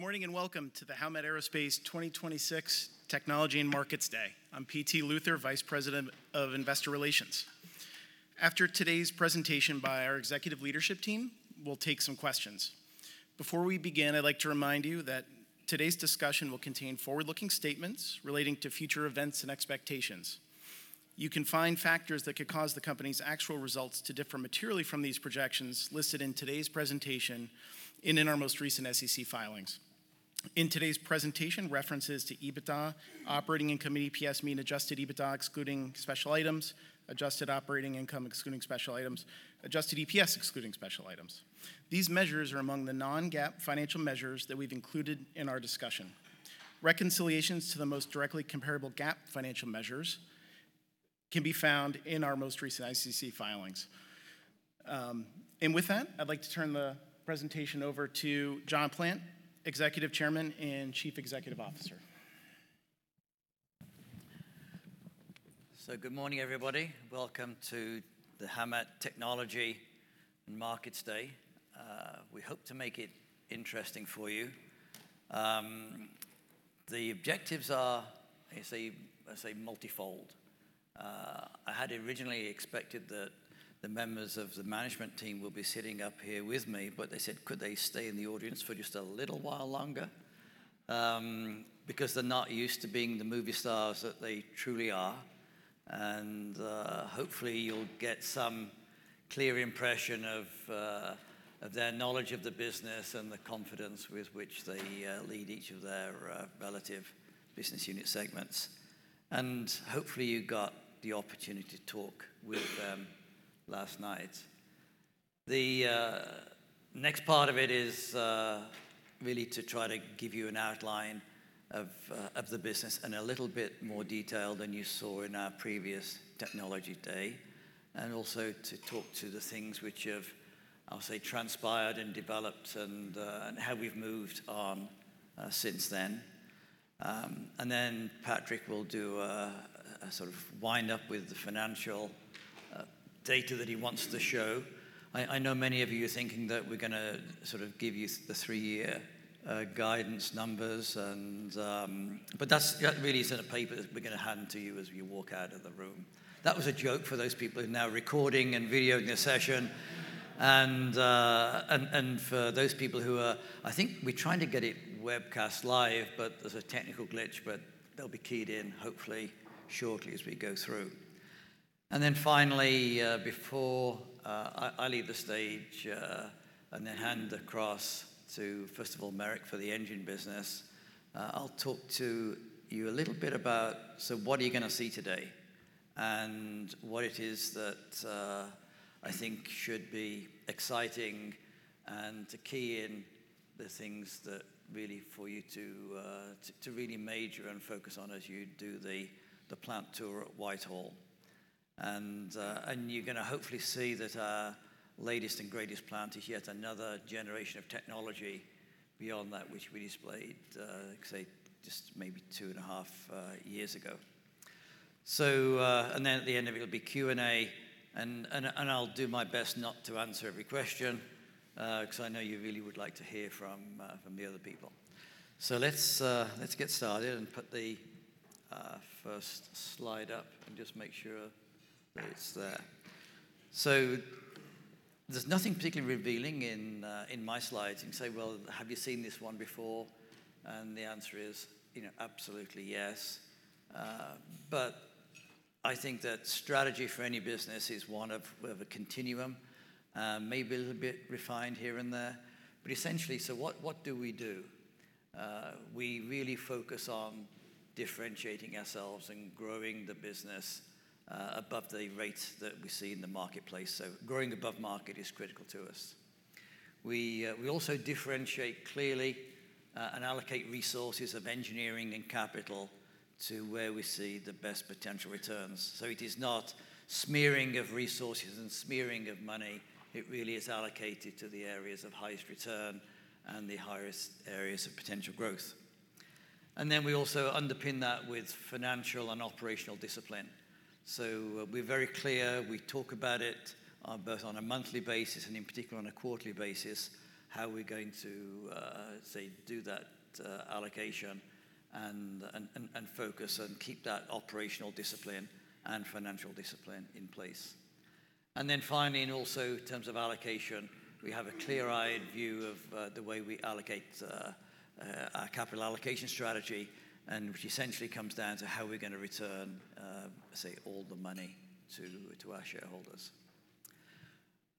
Good morning, and welcome to the Howmet Aerospace 2026 Technology and Markets Day. I'm P.T. Luther, Vice President of Investor Relations. After today's presentation by our executive leadership team, we'll take some questions. Before we begin, I'd like to remind you that today's discussion will contain forward-looking statements relating to future events and expectations. You can find factors that could cause the company's actual results to differ materially from these projections listed in today's presentation and in our most recent SEC filings. In today's presentation, references to EBITDA, operating income, and EPS mean Adjusted EBITDA excluding special items, adjusted operating income excluding special items, adjusted EPS excluding special items. These measures are among the non-GAAP financial measures that we've included in our discussion. Reconciliations to the most directly comparable GAAP financial measures can be found in our most recent SEC filings. with that, I'd like to turn the presentation over to John C. Plant, Executive Chairman and Chief Executive Officer. Good morning, everybody. Welcome to the Howmet Technology and Markets Day. We hope to make it interesting for you. The objectives are, I say, multifold. I had originally expected that the members of the management team will be sitting up here with me, but they said could they stay in the audience for just a little while longer, because they're not used to being the movie stars that they truly are. Hopefully you'll get some clear impression of their knowledge of the business and the confidence with which they lead each of their relative business unit segments. Hopefully you got the opportunity to talk with them last night. The next part of it is really to try to give you an outline of the business in a little bit more detail than you saw in our previous Technology Day, and also to talk to the things which have, I'll say, transpired and developed and how we've moved on since then. Patrick will do a sort of wind up with the financial data that he wants to show. I know many of you are thinking that we're gonna sort of give you the three-year guidance numbers. That's really in a paper that we're gonna hand to you as you walk out of the room. That was a joke for those people who are now recording and videoing the session and for those people who are. I think we're trying to get it webcast live, but there's a technical glitch, but they'll be keyed in hopefully shortly as we go through. Finally, before I leave the stage and hand across to, first of all, Merrick for the engine business, I'll talk to you a little bit about so what are you gonna see today and what it is that I think should be exciting and to key in the things that really for you to really major and focus on as you do the plant tour at Whitehall. You're gonna hopefully see that our latest and greatest plant is yet another generation of technology beyond that which we displayed, say, just maybe 2.5 years ago. Then at the end it'll be Q&A and I'll do my best not to answer every question, 'cause I know you really would like to hear from the other people. Let's get started and put the first slide up and just make sure that it's there. There's nothing particularly revealing in my slides. You can say, "Well, have you seen this one before?" The answer is, you know, absolutely yes. I think that strategy for any business is one of a continuum, maybe a little bit refined here and there. Essentially, what do we do? We really focus on differentiating ourselves and growing the business above the rates that we see in the marketplace, so growing above market is critical to us. We also differentiate clearly and allocate resources of engineering and capital to where we see the best potential returns. It is not smearing of resources and smearing of money, it really is allocated to the areas of highest return and the highest areas of potential growth. We also underpin that with financial and operational discipline. We're very clear, we talk about it both on a monthly basis and in particular on a quarterly basis, how we're going to do that allocation and focus and keep that operational discipline and financial discipline in place. Then finally, and also in terms of allocation, we have a clear-eyed view of the way we allocate our capital allocation strategy and which essentially comes down to how we're gonna return say all the money to our shareholders.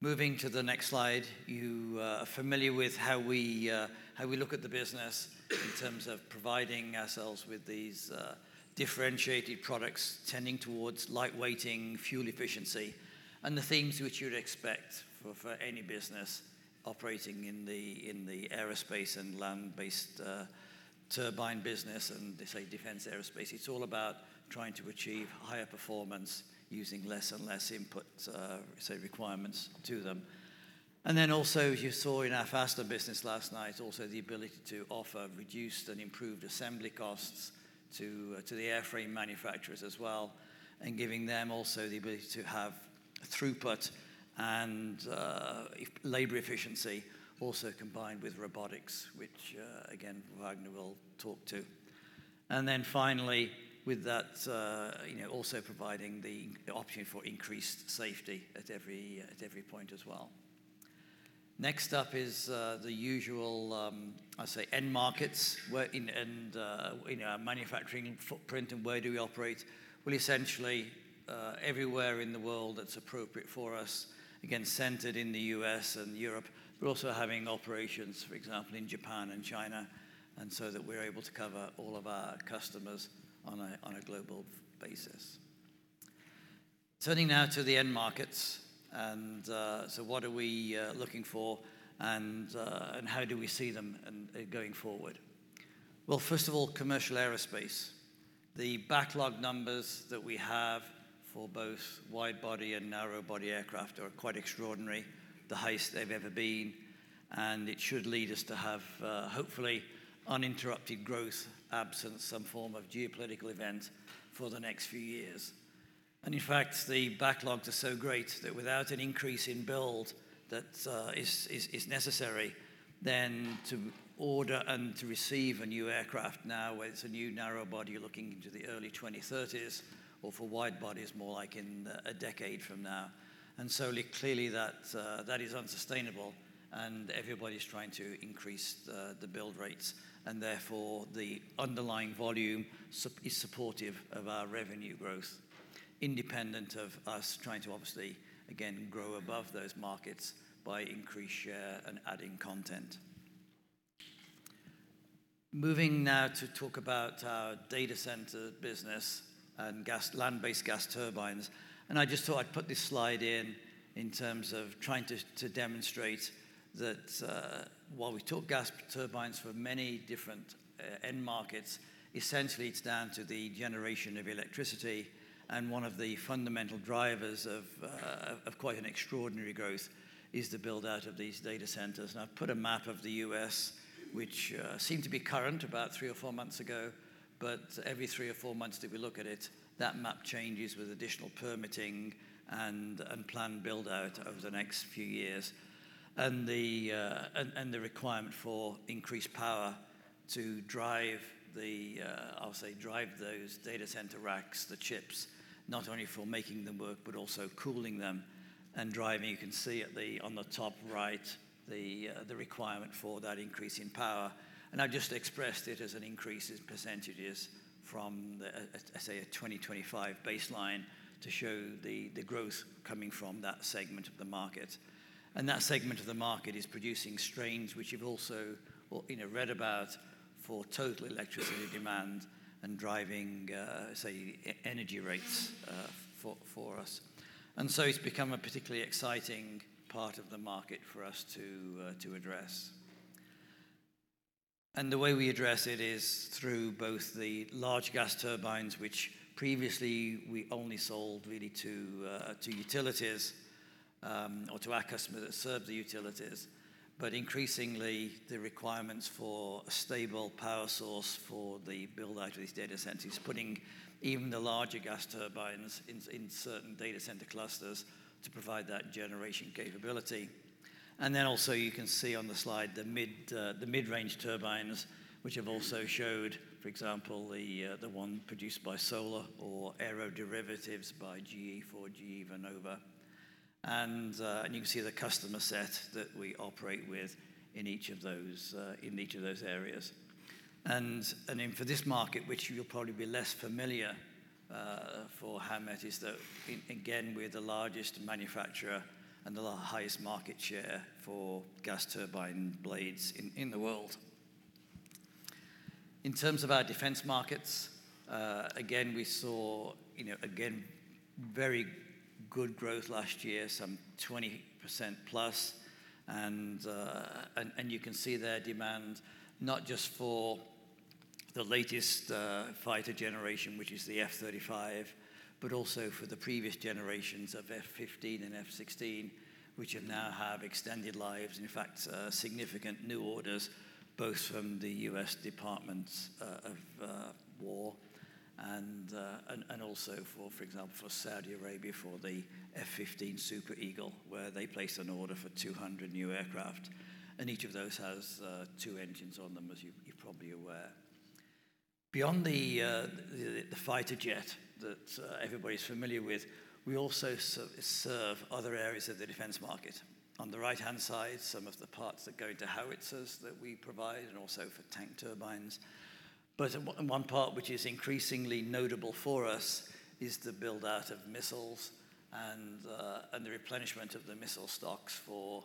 Moving to the next slide, you are familiar with how we look at the business in terms of providing ourselves with these differentiated products, tending towards lightweighting, fuel efficiency, and the things which you'd expect for any business operating in the aerospace and land-based turbine business and say defense aerospace. It's all about trying to achieve higher performance using less and less input say requirements to them. Then also, as you saw in our fastener business last night, also the ability to offer reduced and improved assembly costs to the airframe manufacturers as well, and giving them also the ability to have throughput and labor efficiency also combined with robotics, which again Vagner will talk to. Then finally, with that, you know, also providing the option for increased safety at every point as well. Next up is the usual, I say end markets and our manufacturing footprint and where do we operate. Well, essentially, everywhere in the world that's appropriate for us, again, centered in the U.S. and Europe, but also having operations, for example, in Japan and China, and so that we're able to cover all of our customers on a global basis. Turning now to the end markets, so what are we looking for and how do we see them going forward? Well, first of all, commercial aerospace. The backlog numbers that we have for both wide-body and narrow-body aircraft are quite extraordinary, the highest they've ever been, and it should lead us to have hopefully uninterrupted growth absent some form of geopolitical event for the next few years. In fact, the backlogs are so great that without an increase in build that is necessary then to order and to receive a new aircraft now, whether it's a new narrow-body looking into the early 2030s or for wide-body is more like in a decade from now. Clearly that is unsustainable and everybody's trying to increase the build rates and therefore the underlying volume is supportive of our revenue growth, independent of us trying to obviously, again, grow above those markets by increased share and adding content. Moving now to talk about our data center business and land-based gas turbines, and I just thought I'd put this slide in in terms of trying to demonstrate that, while we talk gas turbines for many different end markets, essentially it's down to the generation of electricity and one of the fundamental drivers of quite an extraordinary growth is the build-out of these data centers. I've put a map of the U.S. which seemed to be current about three or four months ago, but every three or four months that we look at it, that map changes with additional permitting and planned build-out over the next few years. The requirement for increased power to drive the, I'll say drive those data center racks, the chips, not only for making them work, but also cooling them and driving, you can see at the, on the top right, the requirement for that increase in power. I've just expressed it as an increase in percentages from the, say a 2025 baseline to show the growth coming from that segment of the market. That segment of the market is producing strains which you've also, well, you know, read about for total electricity demand and driving, say, energy rates, for us. It's become a particularly exciting part of the market for us to address. The way we address it is through both the large gas turbines, which previously we only sold really to utilities or to our customers that serve the utilities. But increasingly, the requirements for a stable power source for the build-out of these data centers is putting even the larger gas turbines in certain data center clusters to provide that generation capability. You can see on the slide the mid-range turbines, which I've also showed, for example, the one produced by Solar or aeroderivatives by GE Vernova. You can see the customer set that we operate with in each of those areas. For this market, which you'll probably be less familiar for Howmet, is that again, we're the largest manufacturer and the highest market share for gas turbine blades in the world. In terms of our defense markets, again, we saw, you know, again, very good growth last year, some 20%+, and you can see their demand not just for the latest fighter generation, which is the F-35, but also for the previous generations of F-15 and F-16, which have now extended lives. In fact, significant new orders both from the U.S. Department of War and also, for example, for Saudi Arabia, for the F-15 Strike Eagle, where they placed an order for 200 new aircraft, and each of those has two engines on them, as you're probably aware. Beyond the fighter jet that everybody's familiar with, we also serve other areas of the defense market. On the right-hand side, some of the parts that go into howitzers that we provide and also for tank turbines. One part which is increasingly notable for us is the build-out of missiles and the replenishment of the missile stocks for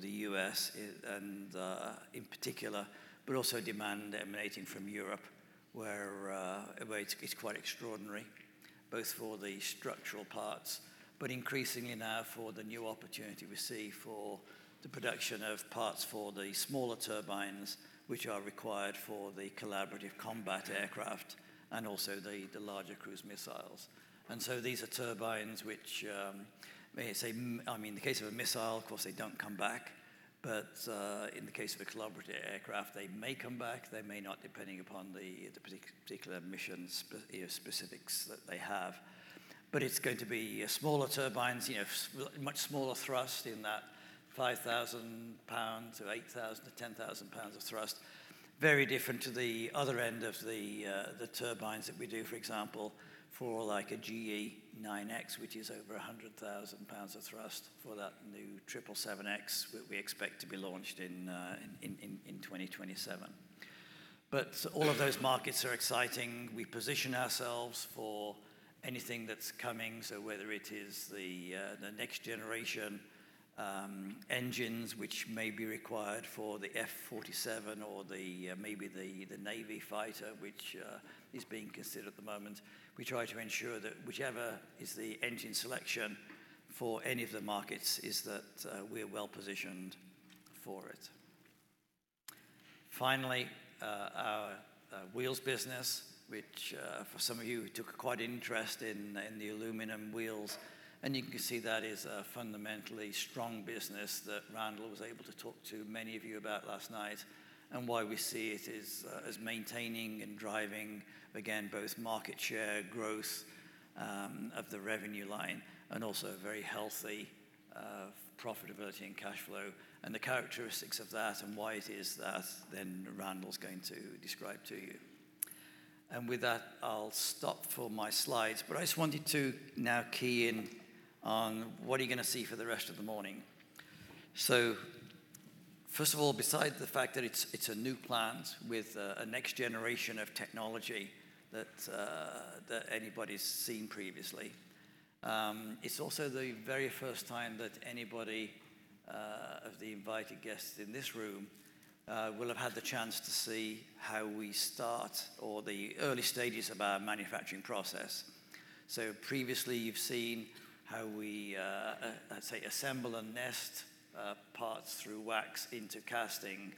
the U.S., in particular, but also demand emanating from Europe where it's quite extraordinary both for the structural parts, but increasingly now for the new opportunity we see for the production of parts for the smaller turbines which are required for the collaborative combat aircraft and also the larger cruise missiles. These are turbines which may say, I mean, in the case of a missile, of course, they don't come back. In the case of a collaborative aircraft, they may come back, they may not, depending upon the particular missions you know, specifics that they have. It's going to be smaller turbines, much smaller thrust in that 5,000 pounds to 8,000 to 10,000 pounds of thrust. Very different to the other end of the turbines that we do, for example, for a GE9X, which is over 100,000 pounds of thrust for that new 777X, which we expect to be launched in 2027. All of those markets are exciting. We position ourselves for anything that's coming. Whether it is the next generation engines which may be required for the F-47 or maybe the Navy fighter which is being considered at the moment, we try to ensure that whichever is the engine selection for any of the markets is that we're well-positioned for it. Finally, our wheels business, which for some of you who took quite an interest in the aluminum wheels, and you can see that is a fundamentally strong business that Randall was able to talk to many of you about last night, and why we see it as maintaining and driving, again, both market share growth of the revenue line, and also very healthy profitability and cash flow, and the characteristics of that and why it is that then Randall's going to describe to you. With that, I'll stop for my slides. I just wanted to now key in on what are you gonna see for the rest of the morning. First of all, besides the fact that it's a new plant with a next generation of technology that anybody's seen previously, it's also the very first time that anybody of the invited guests in this room will have had the chance to see how we start or the early stages of our manufacturing process. Previously you've seen how we, let's say assemble and nest parts through wax into casting,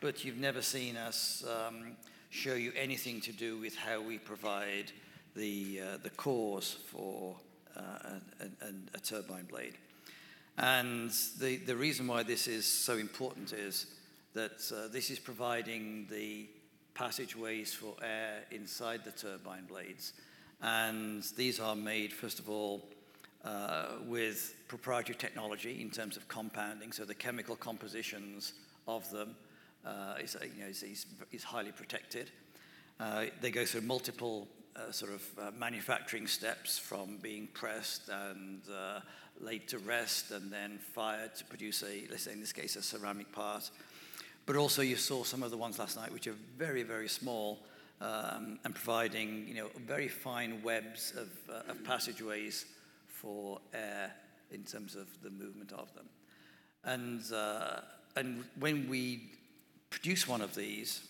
but you've never seen us show you anything to do with how we provide the cores for a turbine blade. The reason why this is so important is that this is providing the passageways for air inside the turbine blades, and these are made, first of all, with proprietary technology in terms of compounding, so the chemical compositions of them is, you know, highly protected. They go through multiple sort of manufacturing steps from being pressed and laid to rest and then fired to produce a, let's say in this case, a ceramic part. Also you saw some of the ones last night, which are very, very small and providing, you know, very fine webs of passageways for air in terms of the movement of them. When we produce one of these,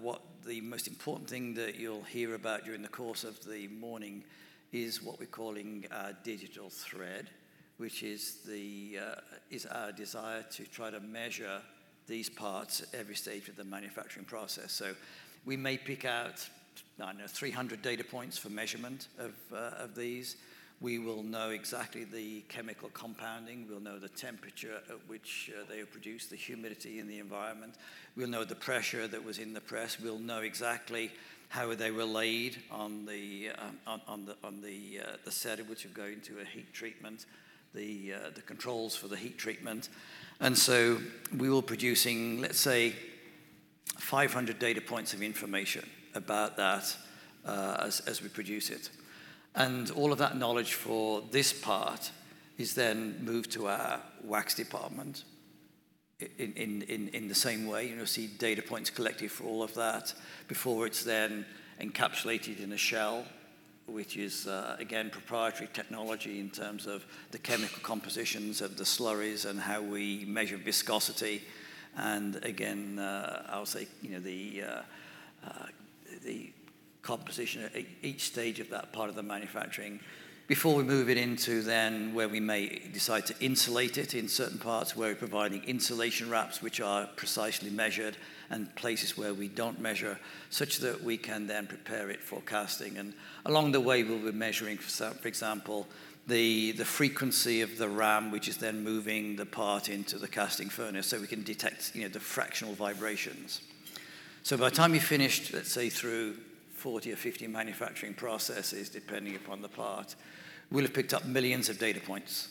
what the most important thing that you'll hear about during the course of the morning is what we're calling our digital thread, which is our desire to try to measure these parts at every stage of the manufacturing process. We may pick out, I don't know, 300 data points for measurement of these. We will know exactly the chemical compounding. We'll know the temperature at which they were produced, the humidity in the environment. We'll know the pressure that was in the press. We'll know exactly how they were laid on the set at which we're going to a heat treatment, the controls for the heat treatment. We were producing, let's say 500 data points of information about that, as we produce it. All of that knowledge for this part is then moved to our wax department in the same way. You'll see data points collected for all of that before it's then encapsulated in a shell, which is, again, proprietary technology in terms of the chemical compositions of the slurries and how we measure viscosity and again, I would say, you know, the composition at each stage of that part of the manufacturing before we move it into then where we may decide to insulate it in certain parts, where we're providing insulation wraps, which are precisely measured in places where we don't measure, such that we can then prepare it for casting. Along the way, we'll be measuring, for example, the frequency of the ram, which is then moving the part into the casting furnace, so we can detect, you know, the fractional vibrations. By the time you're finished, let's say through 40 or 50 manufacturing processes, depending upon the part, we'll have picked up millions of data points.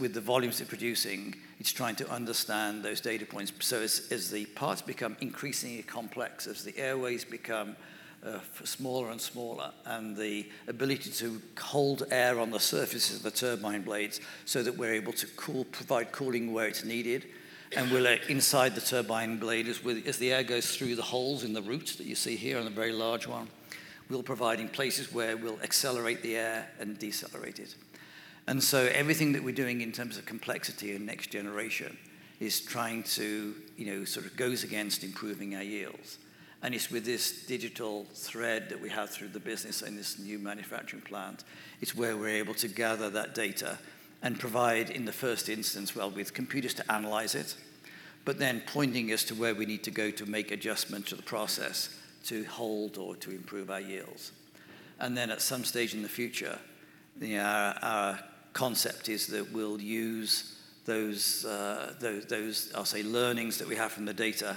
With the volumes we're producing, it's trying to understand those data points. As the parts become increasingly complex, as the airways become smaller and smaller, and the ability to hold air on the surface of the turbine blades so that we're able to cool, provide cooling where it's needed, and well inside the turbine blade as the air goes through the holes in the roots that you see here on the very large one, we're providing places where we'll accelerate the air and decelerate it. Everything that we're doing in terms of complexity and next generation is trying to, you know, sort of goes against improving our yields. It's with this digital thread that we have through the business and this new manufacturing plant, it's where we're able to gather that data and provide, in the first instance, well, with computers to analyze it. Then pointing as to where we need to go to make adjustment to the process to hold or to improve our yields. Then at some stage in the future, the our concept is that we'll use those those, I'll say, learnings that we have from the data,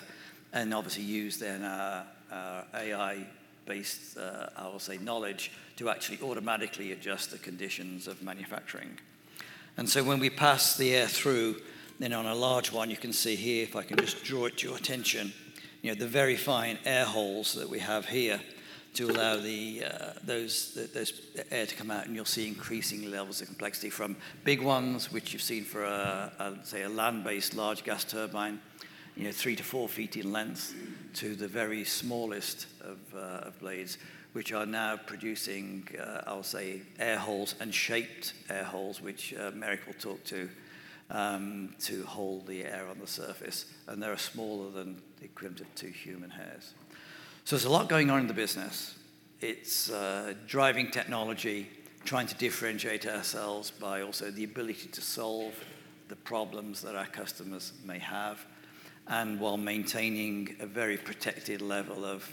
and obviously use then our our AI-based, I'll say, knowledge to actually automatically adjust the conditions of manufacturing. When we pass the air through, then on a large one, you can see here, if I can just draw it to your attention, you know, the very fine air holes that we have here to allow the air to come out, and you'll see increasing levels of complexity from big ones, which you've seen for, say, a land-based large gas turbine, you know, 3-4 feet in length, to the very smallest of blades, which are now producing, I'll say, air holes and shaped air holes, which Merrick will talk to hold the air on the surface, and they are smaller than the equivalent of two human hairs. There's a lot going on in the business. It's driving technology, trying to differentiate ourselves by also the ability to solve the problems that our customers may have, and while maintaining a very protected level of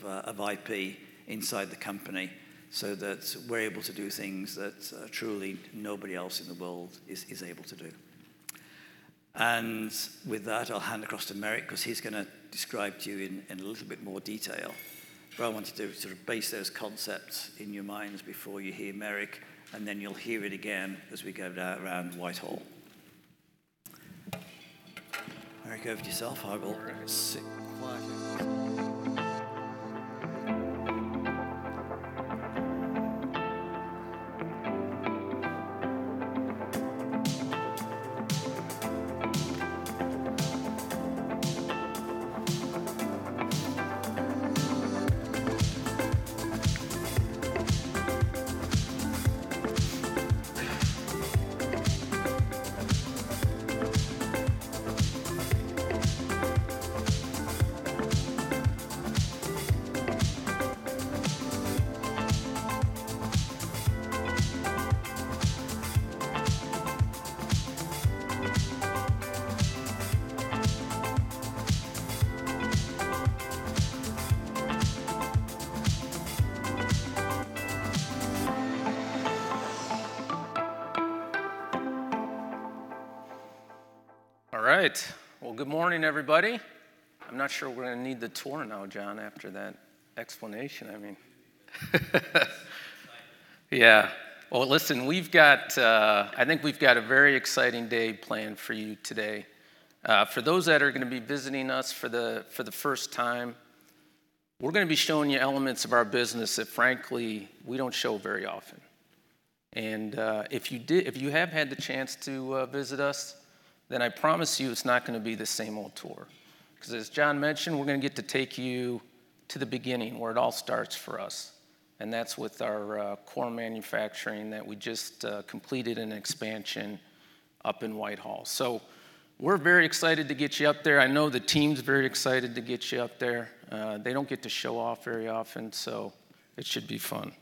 IP inside the company so that we're able to do things that truly nobody else in the world is able to do. With that, I'll hand across to Merrick, 'cause he's gonna describe to you in a little bit more detail. What I want to do is sort of base those concepts in your minds before you hear Merrick, and then you'll hear it again as we go now around the hall. Merrick, over to yourself. I will sit. All right. Well, good morning, everybody. I'm not sure we're gonna need the tour now, John, after that explanation, I mean. Yeah. Well, listen, we've got, I think we've got a very exciting day planned for you today. For those that are gonna be visiting us for the first time, we're gonna be showing you elements of our business that frankly we don't show very often. If you have had the chance to visit us, then I promise you it's not gonna be the same old tour, 'cause as John mentioned, we're gonna get to take you to the beginning where it all starts for us, and that's with our core manufacturing that we just completed an expansion up in Whitehall. So we're very excited to get you up there. I know the team's very excited to get you up there. They don't get to show off very often, so it should be fun.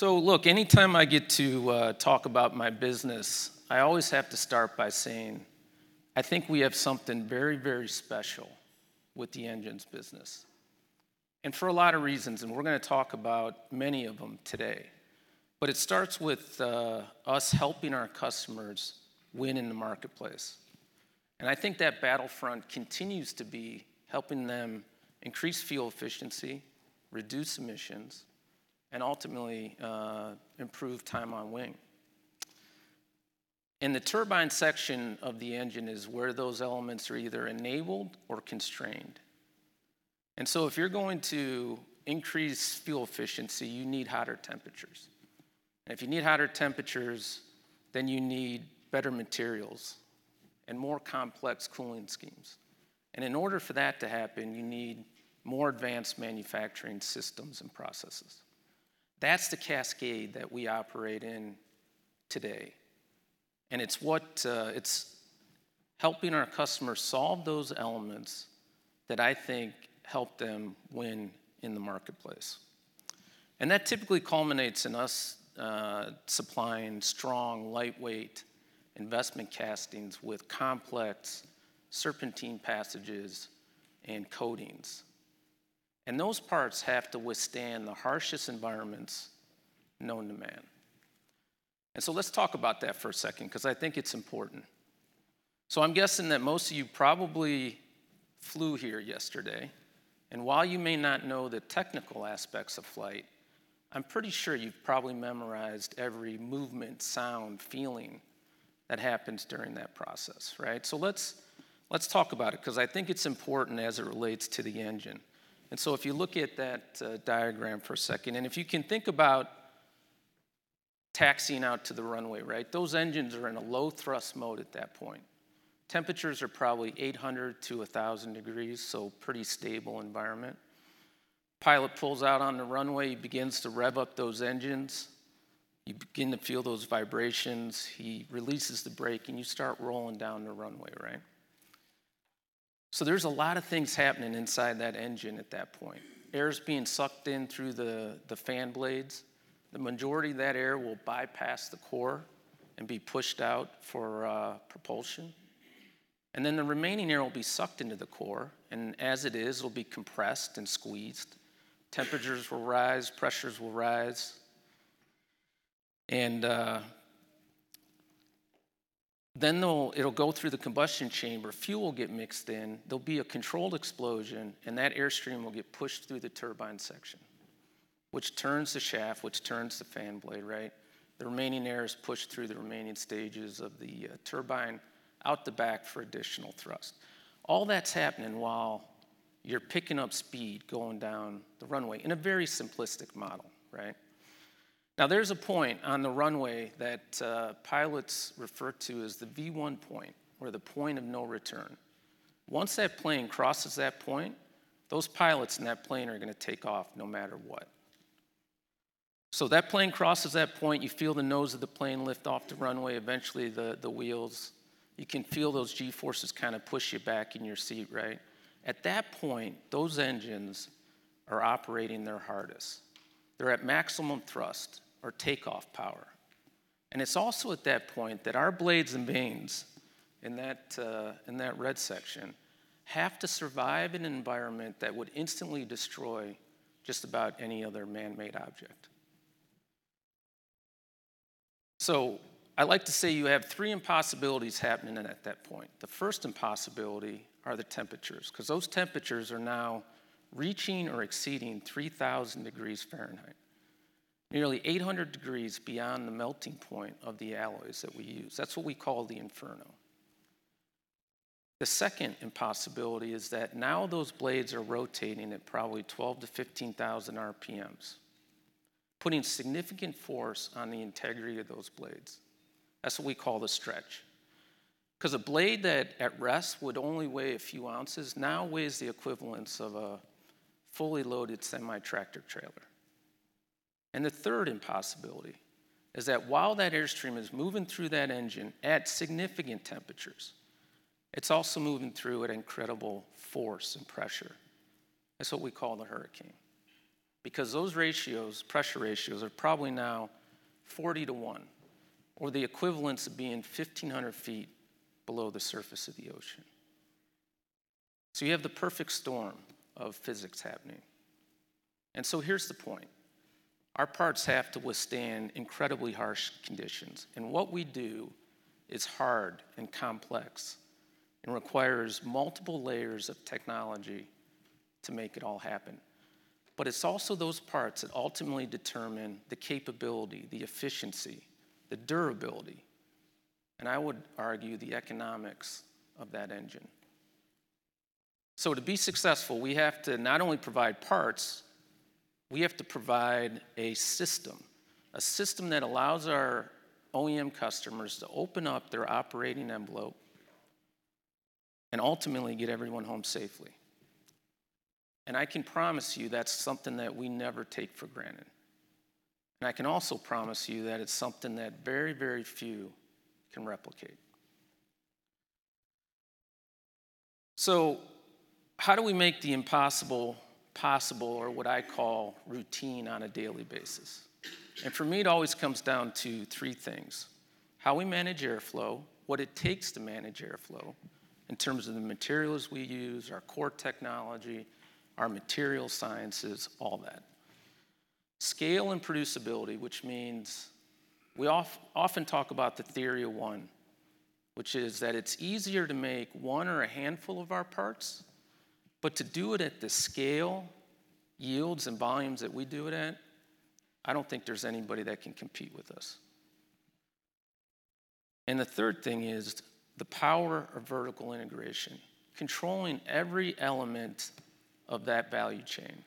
Look, anytime I get to talk about my business, I always have to start by saying I think we have something very, very special with the engines business, and for a lot of reasons, and we're gonna talk about many of them today. It starts with us helping our customers win in the marketplace. I think that battlefront continues to be helping them increase fuel efficiency, reduce emissions, and ultimately improve time on wing. In the turbine section of the engine is where those elements are either enabled or constrained. If you're going to increase fuel efficiency, you need hotter temperatures. If you need hotter temperatures, then you need better materials and more complex cooling schemes. In order for that to happen, you need more advanced manufacturing systems and processes. That's the cascade that we operate in today, and it's what it's helping our customers solve those elements that I think help them win in the marketplace. That typically culminates in us supplying strong, lightweight investment castings with complex serpentine passages and coatings. Those parts have to withstand the harshest environments known to man. Let's talk about that for a second 'cause I think it's important. I'm guessing that most of you probably flew here yesterday, and while you may not know the technical aspects of flight, I'm pretty sure you've probably memorized every movement, sound, feeling that happens during that process, right? Let's talk about it, 'cause I think it's important as it relates to the engine. If you look at that diagram for a second, and if you can think about taxiing out to the runway, right? Those engines are in a low thrust mode at that point. Temperatures are probably 800-1,000 degrees, so pretty stable environment. Pilot pulls out on the runway, begins to rev up those engines. You begin to feel those vibrations. He releases the brake, and you start rolling down the runway, right? There's a lot of things happening inside that engine at that point. Air's being sucked in through the fan blades. The majority of that air will bypass the core and be pushed out for propulsion. Then the remaining air will be sucked into the core, and as it is, it'll be compressed and squeezed. Temperatures will rise, pressures will rise. It'll go through the combustion chamber, fuel will get mixed in, there'll be a controlled explosion, and that airstream will get pushed through the turbine section, which turns the shaft, which turns the fan blade, right? The remaining air is pushed through the remaining stages of the turbine out the back for additional thrust. All that's happening while you're picking up speed going down the runway in a very simplistic model, right? Now, there's a point on the runway that pilots refer to as the V1 point, or the point of no return. Once that plane crosses that point, those pilots in that plane are gonna take off no matter what. That plane crosses that point, you feel the nose of the plane lift off the runway, eventually the wheels. You can feel those G-forces kind of push you back in your seat, right? At that point, those engines are operating their hardest. They're at maximum thrust or takeoff power. It's also at that point that our blades and vanes in that, in that red section have to survive an environment that would instantly destroy just about any other man-made object. I like to say you have three impossibilities happening at that point. The first impossibility are the temperatures, 'cause those temperatures are now reaching or exceeding 3,000 degrees Fahrenheit, nearly 800 degrees beyond the melting point of the alloys that we use. That's what we call the inferno. The second impossibility is that now those blades are rotating at probably 12,000-15,000 RPMs, putting significant force on the integrity of those blades. That's what we call the stretch. A blade that at rest would only weigh a few ounces now weighs the equivalence of a fully loaded semi-tractor trailer. The third impossibility is that while that airstream is moving through that engine at significant temperatures, it's also moving through at incredible force and pressure. That's what we call the hurricane. Those ratios, pressure ratios, are probably now 40 to 1, or the equivalence of being 1,500 feet below the surface of the ocean. You have the perfect storm of physics happening. Here's the point. Our parts have to withstand incredibly harsh conditions, and what we do is hard and complex and requires multiple layers of technology to make it all happen. It's also those parts that ultimately determine the capability, the efficiency, the durability, and I would argue the economics of that engine. To be successful, we have to not only provide parts, we have to provide a system, a system that allows our OEM customers to open up their operating envelope and ultimately get everyone home safely. I can promise you that's something that we never take for granted. I can also promise you that it's something that very, very few can replicate. How do we make the impossible possible or what I call routine on a daily basis? For me, it always comes down to three things, how we manage airflow, what it takes to manage airflow in terms of the materials we use, our core technology, our material sciences, all that. Scale and producibility, which means we often talk about the theory of one, which is that it's easier to make one or a handful of our parts, but to do it at the scale, yields, and volumes that we do it at, I don't think there's anybody that can compete with us. The third thing is the power of vertical integration, controlling every element of that value chain,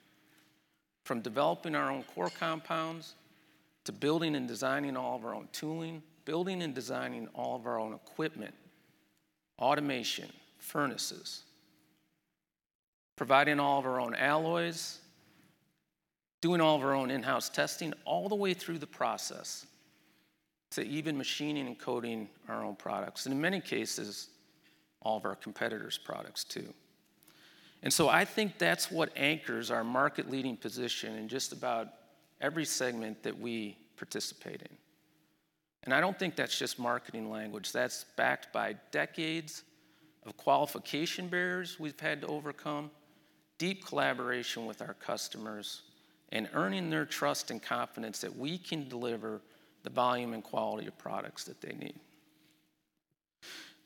from developing our own core compounds to building and designing all of our own tooling, building and designing all of our own equipment, automation, furnaces, providing all of our own alloys, doing all of our own in-house testing, all the way through the process to even machining and coating our own products, and in many cases, all of our competitors' products too. I think that's what anchors our market-leading position in just about every segment that we participate in. I don't think that's just marketing language. That's backed by decades of qualification barriers we've had to overcome, deep collaboration with our customers, and earning their trust and confidence that we can deliver the volume and quality of products that they need.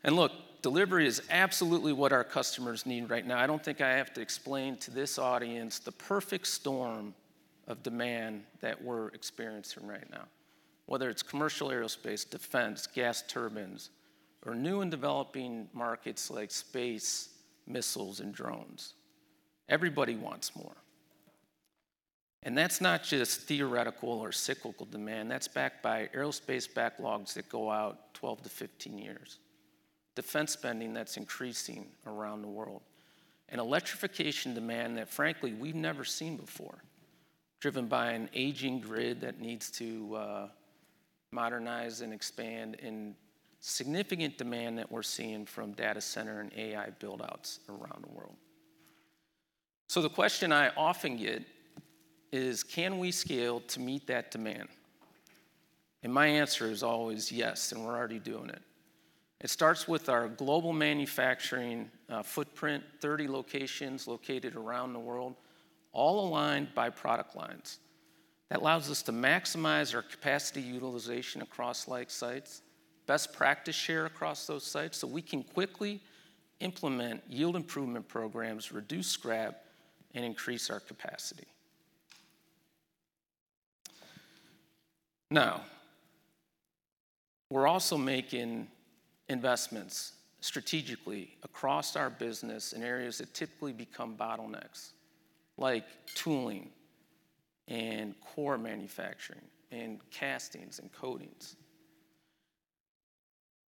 Look, delivery is absolutely what our customers need right now. I don't think I have to explain to this audience the perfect storm of demand that we're experiencing right now, whether it's commercial aerospace, defense, gas turbines, or new and developing markets like space, missiles, and drones. Everybody wants more. That's not just theoretical or cyclical demand. That's backed by aerospace backlogs that go out 12-15 years, defense spending that's increasing around the world, and electrification demand that frankly we've never seen before, driven by an aging grid that needs to modernize and expand, in significant demand that we're seeing from data center and AI build-outs around the world. The question I often get is, can we scale to meet that demand? My answer is always yes, and we're already doing it. It starts with our global manufacturing footprint, 30 locations located around the world, all aligned by product lines. That allows us to maximize our capacity utilization across like sites, best practice share across those sites, so we can quickly implement yield improvement programs, reduce scrap, and increase our capacity. Now, we're also making investments strategically across our business in areas that typically become bottlenecks, like tooling and core manufacturing and castings and coatings.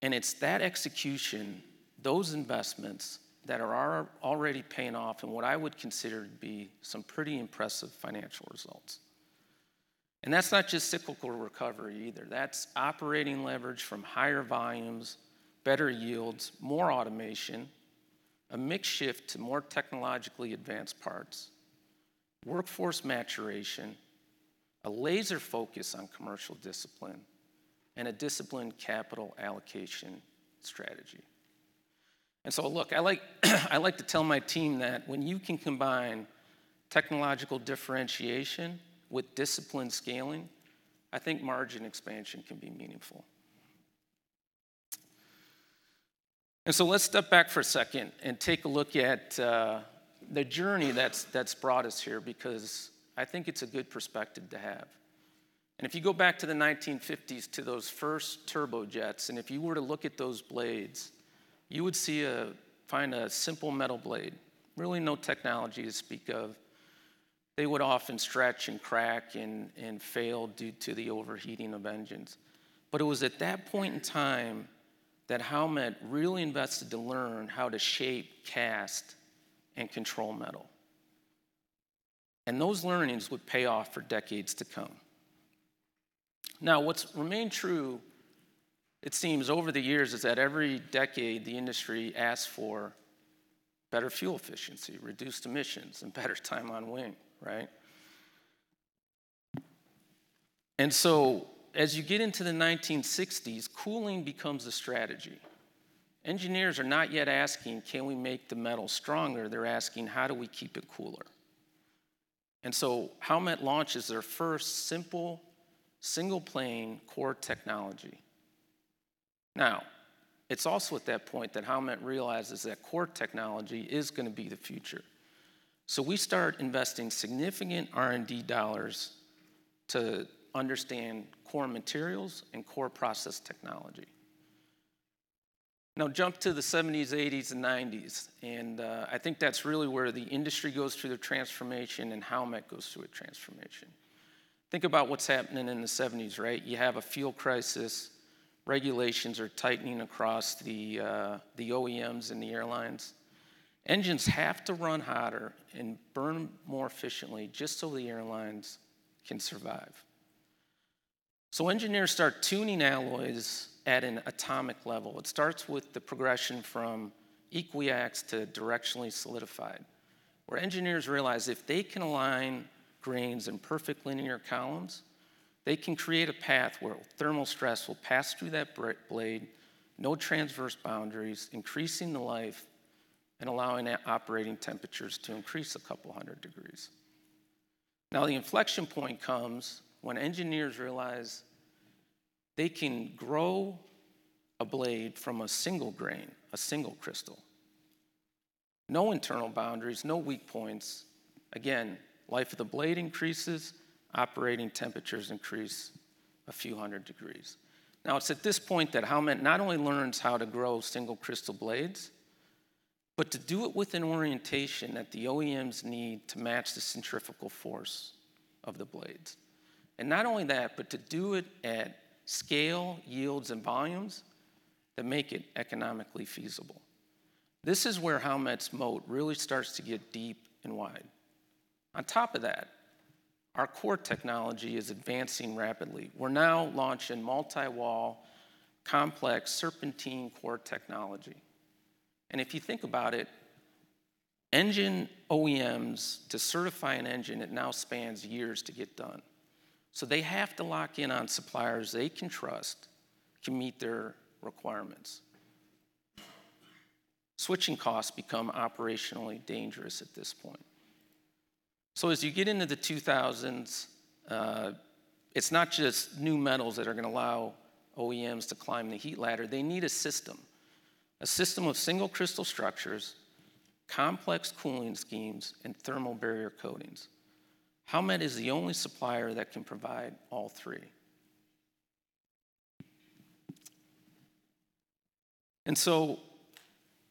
It's that execution, those investments that are already paying off in what I would consider to be some pretty impressive financial results. That's not just cyclical recovery either. That's operating leverage from higher volumes, better yields, more automation, a mixed shift to more technologically advanced parts, workforce maturation, a laser focus on commercial discipline, and a disciplined capital allocation strategy. Look, I like to tell my team that when you can combine technological differentiation with disciplined scaling, I think margin expansion can be meaningful. Let's step back for a second and take a look at the journey that's brought us here because I think it's a good perspective to have. If you go back to the 1950s to those first turbojets, and if you were to look at those blades, you would find a simple metal blade, really no technology to speak of. They would often stretch and crack and fail due to the overheating of engines. It was at that point in time that Howmet really invested to learn how to shape, cast, and control metal. Those learnings would pay off for decades to come. Now, what's remained true, it seems over the years, is that every decade the industry asks for better fuel efficiency, reduced emissions, and better time on wing, right? As you get into the 1960s, cooling becomes a strategy. Engineers are not yet asking, can we make the metal stronger? They're asking, how do we keep it cooler? Howmet launches their first simple single-plane core technology. Now, it's also at that point that Howmet realizes that core technology is going to be the future. We start investing significant R&D dollars to understand core materials and core process technology. Now jump to the 1970s, 1980s, and 1990s. I think that's really where the industry goes through the transformation and Howmet goes through a transformation. Think about what's happening in the 1970s, right? You have a fuel crisis. Regulations are tightening across the OEMs and the airlines. Engines have to run hotter and burn more efficiently just so the airlines can survive. Engineers start tuning alloys at an atomic level. It starts with the progression from equiaxed to directionally solidified, where engineers realize if they can align grains in perfect linear columns, they can create a path where thermal stress will pass through that blade, no transverse boundaries, increasing the life and allowing operating temperatures to increase a couple hundred degrees. Now the inflection point comes when engineers realize they can grow a blade from a single grain, a single crystal. No internal boundaries, no weak points. Again, life of the blade increases, operating temperatures increase a few hundred degrees. Now it's at this point that Howmet not only learns how to grow single crystal blades, but to do it with an orientation that the OEMs need to match the centrifugal force of the blades. not only that, but to do it at scale, yields, and volumes that make it economically feasible. This is where Howmet's moat really starts to get deep and wide. On top of that, our core technology is advancing rapidly. We're now launching multi-wall complex serpentine core technology. If you think about it, engine OEMs to certify an engine, it now spans years to get done. They have to lock in on suppliers they can trust to meet their requirements. Switching costs become operationally dangerous at this point. As you get into the 2000s, it's not just new metals that are going to allow OEMs to climb the heat ladder. They need a system, a system of single crystal structures, complex cooling schemes, and thermal barrier coatings. Howmet is the only supplier that can provide all three.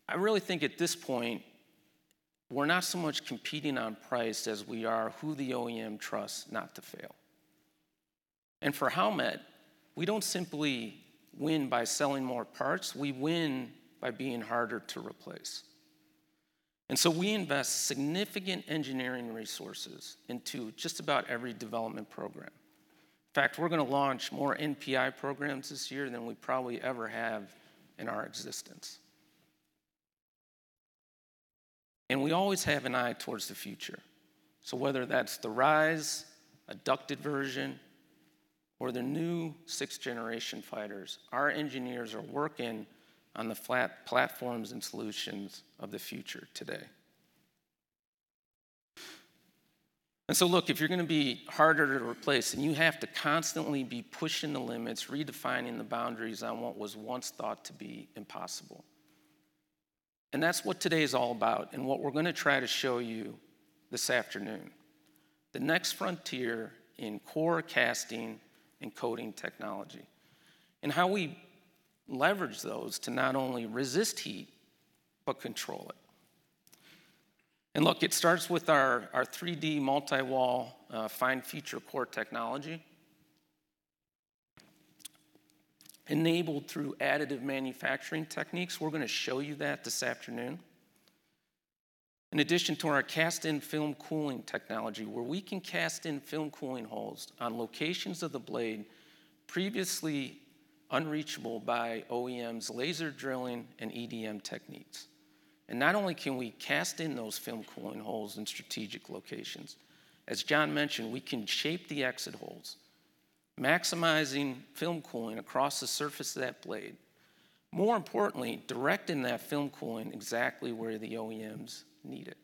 I really think at this point, we're not so much competing on price as we are who the OEM trusts not to fail. For Howmet, we don't simply win by selling more parts. We win by being harder to replace. We invest significant engineering resources into just about every development program. In fact, we're gonna launch more NPI programs this year than we probably ever have in our existence. We always have an eye towards the future. Whether that's the RISE, a ducted version, or the new sixth-generation fighters, our engineers are working on the flat platforms and solutions of the future today. Look, if you're gonna be harder to replace, then you have to constantly be pushing the limits, redefining the boundaries on what was once thought to be impossible. That's what today is all about, and what we're gonna try to show you this afternoon, the next frontier in core casting and coating technology, and how we leverage those to not only resist heat, but control it. Look, it starts with our 3D multi-wall, fine feature core technology, enabled through additive manufacturing techniques. We're gonna show you that this afternoon. In addition to our cast-in film cooling technology, where we can cast in film cooling holes on locations of the blade previously unreachable by OEM's laser drilling and EDM techniques. Not only can we cast in those film cooling holes in strategic locations, as John mentioned, we can shape the exit holes, maximizing film cooling across the surface of that blade, more importantly, directing that film cooling exactly where the OEMs need it.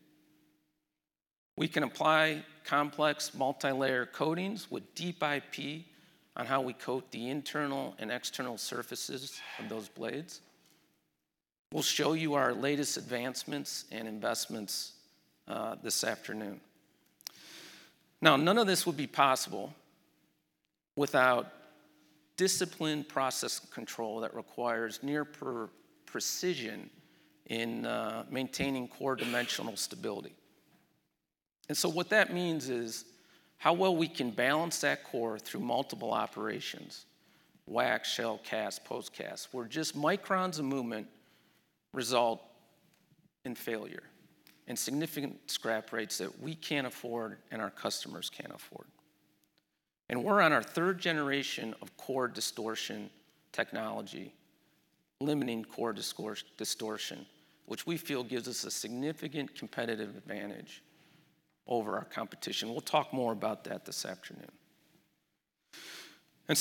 We can apply complex multilayer coatings with deep IP on how we coat the internal and external surfaces of those blades. We'll show you our latest advancements and investments this afternoon. Now, none of this would be possible without disciplined process control that requires near-perfect precision in maintaining core dimensional stability. What that means is how well we can balance that core through multiple operations, wax, shell, cast, post-cast, where just microns of movement result in failure and significant scrap rates that we can't afford and our customers can't afford. We're on our third generation of core distortion technology, limiting core distortion, which we feel gives us a significant competitive advantage over our competition. We'll talk more about that this afternoon.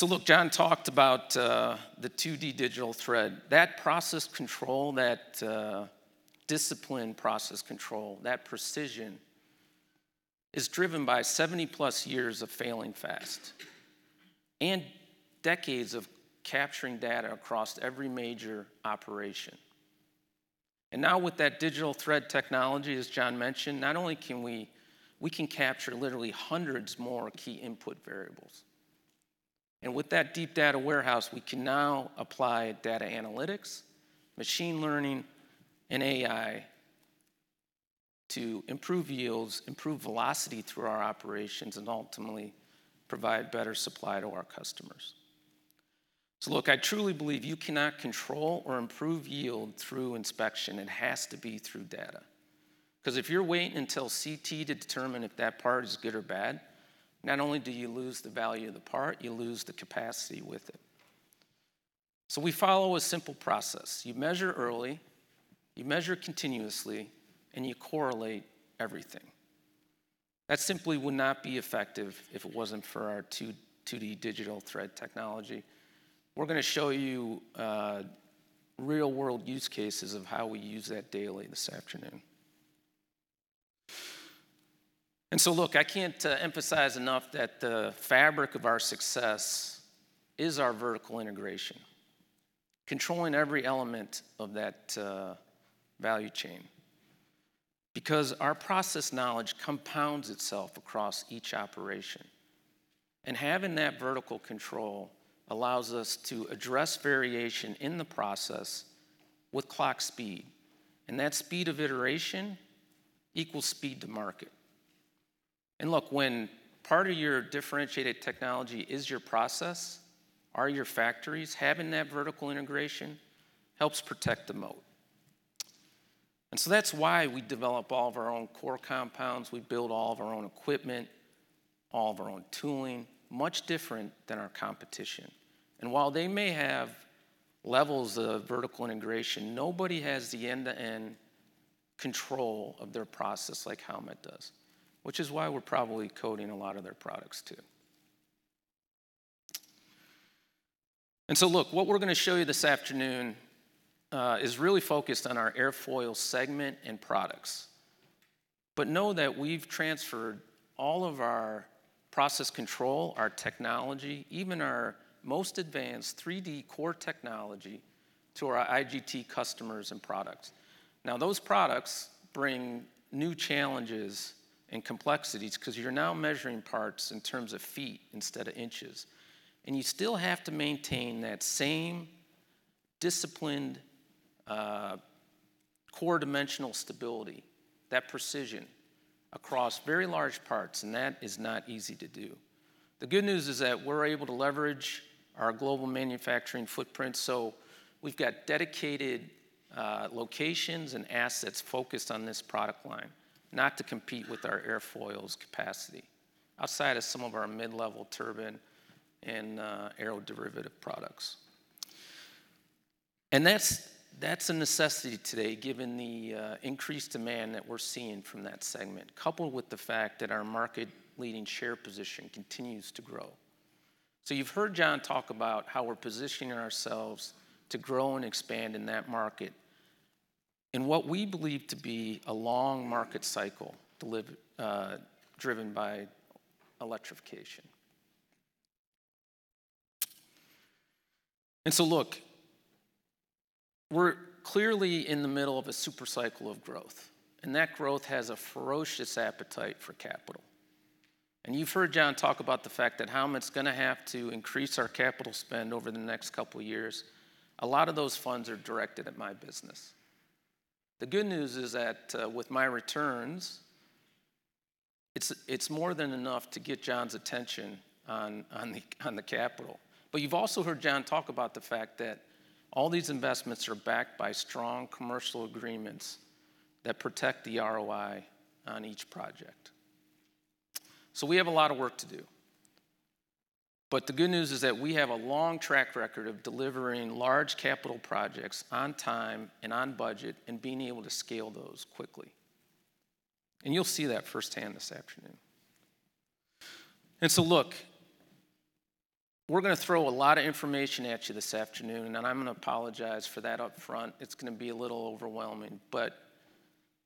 Look, John talked about the 2D digital thread. That process control, that disciplined process control, that precision is driven by 70+ years of failing fast and decades of capturing data across every major operation. Now with that digital thread technology, as John mentioned, not only can we capture literally hundreds more key input variables. With that deep data warehouse, we can now apply data analytics, machine learning, and AI to improve yields, improve velocity through our operations, and ultimately provide better supply to our customers. Look, I truly believe you cannot control or improve yield through inspection. It has to be through data. 'Cause if you're waiting until CT to determine if that part is good or bad, not only do you lose the value of the part, you lose the capacity with it. We follow a simple process. You measure early, you measure continuously, and you correlate everything. That simply would not be effective if it wasn't for our 2D digital thread technology. We're gonna show you real-world use cases of how we use that daily this afternoon. Look, I can't emphasize enough that the fabric of our success is our vertical integration, controlling every element of that value chain, because our process knowledge compounds itself across each operation. Having that vertical control allows us to address variation in the process with clock speed, and that speed of iteration equals speed to market. Look, when part of your differentiated technology is your process, are your factories, having that vertical integration helps protect the moat. That's why we develop all of our own core compounds, we build all of our own equipment, all of our own tooling, much different than our competition. While they may have levels of vertical integration, nobody has the end-to-end control of their process like Howmet does, which is why we're probably coating a lot of their products too. Look, what we're gonna show you this afternoon is really focused on our airfoil segment and products. Know that we've transferred all of our process control, our technology, even our most advanced 3D core technology to our IGT customers and products. Now, those products bring new challenges and complexities 'cause you're now measuring parts in terms of feet instead of inches, and you still have to maintain that same disciplined, core dimensional stability, that precision across very large parts, and that is not easy to do. The good news is that we're able to leverage our global manufacturing footprint, so we've got dedicated locations and assets focused on this product line, not to compete with our airfoils capacity outside of some of our mid-level turbine and aeroderivative products. That's a necessity today given the increased demand that we're seeing from that segment, coupled with the fact that our market-leading share position continues to grow. You've heard John talk about how we're positioning ourselves to grow and expand in that market in what we believe to be a long market cycle driven by electrification. Look, we're clearly in the middle of a super cycle of growth, and that growth has a ferocious appetite for capital. You've heard John talk about the fact that Howmet's gonna have to increase our capital spend over the next couple years. A lot of those funds are directed at my business. The good news is that with my returns, it's more than enough to get John's attention on the capital. You've also heard John talk about the fact that all these investments are backed by strong commercial agreements that protect the ROI on each project. We have a lot of work to do, but the good news is that we have a long track record of delivering large capital projects on time and on budget and being able to scale those quickly, and you'll see that firsthand this afternoon. Look, we're gonna throw a lot of information at you this afternoon, and I'm gonna apologize for that up front. It's gonna be a little overwhelming.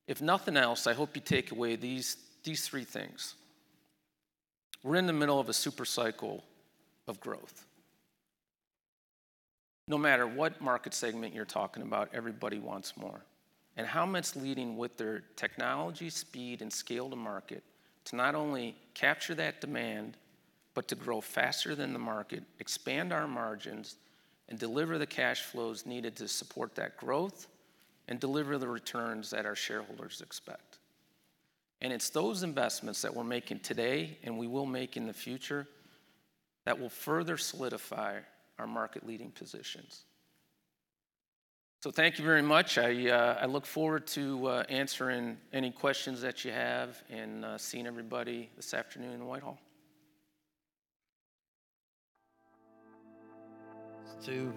If nothing else, I hope you take away these three things. We're in the middle of a super cycle of growth. No matter what market segment you're talking about, everybody wants more. How it's leading with their technology, speed, and scale to market to not only capture that demand, but to grow faster than the market, expand our margins, and deliver the cash flows needed to support that growth and deliver the returns that our shareholders expect. It's those investments that we're making today and we will make in the future that will further solidify our market-leading positions. Thank you very much. I look forward to answering any questions that you have and seeing everybody this afternoon in the Whitehall. To you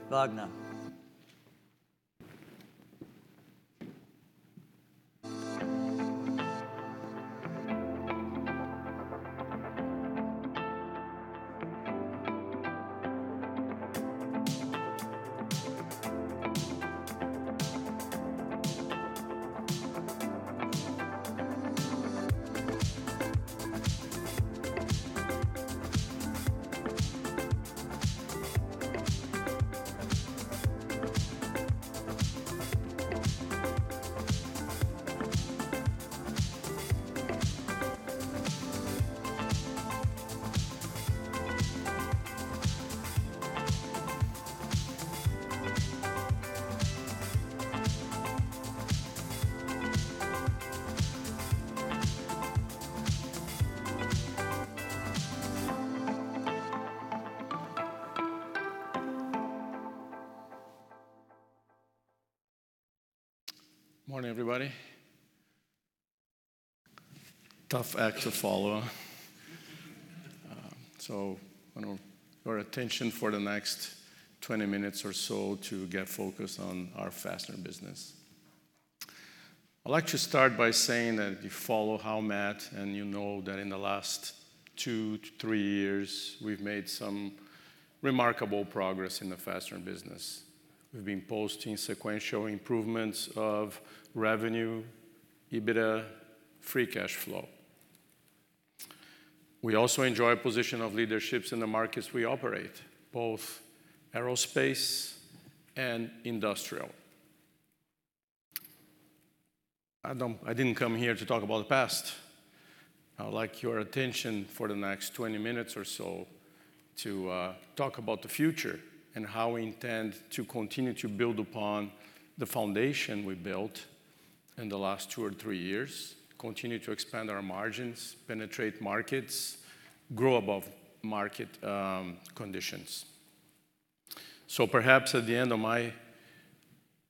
Vagner. Morning, everybody. Tough act to follow. I want your attention for the next 20 minutes or so to get focused on our Fastener business. I'd like to start by saying that if you follow Howmet and you know that in the last 2-3 years we've made some remarkable progress in the Fastener business. We've been posting sequential improvements of revenue, EBITDA, free cash flow. We also enjoy a position of leadership in the markets we operate, both aerospace and industrial. I didn't come here to talk about the past. I would like your attention for the next 20 minutes or so to talk about the future and how we intend to continue to build upon the foundation we built in the last 2 or 3 years, continue to expand our margins, penetrate markets, grow above market conditions. Perhaps at the end of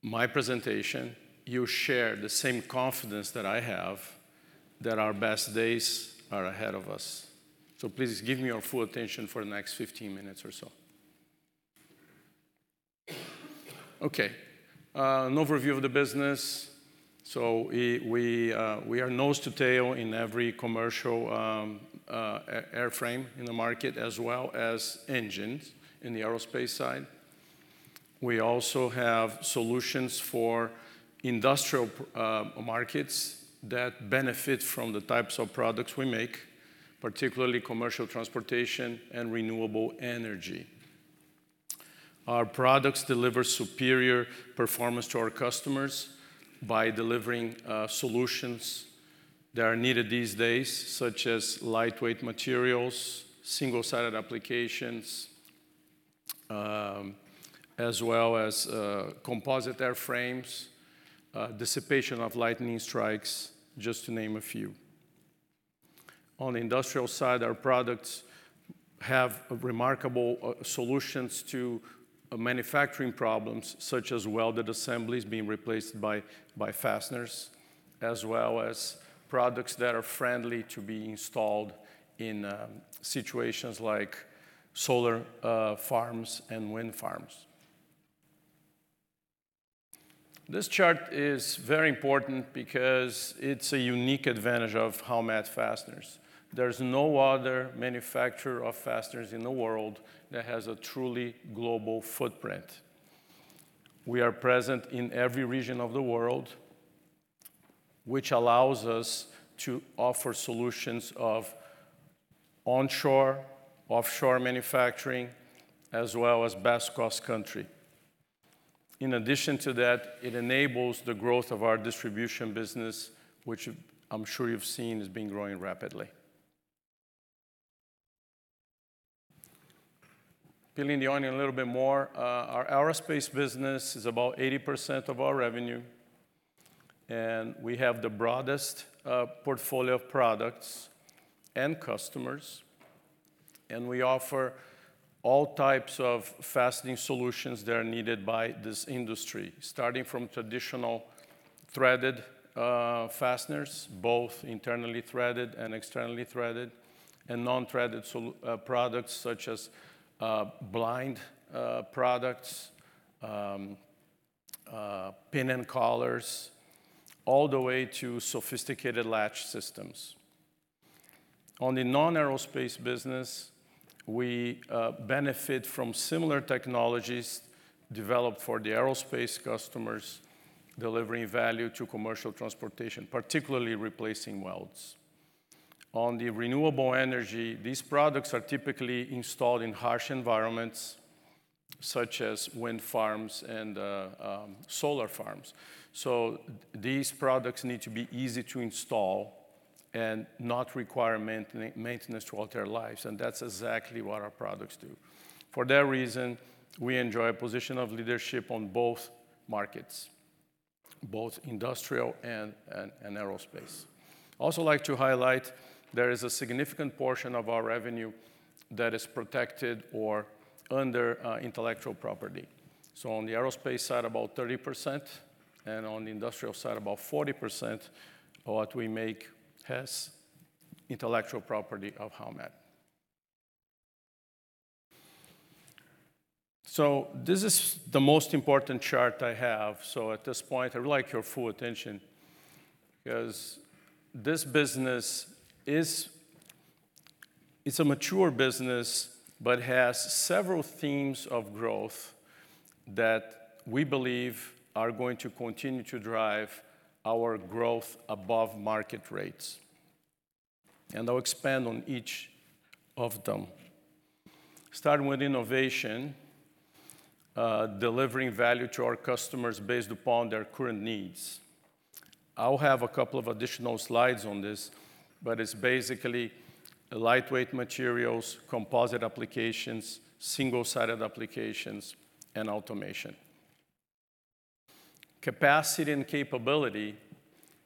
my presentation, you share the same confidence that I have that our best days are ahead of us. Please give me your full attention for the next 15 minutes or so. Okay, an overview of the business. We are nose to tail in every commercial airframe in the market, as well as engines in the aerospace side. We also have solutions for industrial markets that benefit from the types of products we make, particularly commercial transportation and renewable energy. Our products deliver superior performance to our customers by delivering solutions that are needed these days, such as lightweight materials, single-sided applications, as well as composite airframes, dissipation of lightning strikes, just to name a few. On the industrial side, our products have remarkable solutions to manufacturing problems, such as welded assemblies being replaced by fasteners, as well as products that are friendly to be installed in situations like solar farms and wind farms. This chart is very important because it's a unique advantage of Howmet Fasteners. There's no other manufacturer of fasteners in the world that has a truly global footprint. We are present in every region of the world, which allows us to offer solutions of onshore, offshore manufacturing, as well as best cost country. In addition to that, it enables the growth of our distribution business, which I'm sure you've seen has been growing rapidly. Peeling the onion a little bit more, our aerospace business is about 80% of our revenue, and we have the broadest portfolio of products and customers, and we offer all types of fastening solutions that are needed by this industry, starting from traditional threaded fasteners, both internally threaded and externally threaded, and non-threaded products such as blind products, pin and collars, all the way to sophisticated latch systems. On the non-aerospace business, we benefit from similar technologies developed for the aerospace customers, delivering value to commercial transportation, particularly replacing welds. On the renewable energy, these products are typically installed in harsh environments such as wind farms and solar farms. These products need to be easy to install and not require maintenance throughout their lives, and that's exactly what our products do. For that reason, we enjoy a position of leadership on both markets, both industrial and aerospace. I'd also like to highlight, there is a significant portion of our revenue that is protected or under intellectual property. On the aerospace side, about 30%, and on the industrial side, about 40% of what we make has intellectual property of Howmet. This is the most important chart I have. At this point, I would like your full attention because this business is a mature business, but has several themes of growth that we believe are going to continue to drive our growth above market rates, and I'll expand on each of them. Starting with innovation, delivering value to our customers based upon their current needs. I'll have a couple of additional slides on this, but it's basically lightweight materials, composite applications, single-sided applications, and automation. Capacity and capability,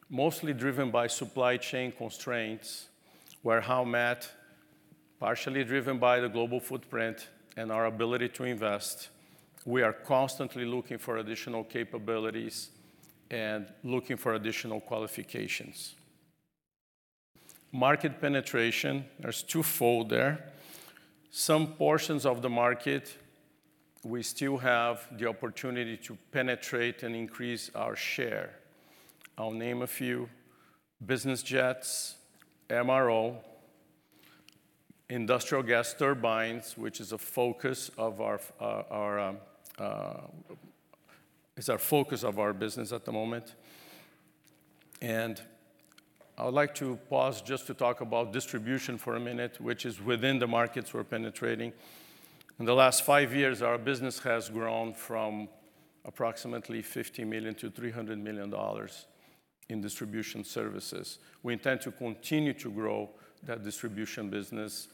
mostly driven by supply chain constraints, where Howmet, partially driven by the global footprint and our ability to invest, we are constantly looking for additional capabilities and looking for additional qualifications. Market penetration, there's twofold there. Some portions of the market, we still have the opportunity to penetrate and increase our share. I'll name a few: business jets, MRO, industrial gas turbines, which is a focus of our business at the moment. I would like to pause just to talk about distribution for a minute, which is within the markets we're penetrating. In the last five years, our business has grown from approximately $50 million-$300 million in distribution services. We intend to continue to grow that distribution business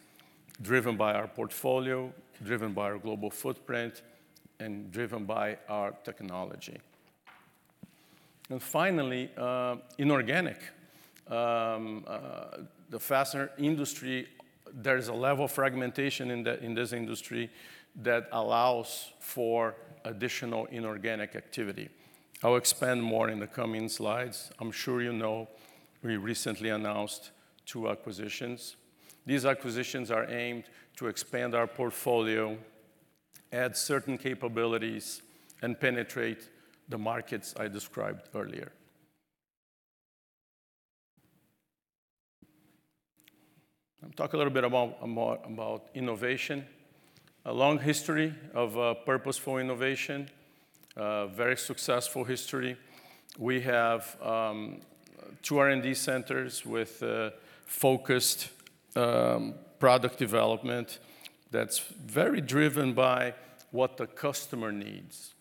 driven by our portfolio, driven by our global footprint, and driven by our technology. Finally, inorganic. The fastener industry, there is a level of fragmentation in this industry that allows for additional inorganic activity. I'll expand more in the coming slides. I'm sure you know we recently announced two acquisitions. These acquisitions are aimed to expand our portfolio, add certain capabilities, and penetrate the markets I described earlier. I'll talk a little bit about innovation. A long history of purposeful innovation. Very successful history. We have two R&D centers with focused product development that's very driven by what the customer needs.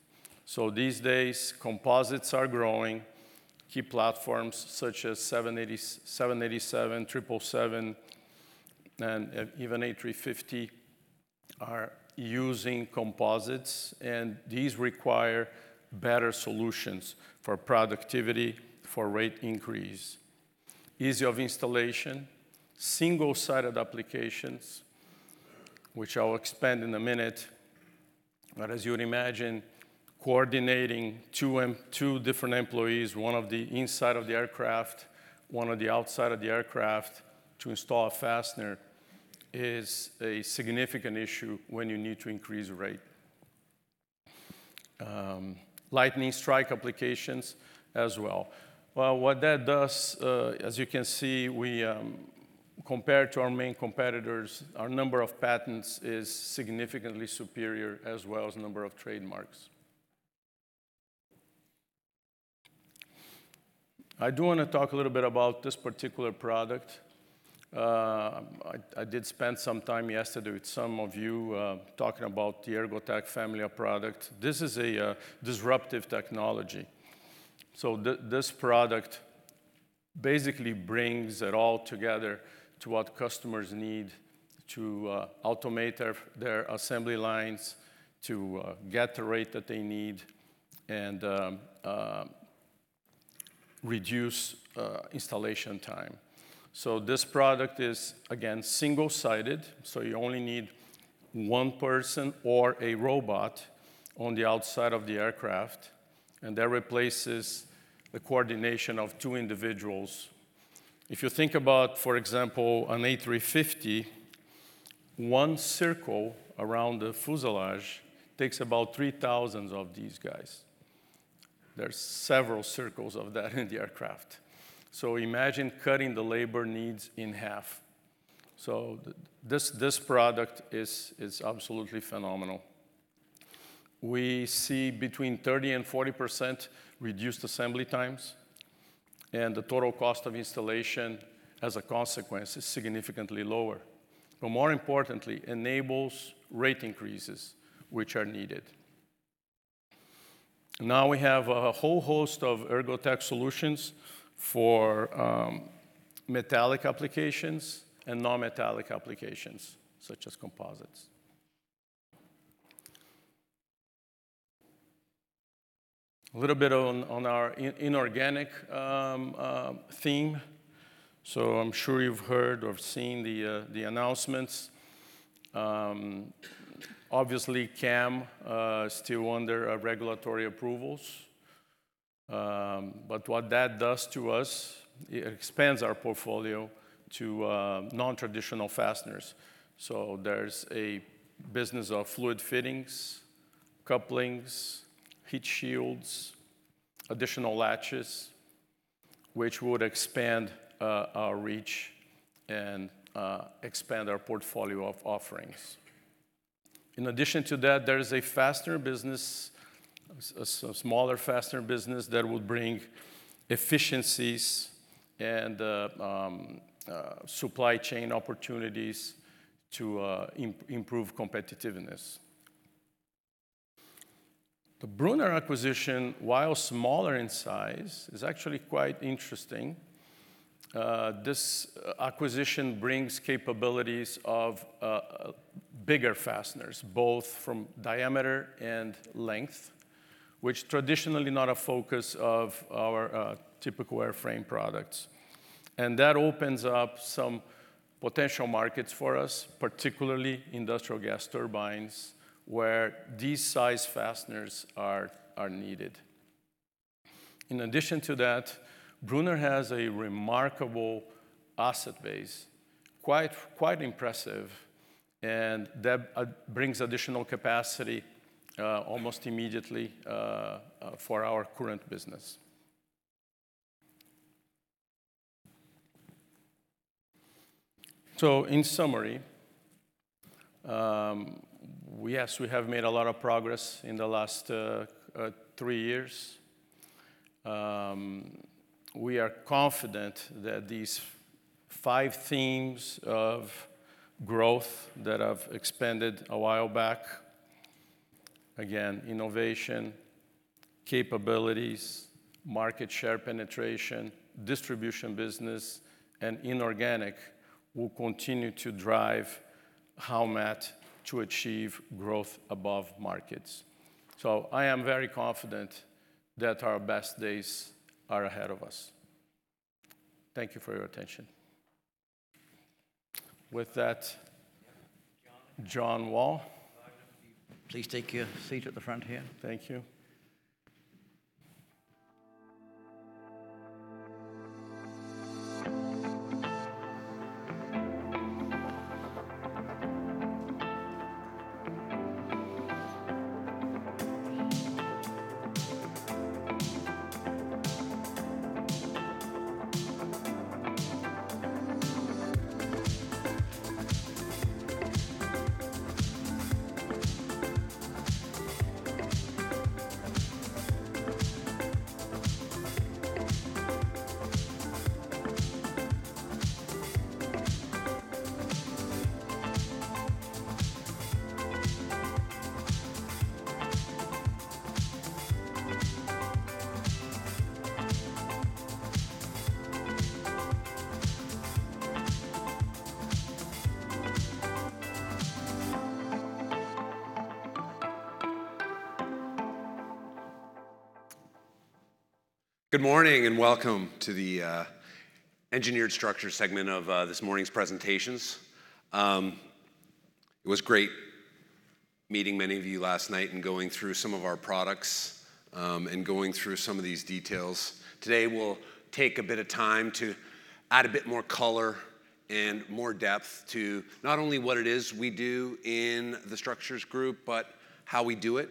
These days, composites are growing. Key platforms such as 787, 777, and even A350 are using composites, and these require better solutions for productivity, for rate increase, ease of installation, single-sided applications, which I'll expand in a minute. As you would imagine, coordinating two different employees, one on the inside of the aircraft, one on the outside of the aircraft to install a fastener is a significant issue when you need to increase rate. Lightning strike applications as well. What that does, as you can see, we compared to our main competitors, our number of patents is significantly superior as well as number of trademarks. I do wanna talk a little bit about this particular product. I did spend some time yesterday with some of you, talking about the Ergo-Tech family of products. This is a disruptive technology. This product basically brings it all together to what customers need to automate their assembly lines to get the rate that they need and reduce installation time. This product is, again, single-sided, so you only need one person or a robot on the outside of the aircraft, and that replaces the coordination of two individuals. If you think about, for example, an A350, one circle around the fuselage takes about 3,000 of these guys. There's several circles of that in the aircraft. Imagine cutting the labor needs in half. This product is absolutely phenomenal. We see between 30%-40% reduced assembly times, and the total cost of installation, as a consequence, is significantly lower. More importantly, enables rate increases which are needed. Now we have a whole host of Ergo-Tech solutions for metallic applications and non-metallic applications such as composites. A little bit on our inorganic theme. I'm sure you've heard or seen the announcements. Obviously, CAM still under regulatory approvals. What that does to us, it expands our portfolio to non-traditional fasteners. There's a business of fluid fittings, couplings, heat shields, additional latches which would expand our reach and expand our portfolio of offerings. In addition to that, there is a fastener business, a smaller fastener business that would bring efficiencies and supply chain opportunities to improve competitiveness. The Brunner acquisition, while smaller in size, is actually quite interesting. This acquisition brings capabilities of bigger fasteners, both from diameter and length, which traditionally not a focus of our typical airframe products. That opens up some potential markets for us, particularly industrial gas turbines, where these size fasteners are needed. In addition to that, Brunner has a remarkable asset base, quite impressive, and that brings additional capacity, almost immediately, for our current business. In summary, yes, we have made a lot of progress in the last three years. We are confident that these five themes of growth that I've expanded a while back, again, innovation, capabilities, market share penetration, distribution business, and inorganic will continue to drive Howmet to achieve growth above markets. I am very confident that our best days are ahead of us. Thank you for your attention. With that- John Wall. Roger, please take your seat at the front here. Thank you. Good morning, and welcome to the Engineered Structures segment of this morning's presentations. It was great meeting many of you last night and going through some of our products, and going through some of these details. Today, we'll take a bit of time to add a bit more color and more depth to not only what it is we do in the structures group, but how we do it.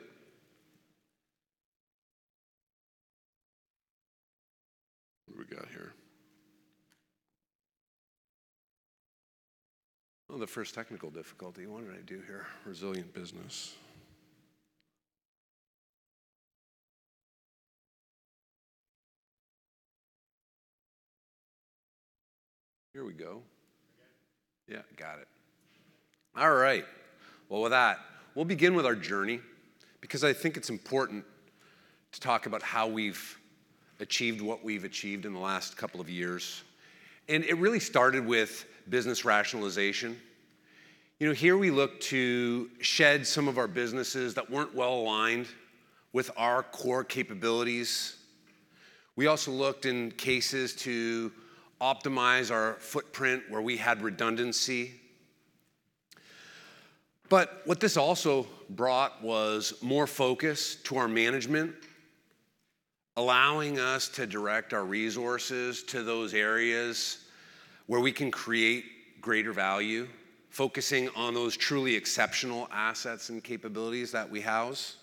What do we got here? Oh, the first technical difficulty. What did I do here? Resilient business. Here we go. Again. Yeah, got it. All right. Well, with that, we'll begin with our journey because I think it's important to talk about how we've achieved what we've achieved in the last couple of years, and it really started with business rationalization. You know, here we look to shed some of our businesses that weren't well-aligned with our core capabilities. We also looked in cases to optimize our footprint where we had redundancy. What this also brought was more focus to our management, allowing us to direct our resources to those areas where we can create greater value, focusing on those truly exceptional assets and capabilities that we house.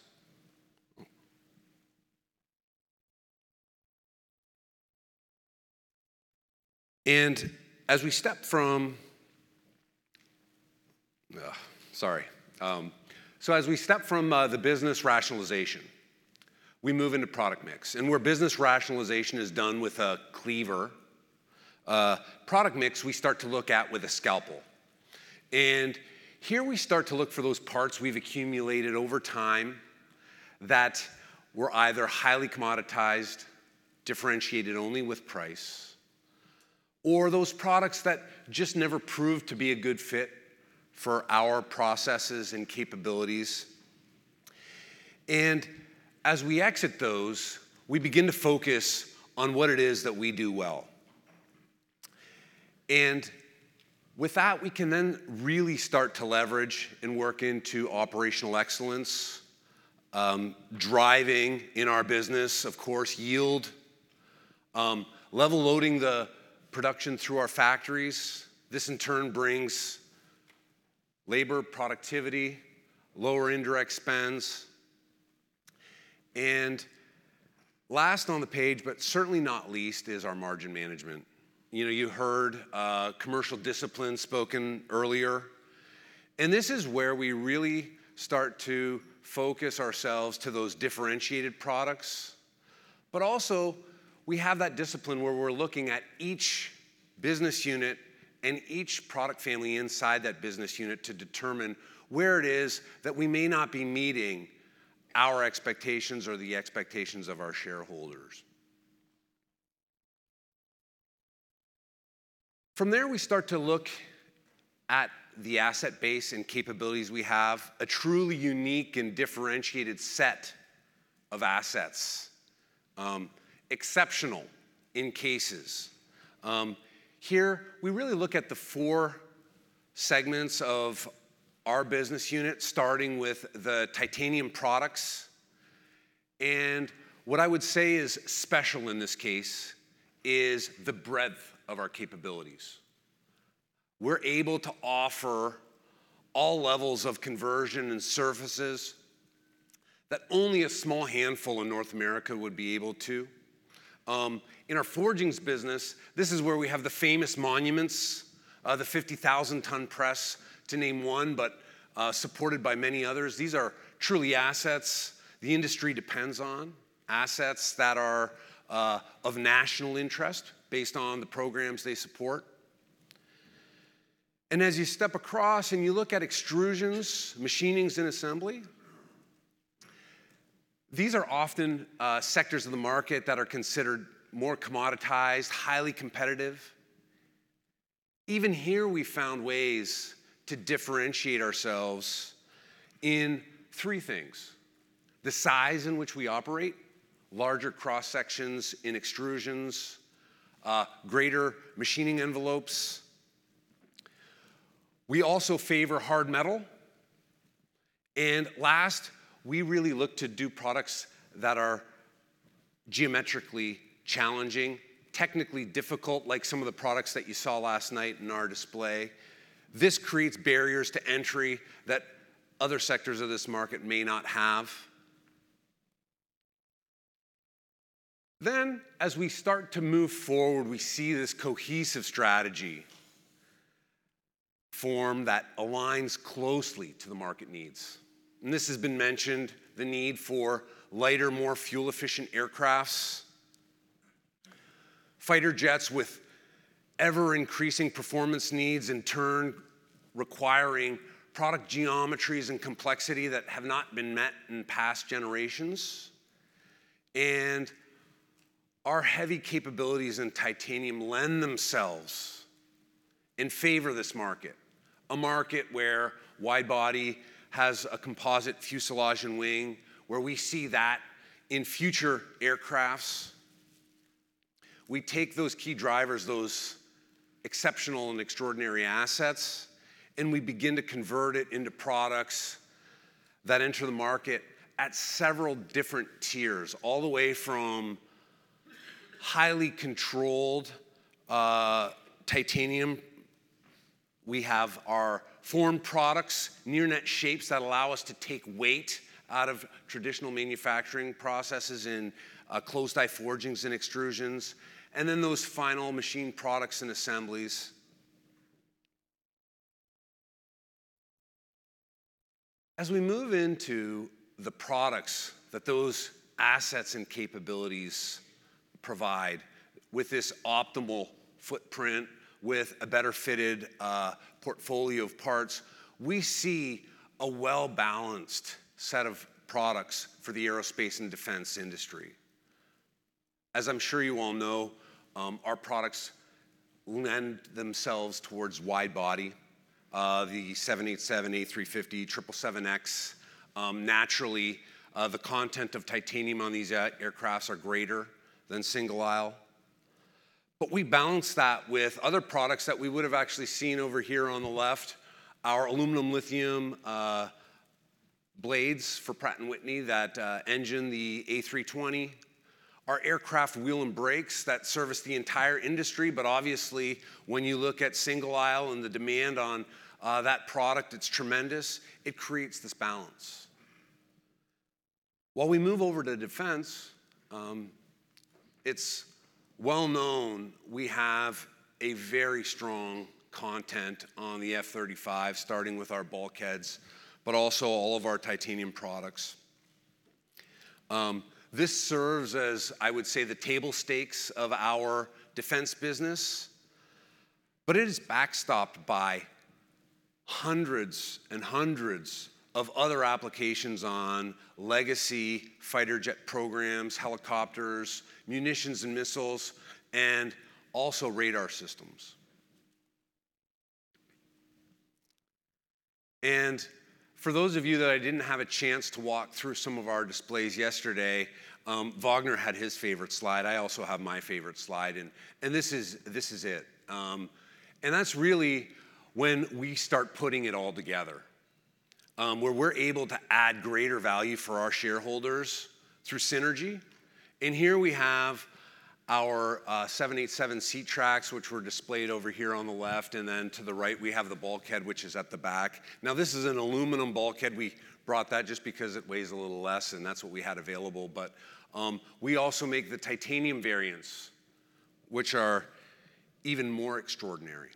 As we step from the business rationalization, we move into product mix. Where business rationalization is done with a cleaver, product mix, we start to look at with a scalpel. Here we start to look for those parts we've accumulated over time that were either highly commoditized, differentiated only with price, or those products that just never proved to be a good fit for our processes and capabilities. As we exit those, we begin to focus on what it is that we do well. With that, we can then really start to leverage and work into operational excellence, driving in our business, of course, yield, level loading the production through our factories. This in turn brings labor productivity, lower indirect spends. Last on the page, but certainly not least, is our margin management. You know, you heard, commercial discipline spoken earlier, and this is where we really start to focus ourselves to those differentiated products. We have that discipline where we're looking at each business unit and each product family inside that business unit to determine where it is that we may not be meeting our expectations or the expectations of our shareholders. From there, we start to look at the asset base and capabilities we have, a truly unique and differentiated set of assets, exceptional in cases. Here we really look at the four segments of our business unit, starting with the titanium products. What I would say is special in this case is the breadth of our capabilities. We're able to offer all levels of conversion and services that only a small handful in North America would be able to. In our forgings business, this is where we have the famous monuments, the 50,000-ton press to name one, but supported by many others. These are truly assets the industry depends on, assets that are of national interest based on the programs they support. As you step across and you look at extrusions, machinings, and assembly, these are often sectors of the market that are considered more commoditized, highly competitive. Even here, we found ways to differentiate ourselves in three things, the size in which we operate, larger cross-sections in extrusions, greater machining envelopes. We also favor hard metal. Last, we really look to do products that are geometrically challenging, technically difficult, like some of the products that you saw last night in our display. This creates barriers to entry that other sectors of this market may not have. As we start to move forward, we see this cohesive strategy form that aligns closely to the market needs. This has been mentioned, the need for lighter, more fuel-efficient aircrafts. Fighter jets with ever-increasing performance needs, in turn requiring product geometries and complexity that have not been met in past generations. Our heavy capabilities in titanium lend themselves in favor of this market, a market where wide-body has a composite fuselage and wing, where we see that in future aircrafts. We take those key drivers, those exceptional and extraordinary assets, and we begin to convert it into products that enter the market at several different tiers, all the way from highly controlled titanium. We have our form products, near-net shapes that allow us to take weight out of traditional manufacturing processes in closed die forgings and extrusions, and then those final machine products and assemblies. As we move into the products that those assets and capabilities provide with this optimal footprint, with a better-fitted portfolio of parts, we see a well-balanced set of products for the aerospace and defense industry. As I'm sure you all know, our products lend themselves towards wide-body, the 787, A350, 777X. Naturally, the content of titanium on these aircraft are greater than single-aisle. We balance that with other products that we would have actually seen over here on the left, our aluminum-lithium blades for Pratt & Whitney, that engine the A320. Our aircraft wheels and brakes that service the entire industry, but obviously, when you look at single-aisle and the demand on that product, it's tremendous. It creates this balance. While we move over to defense, it's well-known we have a very strong content on the F-35, starting with our bulkheads, but also all of our titanium products. This serves as, I would say, the table stakes of our defense business, but it is backstopped by hundreds and hundreds of other applications on legacy fighter jet programs, helicopters, munitions and missiles, and also radar systems. For those of you that I didn't have a chance to walk through some of our displays yesterday, Vagner had his favorite slide. I also have my favorite slide and this is it. That's really when we start putting it all together, where we're able to add greater value for our shareholders through synergy. Here we have our 787 seat tracks, which were displayed over here on the left, and then to the right, we have the bulkhead, which is at the back. Now, this is an aluminum bulkhead. We brought that just because it weighs a little less, and that's what we had available. We also make the titanium variants, which are even more extraordinary.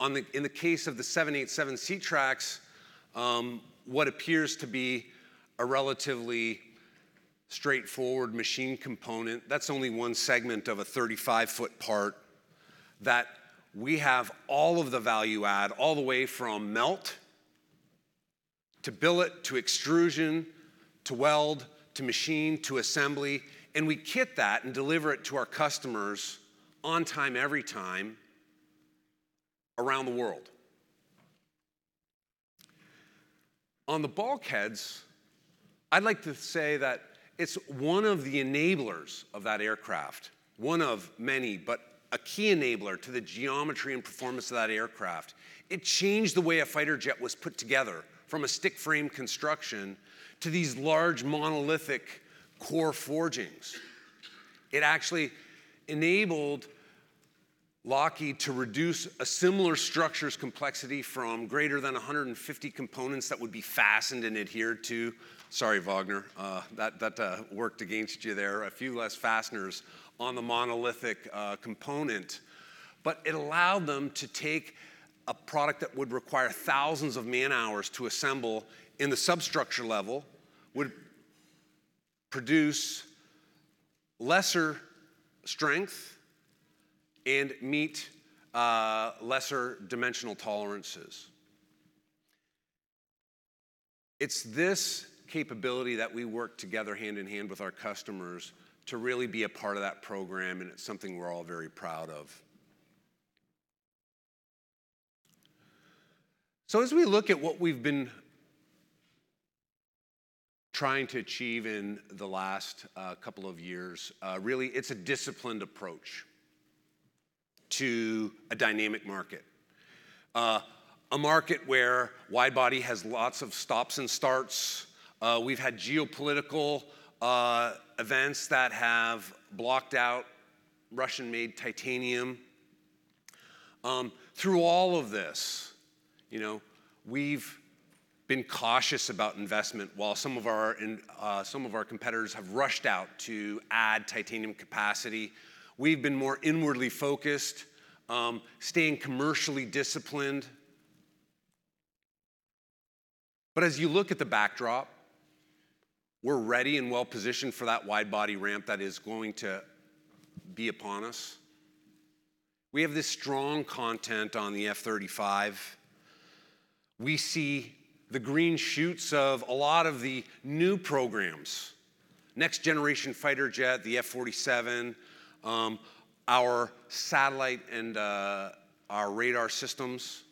In the case of the 787 seat tracks, what appears to be a relatively straightforward machine component, that's only one segment of a 35-foot part that we have all of the value add, all the way from melt to billet to extrusion, to weld, to machine, to assembly. We kit that and deliver it to our customers on time, every time around the world. On the bulkheads, I'd like to say that it's one of the enablers of that aircraft, one of many, but a key enabler to the geometry and performance of that aircraft. It changed the way a fighter jet was put together from a stick frame construction to these large monolithic core forgings. It actually enabled Lockheed to reduce a similar structure's complexity from greater than 150 components that would be fastened and adhered to. Sorry, Vagner, that worked against you there. A few less fasteners on the monolithic component. But it allowed them to take a product that would require thousands of man-hours to assemble in the substructure level, would produce lesser strength and meet lesser dimensional tolerances. It's this capability that we work together hand in hand with our customers to really be a part of that program, and it's something we're all very proud of. As we look at what we've been trying to achieve in the last couple of years, really, it's a disciplined approach to a dynamic market. A market where wide-body has lots of stops and starts. We've had geopolitical events that have blocked out Russian-made titanium. Through all of this, you know, we've been cautious about investment while some of our competitors have rushed out to add titanium capacity. We've been more inwardly focused, staying commercially disciplined. As you look at the backdrop, we're ready and well-positioned for that wide-body ramp that is going to be upon us. We have this strong content on the F-35. We see the green shoots of a lot of the new programs, next-generation fighter jet, the F-47, our satellite and our radar systems.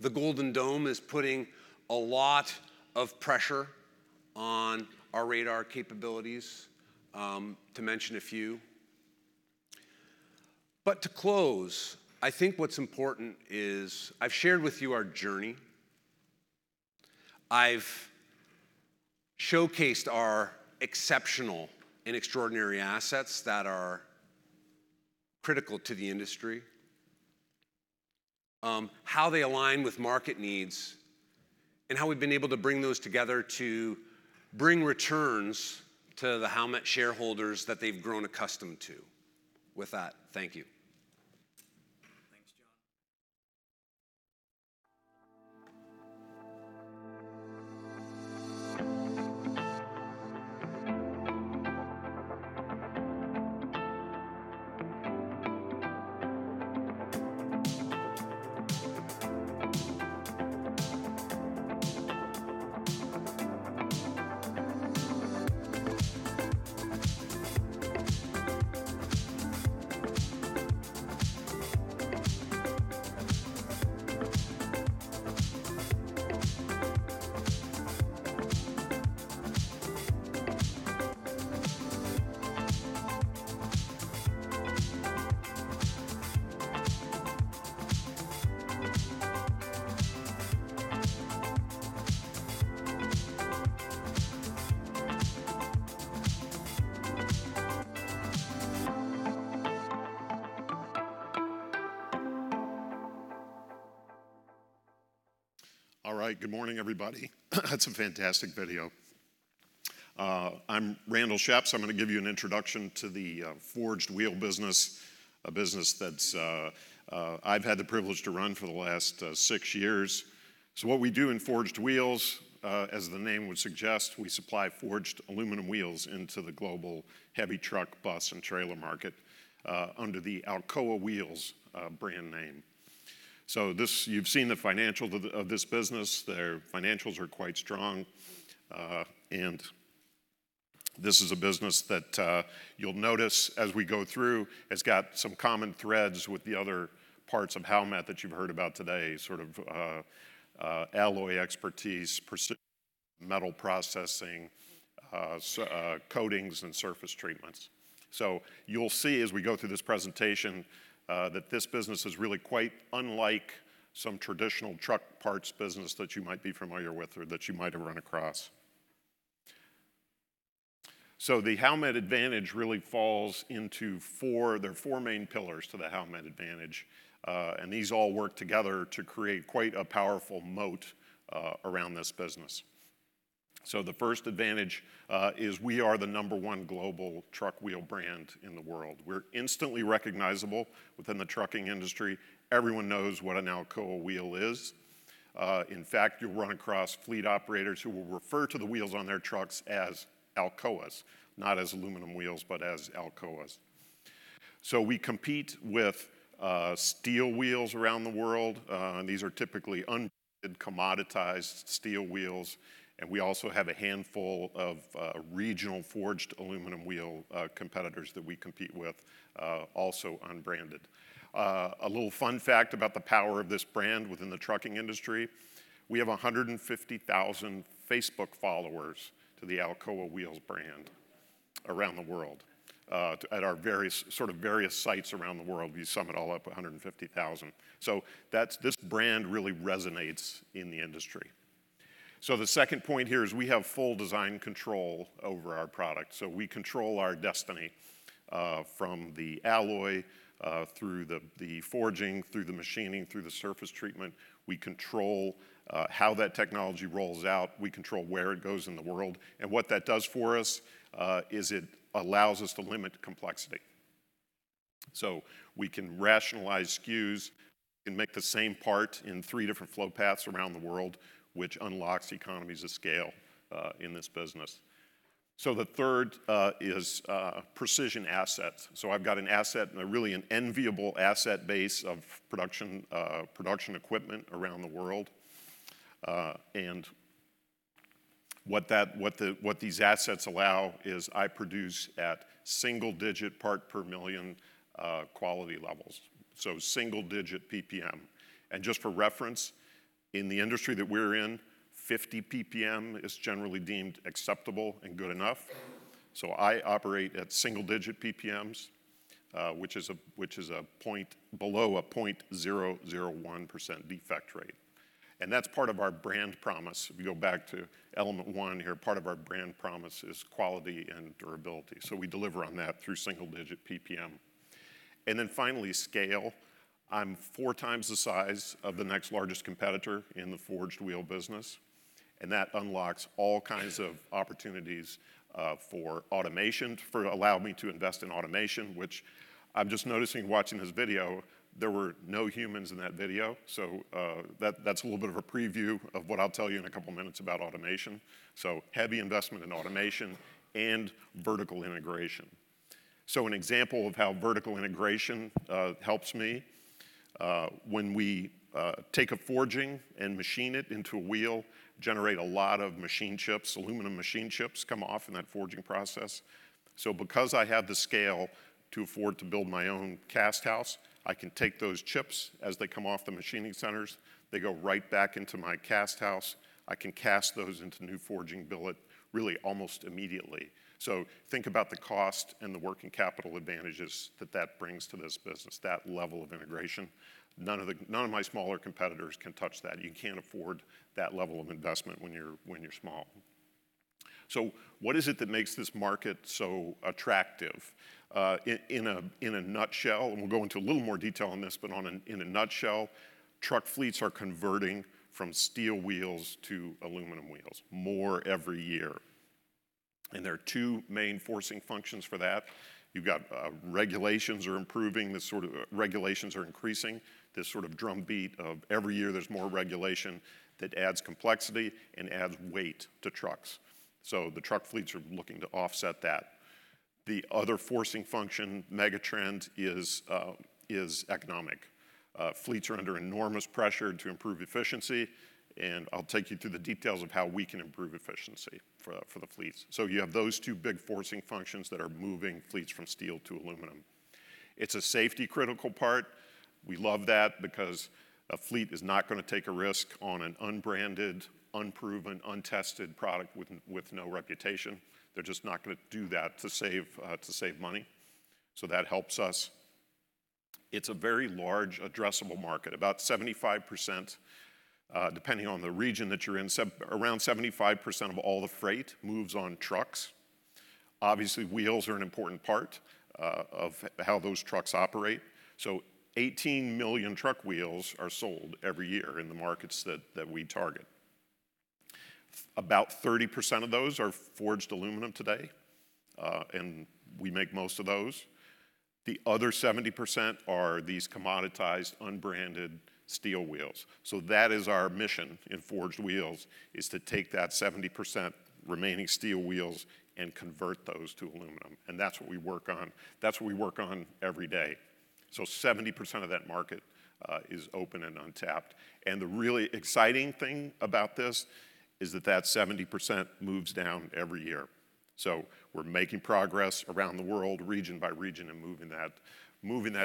The Golden Dome is putting a lot of pressure on our radar capabilities, to mention a few. To close, I think what's important is I've shared with you our journey. I've showcased our exceptional and extraordinary assets that are critical to the industry, how they align with market needs, and how we've been able to bring those together to bring returns to the Howmet shareholders that they've grown accustomed to. With that, thank you. Thanks, John. Good morning, everybody. That's a fantastic video. I'm Randall Scheps. I'm gonna give you an introduction to the forged wheel business, a business that I've had the privilege to run for the last six years. What we do in forged wheels, as the name would suggest, we supply forged aluminum wheels into the global heavy truck, bus, and trailer market under the Alcoa Wheels brand name. You've seen the financials of this business. Their financials are quite strong. This is a business that you'll notice as we go through has got some common threads with the other parts of Howmet that you've heard about today, sort of alloy expertise, precision metal processing, surface coatings, and surface treatments. You'll see as we go through this presentation that this business is really quite unlike some traditional truck parts business that you might be familiar with or that you might have run across. The Howmet advantage really falls into four. There are four main pillars to the Howmet advantage, and these all work together to create quite a powerful moat around this business. The first advantage is we are the number one global truck wheel brand in the world. We're instantly recognizable within the trucking industry. Everyone knows what an Alcoa Wheel is. In fact, you'll run across fleet operators who will refer to the wheels on their trucks as Alcoas, not as aluminum wheels, but as Alcoas. We compete with steel wheels around the world. These are typically uncommoditized steel wheels, and we also have a handful of regional forged aluminum wheel competitors that we compete with, also unbranded. A little fun fact about the power of this brand within the trucking industry, we have 150,000 Facebook followers to the Alcoa Wheels brand around the world. At our various sites around the world, we sum it all up, 150,000. That's this brand really resonates in the industry. The second point here is we have full design control over our product. We control our destiny from the alloy through the forging through the machining through the surface treatment. We control how that technology rolls out. We control where it goes in the world, and what that does for us is it allows us to limit complexity. We can rationalize SKUs and make the same part in 3 different flow paths around the world, which unlocks economies of scale in this business. The third is precision assets. I've got an asset, a really enviable asset base of production equipment around the world. What these assets allow is I produce at single-digit part per million quality levels, so single-digit PPM. Just for reference, in the industry that we're in, 50 PPM is generally deemed acceptable and good enough. I operate at single-digit PPMs, which is a point below 0.01% defect rate. That's part of our brand promise. If you go back to element one here, part of our brand promise is quality and durability. We deliver on that through single-digit PPM. Finally, scale. I'm four times the size of the next largest competitor in the forged wheel business, and that unlocks all kinds of opportunities for automation, which I'm just noticing watching this video, there were no humans in that video, so that's a little bit of a preview of what I'll tell you in a couple minutes about automation. Heavy investment in automation and vertical integration. An example of how vertical integration helps me when we take a forging and machine it into a wheel, generate a lot of machine chips, aluminum machine chips come off in that forging process. Because I have the scale to afford to build my own cast house, I can take those chips as they come off the machining centers, they go right back into my cast house. I can cast those into new forging billet really almost immediately. Think about the cost and the working capital advantages that that brings to this business, that level of integration. None of my smaller competitors can touch that. You can't afford that level of investment when you're small. What is it that makes this market so attractive? In a nutshell, and we'll go into a little more detail on this, but in a nutshell, truck fleets are converting from steel wheels to aluminum wheels more every year. There are two main forcing functions for that. Regulations are increasing, this sort of drumbeat of every year there's more regulation that adds complexity and adds weight to trucks. The truck fleets are looking to offset that. The other forcing function megatrend is economic. Fleets are under enormous pressure to improve efficiency, and I'll take you through the details of how we can improve efficiency for the fleets. You have those two big forcing functions that are moving fleets from steel to aluminum. It's a safety-critical part. We love that because a fleet is not gonna take a risk on an unbranded, unproven, untested product with no reputation. They're just not gonna do that to save money. That helps us. It's a very large addressable market. About 75%, depending on the region that you're in, around 75% of all the freight moves on trucks. Obviously, wheels are an important part of how those trucks operate. 18 million truck wheels are sold every year in the markets that we target. About 30% of those are forged aluminum today, and we make most of those. The other 70% are these commoditized, unbranded steel wheels. That is our mission in forged wheels, is to take that 70% remaining steel wheels and convert those to aluminum. That's what we work on. That's what we work on every day. 70% of that market is open and untapped. The really exciting thing about this is that that 70% moves down every year. We're making progress around the world, region by region, and moving that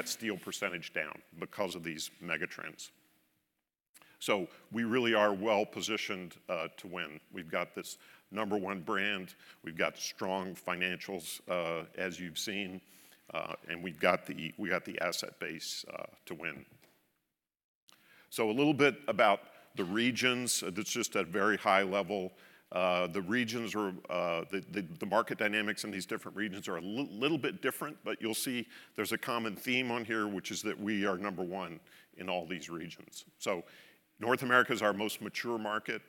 steel percentage down because of these megatrends. We're really well-positioned to win. We've got this number one brand. We've got strong financials, as you've seen. We've got the asset base to win. A little bit about the regions. That's just at very high level. The market dynamics in these different regions are a little bit different, but you'll see there's a common theme on here, which is that we are number one in all these regions. North America is our most mature market.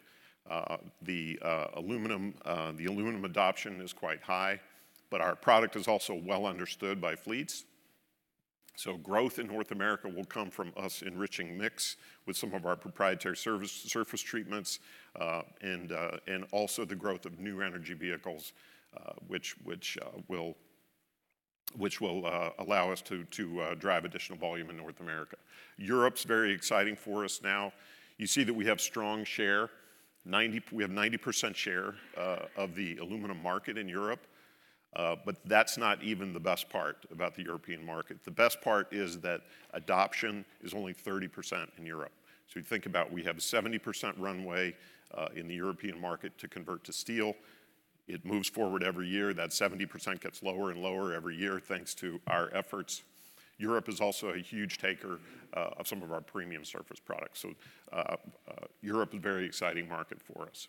The aluminum adoption is quite high, but our product is also well understood by fleets. Growth in North America will come from us enriching mix with some of our proprietary surface treatments, and also the growth of new energy vehicles, which will allow us to drive additional volume in North America. Europe's very exciting for us now. You see that we have strong share. We have 90% share of the aluminum market in Europe, but that's not even the best part about the European market. The best part is that adoption is only 30% in Europe. You think about we have a 70% runway in the European market to convert from steel. It moves forward every year. That 70% gets lower and lower every year, thanks to our efforts. Europe is also a huge taker of some of our premium surface products. Europe is a very exciting market for us.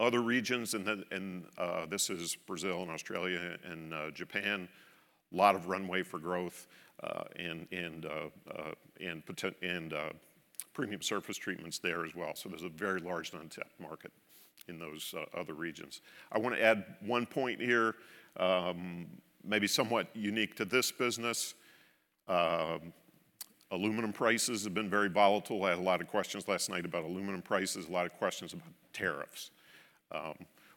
Other regions and then this is Brazil and Australia and Japan, lot of runway for growth, and premium surface treatments there as well. There's a very large untapped market in those other regions. I wanna add one point here, maybe somewhat unique to this business. Aluminum prices have been very volatile. I had a lot of questions last night about aluminum prices, a lot of questions about tariffs.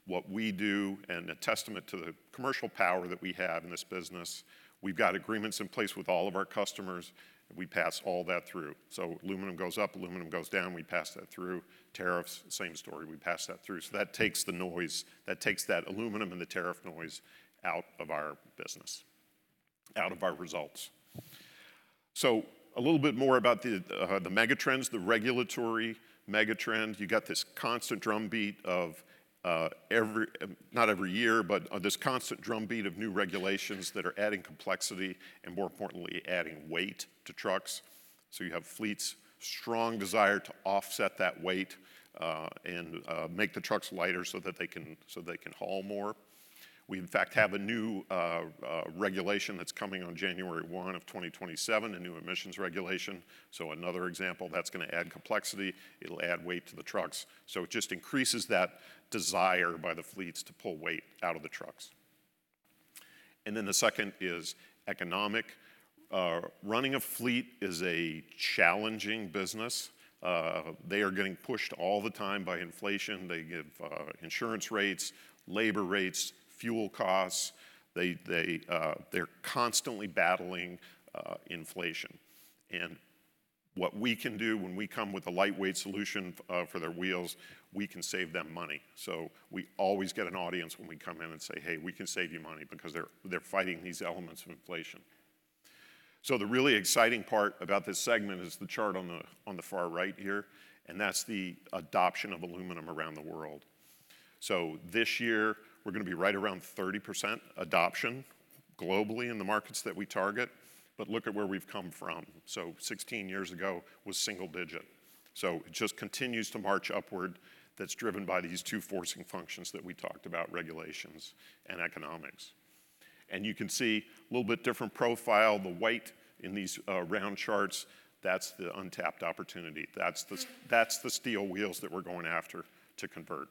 What we do, and a testament to the commercial power that we have in this business, we've got agreements in place with all of our customers, and we pass all that through. Aluminum goes up, aluminum goes down, we pass that through. Tariffs, same story, we pass that through. That takes the noise, that aluminum and the tariff noise out of our business, out of our results. A little bit more about the megatrends, the regulatory megatrend. You got this constant drumbeat of new regulations that are adding complexity and more importantly, adding weight to trucks. You have fleets' strong desire to offset that weight and make the trucks lighter so that they can haul more. We, in fact, have a new regulation that's coming on January 1, 2027, a new emissions regulation. Another example that's gonna add complexity, it'll add weight to the trucks. It just increases that desire by the fleets to pull weight out of the trucks. Then the second is economic. Running a fleet is a challenging business. They are getting pushed all the time by inflation. They give insurance rates, labor rates, fuel costs. They're constantly battling inflation. What we can do when we come with a lightweight solution for their wheels, we can save them money. We always get an audience when we come in and say, "Hey, we can save you money," because they're fighting these elements of inflation. The really exciting part about this segment is the chart on the far right here, and that's the adoption of aluminum around the world. This year we're gonna be right around 30% adoption globally in the markets that we target. Look at where we've come from. 16 years ago was single-digit, so it just continues to march upward. That's driven by these two forcing functions that we talked about, regulations and economics. You can see a little bit different profile, the white in these round charts, that's the untapped opportunity. That's the steel wheels that we're going after to convert.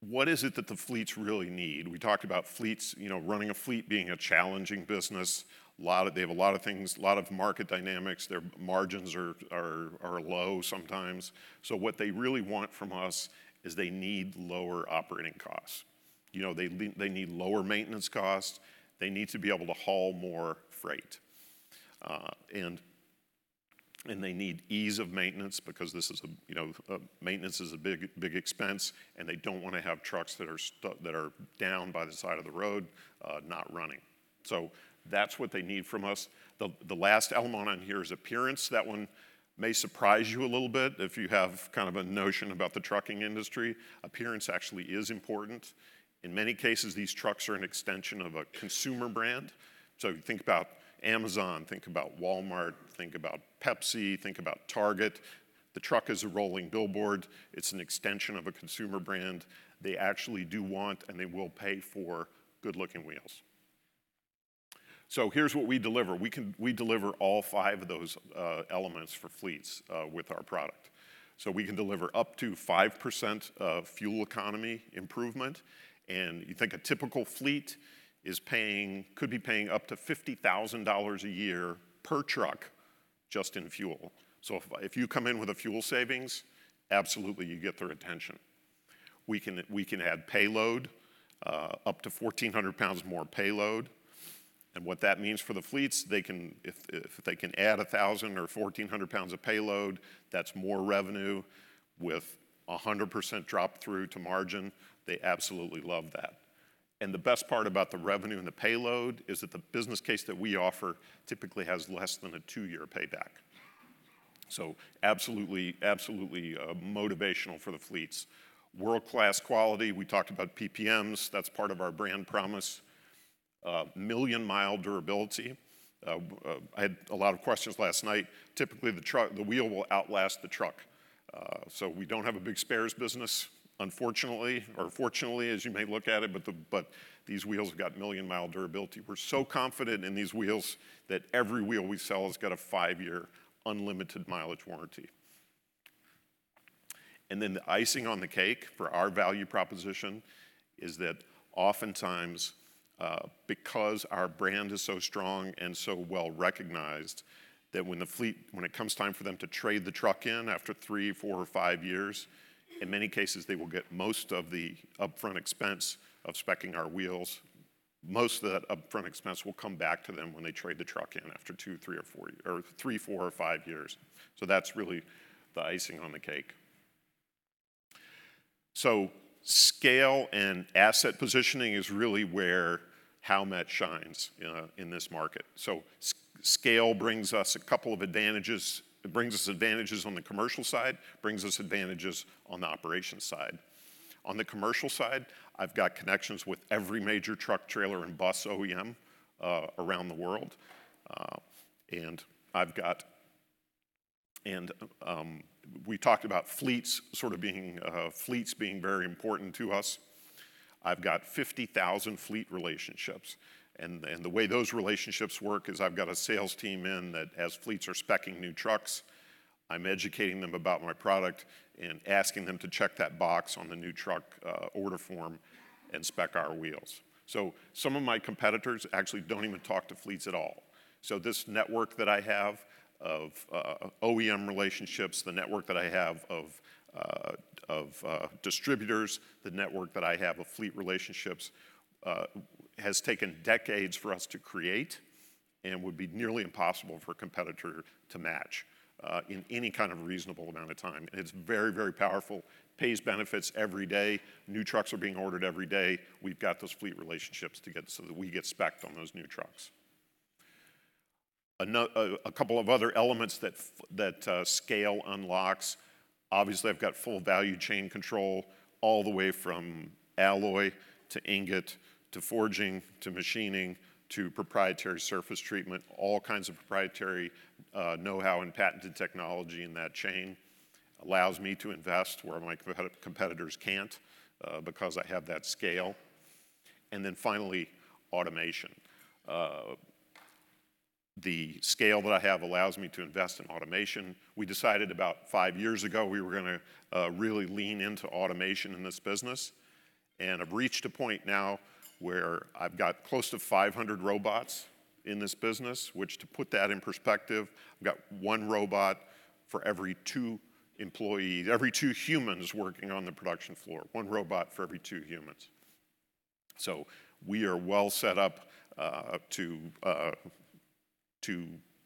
What is it that the fleets really need? We talked about fleets, you know, running a fleet, being a challenging business. They have a lot of things, a lot of market dynamics. Their margins are low sometimes. What they really want from us is they need lower operating costs. You know, they need lower maintenance costs. They need to be able to haul more freight. They need ease of maintenance because this is a, you know, maintenance is a big expense, and they don't want to have trucks that are down by the side of the road, not running. That's what they need from us. The last element on here is appearance. That one may surprise you a little bit if you have kind of a notion about the trucking industry. Appearance actually is important. In many cases, these trucks are an extension of a consumer brand. Think about Amazon, think about Walmart, think about Pepsi, think about Target. The truck is a rolling billboard. It's an extension of a consumer brand. They actually do want, and they will pay for good-looking wheels. Here's what we deliver. We deliver all five of those elements for fleets with our product. We can deliver up to 5% of fuel economy improvement, and you think a typical fleet could be paying up to $50,000 a year per truck just in fuel. If you come in with a fuel savings, absolutely, you get their attention. We can add payload up to 1,400 pounds more payload. What that means for the fleets, they can if they can add 1,000 or 1,400 pounds of payload, that's more revenue with 100% drop through to margin. They absolutely love that. The best part about the revenue and the payload is that the business case that we offer typically has less than a two-year payback. Absolutely motivational for the fleets. World-class quality, we talked about PPMs. That's part of our brand promise. Million-mile durability. I had a lot of questions last night. Typically, the wheel will outlast the truck. We don't have a big spares business, unfortunately, or fortunately, as you may look at it, but these wheels have got million-mile durability. We're so confident in these wheels that every wheel we sell has got a 5-year unlimited mileage warranty. The icing on the cake for our value proposition is that oftentimes, because our brand is so strong and so well-recognized, that when it comes time for them to trade the truck in after 3, 4, or 5 years, in many cases, they will get most of the upfront expense of speccing our wheels. Most of that upfront expense will come back to them when they trade the truck in after 2, 3 or 4 or 3, 4 or 5 years. That's really the icing on the cake. Scale and asset positioning is really where Howmet shines in this market. Scale brings us a couple of advantages. It brings us advantages on the commercial side, brings us advantages on the operations side. On the commercial side, I've got connections with every major truck, trailer, and bus OEM around the world. We talked about fleets sort of being very important to us. I've got 50,000 fleet relationships and the way those relationships work is I've got a sales team in that as fleets are speccing new trucks, I'm educating them about my product and asking them to check that box on the new truck order form and spec our wheels. Some of my competitors actually don't even talk to fleets at all. This network that I have of OEM relationships, the network that I have of distributors, the network that I have of fleet relationships has taken decades for us to create and would be nearly impossible for a competitor to match in any kind of reasonable amount of time. It's very, very powerful. Pays benefits every day. New trucks are being ordered every day. We've got those fleet relationships to get so that we get specced on those new trucks. A couple of other elements that scale unlocks. Obviously, I've got full value chain control all the way from alloy to ingot, to forging, to machining, to proprietary surface treatment. All kinds of proprietary know-how and patented technology in that chain allows me to invest where my competitors can't, because I have that scale. Then finally, automation. The scale that I have allows me to invest in automation. We decided about five years ago we were gonna really lean into automation in this business and have reached a point now where I've got close to 500 robots in this business, which to put that in perspective, I've got one robot for every two employees, every two humans working on the production floor. One robot for every two humans. We are well set up to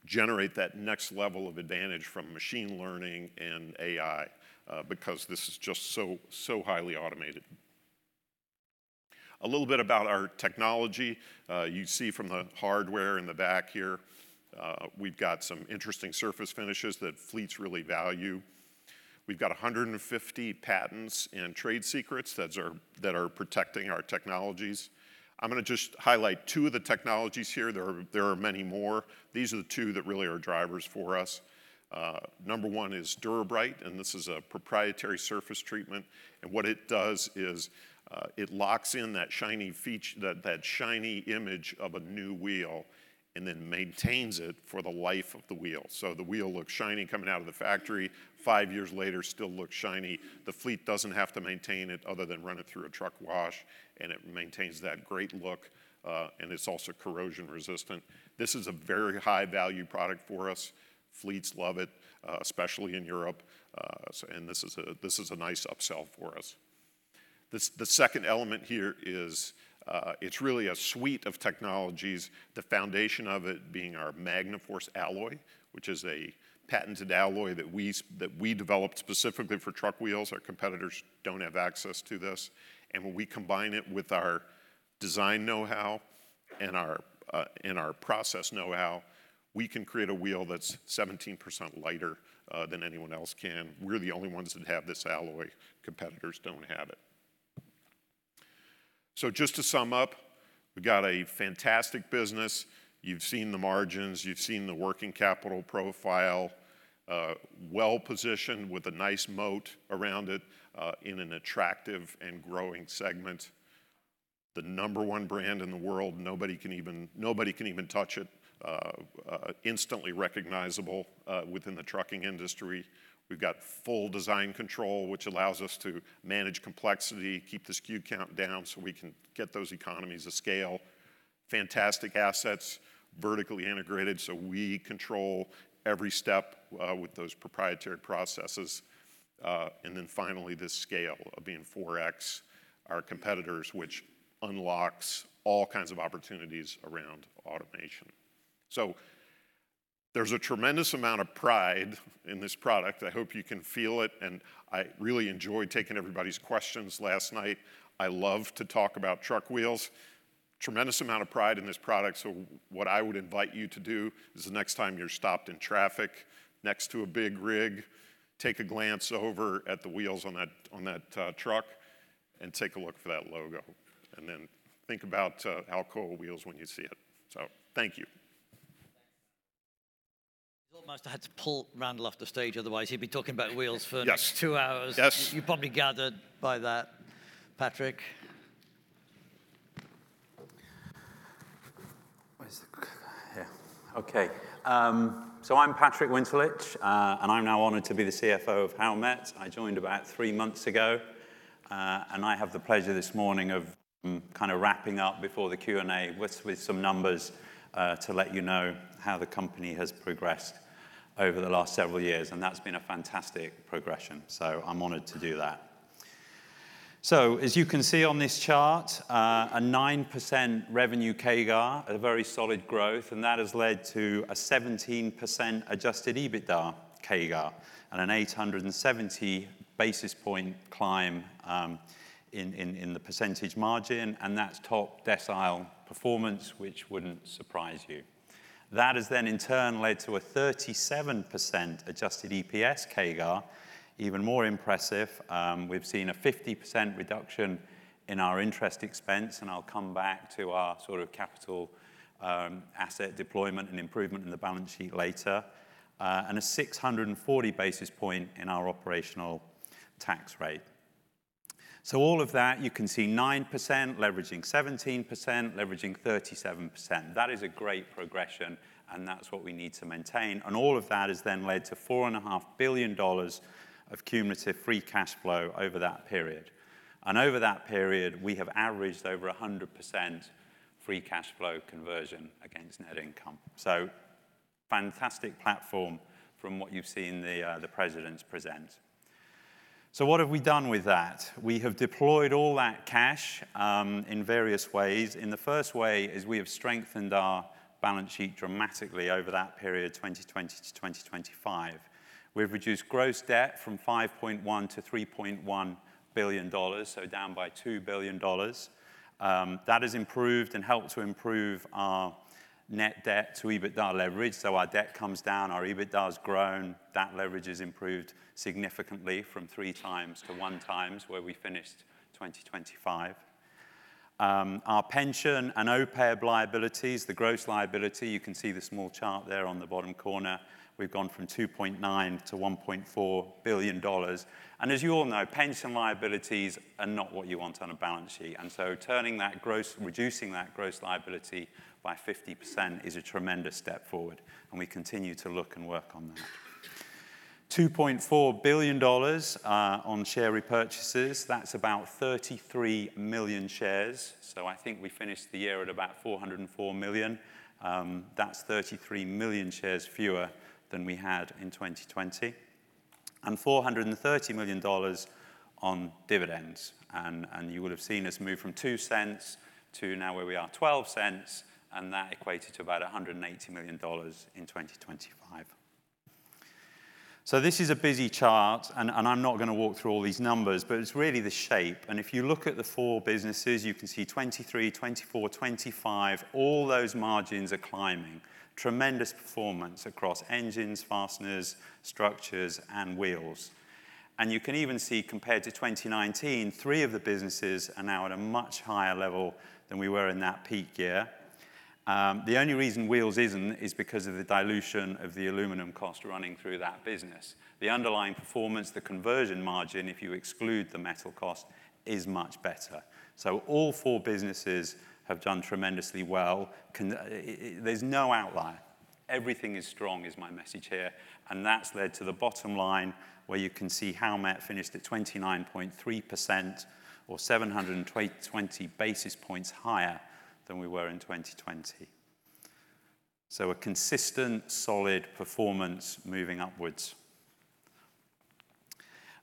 generate that next level of advantage from machine learning and AI because this is just so highly automated. A little bit about our technology. You see from the hardware in the back here, we've got some interesting surface finishes that fleets really value. We've got 150 patents and trade secrets that are protecting our technologies. I'm gonna just highlight two of the technologies here. There are many more. These are the two that really are drivers for us. Number one is Dura-Bright, and this is a proprietary surface treatment. What it does is it locks in that shiny feature, that shiny image of a new wheel and then maintains it for the life of the wheel. The wheel looks shiny coming out of the factory, five years later, still looks shiny. The fleet doesn't have to maintain it other than run it through a truck wash, and it maintains that great look, and it's also corrosion resistant. This is a very high value product for us. Fleets love it, especially in Europe. This is a nice upsell for us. The second element here is, it's really a suite of technologies, the foundation of it being our MagnaForce alloy, which is a patented alloy that we developed specifically for truck wheels. Our competitors don't have access to this. When we combine it with our design know-how and our process know-how, we can create a wheel that's 17% lighter than anyone else can. We're the only ones that have this alloy. Competitors don't have it. Just to sum up, we got a fantastic business. You've seen the margins. You've seen the working capital profile. Well-positioned with a nice moat around it, in an attractive and growing segment. The number one brand in the world. Nobody can even touch it. Instantly recognizable, within the trucking industry. We've got full design control, which allows us to manage complexity, keep the SKU count down so we can get those economies of scale. Fantastic assets, vertically integrated, so we control every step, with those proprietary processes. And then finally, this scale of being 4x our competitors, which unlocks all kinds of opportunities around automation. There's a tremendous amount of pride in this product. I hope you can feel it, and I really enjoyed taking everybody's questions last night. I love to talk about truck wheels. Tremendous amount of pride in this product, so what I would invite you to do is the next time you're stopped in traffic next to a big rig, take a glance over at the wheels on that truck and take a look for that logo. Then think about Alcoa Wheels when you see it. Thank you. Almost, I had to pull Randall off the stage, otherwise he'd be talking about wheels for- Yes two hours. Yes. You probably gathered by that. Patrick? I'm Patrick Winterlich, and I'm now honored to be the CFO of Howmet. I joined about three months ago, and I have the pleasure this morning of kind of wrapping up before the Q&A with some numbers to let you know how the company has progressed over the last several years, and that's been a fantastic progression. I'm honored to do that. As you can see on this chart, a 9% revenue CAGR, a very solid growth, and that has led to a 17% Adjusted EBITDA CAGR and an 870 basis point climb in the percentage margin, and that's top decile performance, which wouldn't surprise you. That has then in turn led to a 37% adjusted EPS CAGR, even more impressive. We've seen a 50% reduction in our interest expense, and I'll come back to our sort of capital asset deployment and improvement in the balance sheet later, and a 640 basis point in our operational tax rate. All of that, you can see 9% leveraging 17%, leveraging 37%. That is a great progression, and that's what we need to maintain. All of that has then led to $4.5 billion of cumulative free cash flow over that period. Over that period, we have averaged over 100% free cash flow conversion against net income. Fantastic platform from what you've seen the presidents present. What have we done with that? We have deployed all that cash in various ways, and the first way is we have strengthened our balance sheet dramatically over that period, 2020 to 2025. We've reduced gross debt from $5.1 billion to $3.1 billion, so down by $2 billion. That has improved and helped to improve our net debt to EBITDA leverage. Our debt comes down, our EBITDA has grown. That leverage has improved significantly from 3x to 1x, where we finished 2025. Our pension and OPEB liabilities, the gross liability, you can see the small chart there on the bottom corner. We've gone from $2.9 billion to $1.4 billion. As you all know, pension liabilities are not what you want on a balance sheet. Reducing that gross liability by 50% is a tremendous step forward, and we continue to look and work on that. $2.4 billion on share repurchases, that's about 33 million shares. I think we finished the year at about 404 million. That's 33 million shares fewer than we had in 2020. $430 million on dividends. You will have seen us move from $0.02 to now where we are $0.12, and that equated to about $180 million in 2025. This is a busy chart, and I'm not gonna walk through all these numbers, but it's really the shape. If you look at the four businesses, you can see 2023, 2024, 2025, all those margins are climbing. Tremendous performance across engines, fasteners, structures, and wheels. You can even see compared to 2019, three of the businesses are now at a much higher level than we were in that peak year. The only reason wheels isn't is because of the dilution of the aluminum cost running through that business. The underlying performance, the conversion margin, if you exclude the metal cost, is much better. All four businesses have done tremendously well. There's no outlier. Everything is strong is my message here, and that's led to the bottom line where you can see Howmet finished at 29.3% or 720 basis points higher than we were in 2020. A consistent solid performance moving upwards.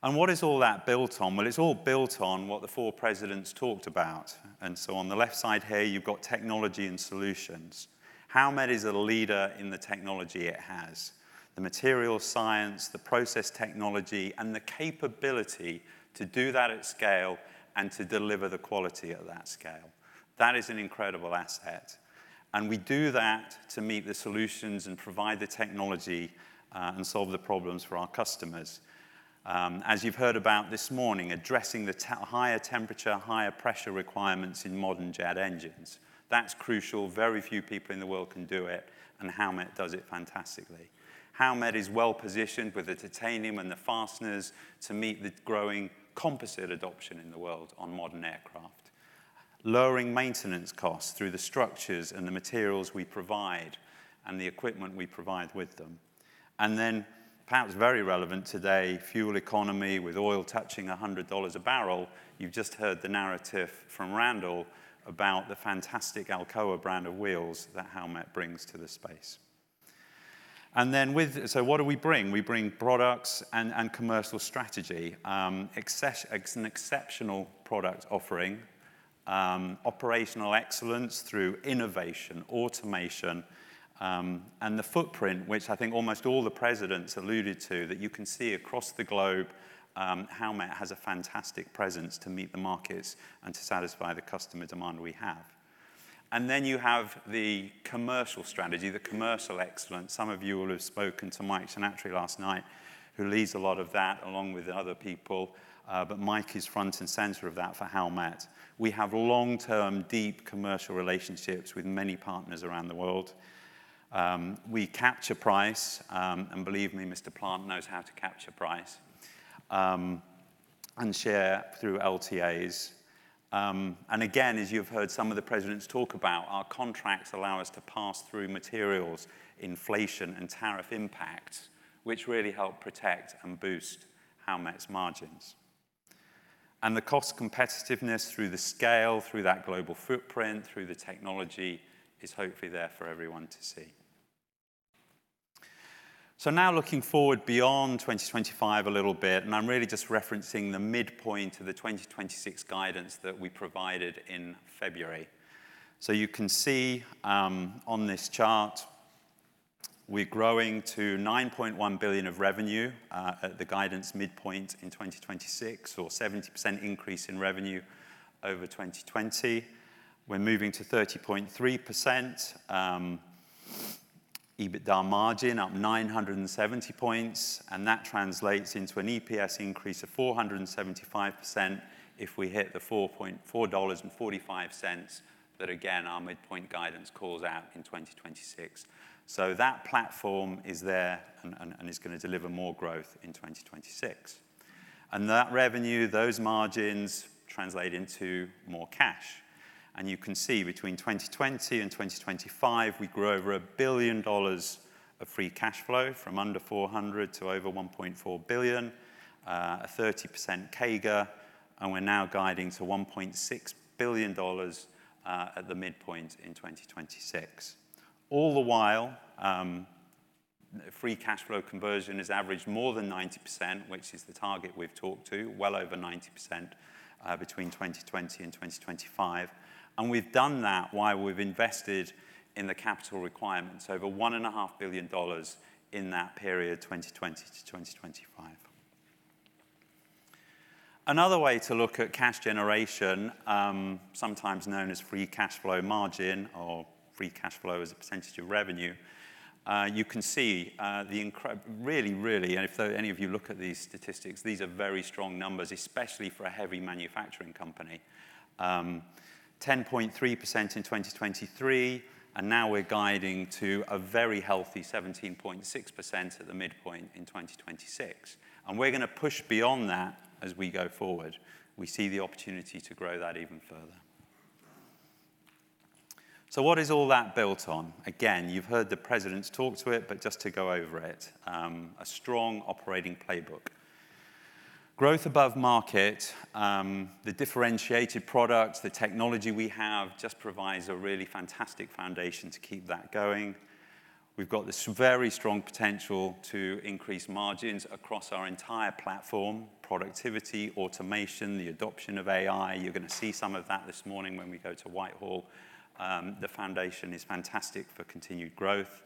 What is all that built on? Well, it's all built on what the four presidents talked about. On the left side here, you've got technology and solutions. Howmet is a leader in the technology it has. The material science, the process technology, and the capability to do that at scale and to deliver the quality at that scale. That is an incredible asset. We do that to meet the solutions and provide the technology, and solve the problems for our customers. As you've heard about this morning, addressing the higher temperature, higher pressure requirements in modern jet engines. That's crucial. Very few people in the world can do it, and Howmet does it fantastically. Howmet is well-positioned with the titanium and the fasteners to meet the growing composite adoption in the world on modern aircraft. Lowering maintenance costs through the structures and the materials we provide and the equipment we provide with them. Perhaps very relevant today, fuel economy with oil touching $100 a barrel. You've just heard the narrative from Randall about the fantastic Alcoa brand of wheels that Howmet brings to the space. What do we bring? We bring products and commercial strategy, an exceptional product offering, operational excellence through innovation, automation, and the footprint, which I think almost all the presidents alluded to, that you can see across the globe. Howmet has a fantastic presence to meet the markets and to satisfy the customer demand we have. You have the commercial strategy, the commercial excellence. Some of you will have spoken to Mike Chanatry last night, who leads a lot of that along with other people. Mike is front and center of that for Howmet. We have long-term, deep commercial relationships with many partners around the world. We capture price, and believe me, Mr. Plant knows how to capture price, and share through LTAs. Again, as you've heard some of the presidents talk about, our contracts allow us to pass through materials inflation and tariff impact, which really help protect and boost Howmet's margins. The cost competitiveness through the scale, through that global footprint, through the technology, is hopefully there for everyone to see. Now looking forward beyond 2025 a little bit, and I'm really just referencing the midpoint of the 2026 guidance that we provided in February. You can see, on this chart, we're growing to $9.1 billion of revenue, at the guidance midpoint in 2026 or 70% increase in revenue over 2020. We're moving to 30.3% EBITDA margin, up 970 points, and that translates into an EPS increase of 475% if we hit the $4.45 that again our midpoint guidance calls out in 2026. That platform is there and is gonna deliver more growth in 2026. That revenue, those margins translate into more cash. You can see between 2020 and 2025, we grew over $1 billion of free cash flow from under $400 million to over $1.4 billion, a 30% CAGR, and we're now guiding to $1.6 billion at the midpoint in 2026. All the while, free cash flow conversion has averaged more than 90%, which is the target we've talked to, well over 90%, between 2020 and 2025. We've done that while we've invested in the capital requirements, over $1.5 billion in that period, 2020 to 2025. Another way to look at cash generation, sometimes known as free cash flow margin or free cash flow as a percentage of revenue, you can see, really, really. If any of you look at these statistics, these are very strong numbers, especially for a heavy manufacturing company. 10.3% in 2023, and now we're guiding to a very healthy 17.6% at the midpoint in 2026. We're gonna push beyond that as we go forward. We see the opportunity to grow that even further. What is all that built on? Again, you've heard the presidents talk to it, but just to go over it, a strong operating playbook. Growth above market, the differentiated products, the technology we have just provides a really fantastic foundation to keep that going. We've got this very strong potential to increase margins across our entire platform, productivity, automation, the adoption of AI. You're gonna see some of that this morning when we go to Whitehall. The foundation is fantastic for continued growth.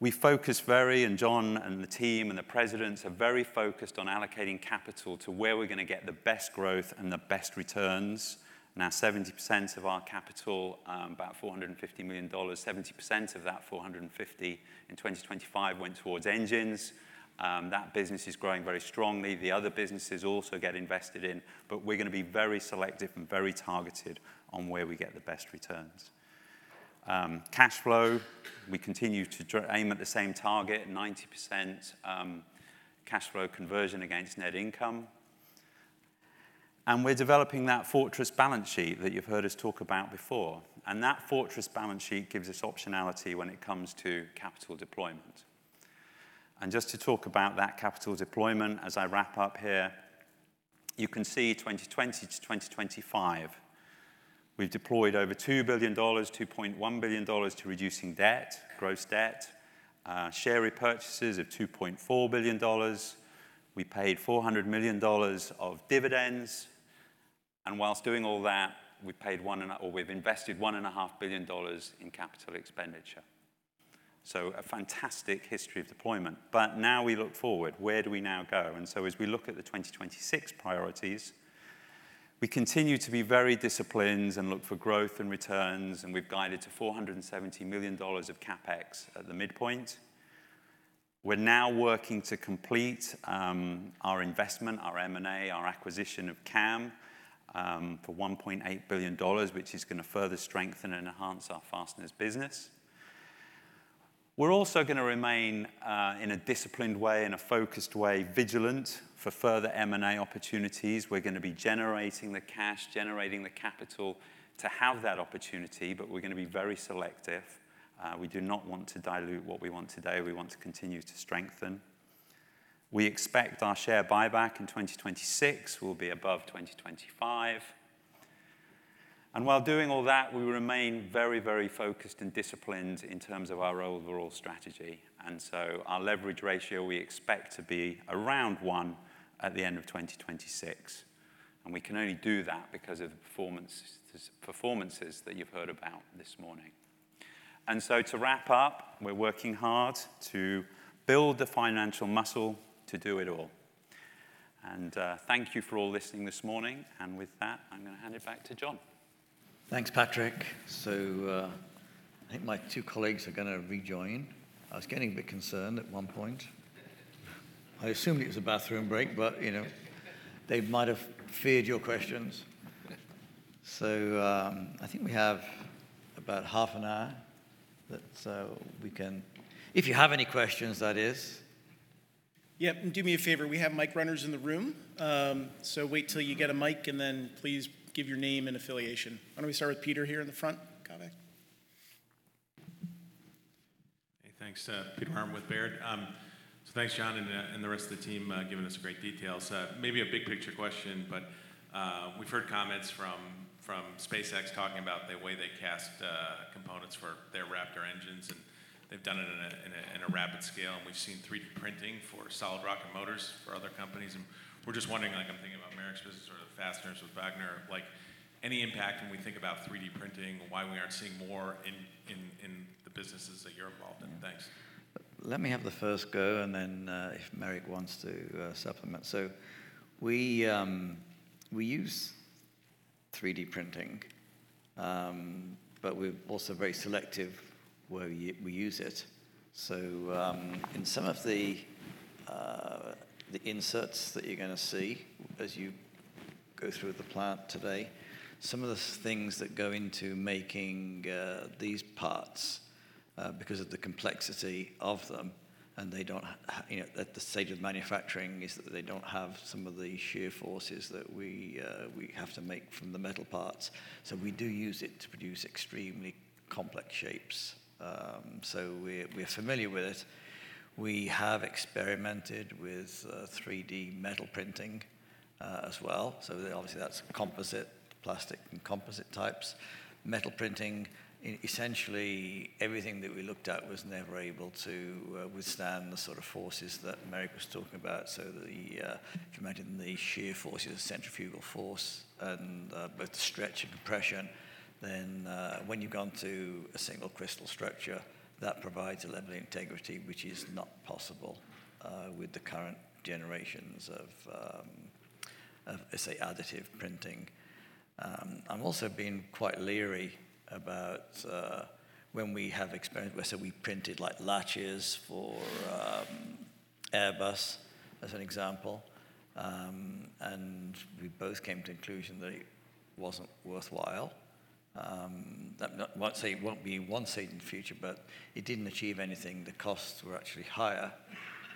We focus very, and John and the team and the presidents are very focused on allocating capital to where we're gonna get the best growth and the best returns. Now, 70% of our capital, about $450 million, 70% of that $450 million in 2025 went towards engines. That business is growing very strongly. The other businesses also get invested in, but we're gonna be very selective and very targeted on where we get the best returns. Cash flow, we continue to aim at the same target, 90%, cash flow conversion against net income. We're developing that fortress balance sheet that you've heard us talk about before. That fortress balance sheet gives us optionality when it comes to capital deployment. Just to talk about that capital deployment as I wrap up here, you can see 2020 to 2025, we've deployed over $2 billion, $2.1 billion to reducing debt, gross debt, share repurchases of $2.4 billion. We paid $400 million of dividends. While doing all that, we've invested $1.5 billion in capital expenditure. A fantastic history of deployment. Now we look forward. Where do we now go? As we look at the 2026 priorities, we continue to be very disciplined and look for growth and returns, and we've guided to $470 million of CapEx at the midpoint. We're now working to complete our investment, our M&A, our acquisition of CAM for $1.8 billion, which is gonna further strengthen and enhance our fasteners business. We're also gonna remain in a disciplined way, in a focused way, vigilant for further M&A opportunities. We're gonna be generating the cash, generating the capital to have that opportunity, but we're gonna be very selective. We do not want to dilute what we want today. We want to continue to strengthen. We expect our share buyback in 2026 will be above 2025. While doing all that, we remain very, very focused and disciplined in terms of our overall strategy. Our leverage ratio, we expect to be around one at the end of 2026. We can only do that because of the performances that you've heard about this morning. To wrap up, we're working hard to build the financial muscle to do it all. Thank you for all listening this morning. With that, I'm gonna hand it back to John. Thanks, Patrick. I think my two colleagues are gonna rejoin. I was getting a bit concerned at one point. I assumed it was a bathroom break, but, you know, they might have feared your questions. I think we have about half an hour that we can. If you have any questions, that is. Yeah. Do me a favor. We have mic runners in the room. Wait till you get a mic, and then please give your name and affiliation. Why don't we start with Peter here in the front. Go ahead. Hey, thanks. Peter Arment with Baird. Thanks, John, and the rest of the team, giving us great details. Maybe a big picture question. We've heard comments from SpaceX talking about the way they cast components for their Raptor engines, and they've done it in a rapid scale. We've seen 3D printing for solid rocket motors for other companies. We're just wondering, like, I'm thinking about Merrick's business or the fasteners with Vagner, like, any impact when we think about 3D printing and why we aren't seeing more in the businesses that you're involved in? Thanks. Let me have the first go, and then, if Merrick wants to supplement. We use 3D printing, but we're also very selective where we use it. In some of the inserts that you're gonna see as you go through the plant today, some of the things that go into making these parts, because of the complexity of them, and they don't, you know, at the stage of manufacturing, they don't have some of the shear forces that we have to make from the metal parts. We do use it to produce extremely complex shapes. We are familiar with it. We have experimented with 3D metal printing as well. Obviously, that's composite plastic and composite types. Metal printing, essentially everything that we looked at was never able to withstand the sort of forces that Merrick was talking about. If you imagine the sheer forces, the centrifugal force, and both the stretch and compression, then when you've gone to a single crystal structure, that provides a level of integrity which is not possible with the current generations of, let's say, additive printing. I'm also been quite leery about when we have. We printed, like, latches for Airbus as an example. We both came to the conclusion that it wasn't worthwhile. I won't say it won't be wanted in future, but it didn't achieve anything. The costs were actually higher.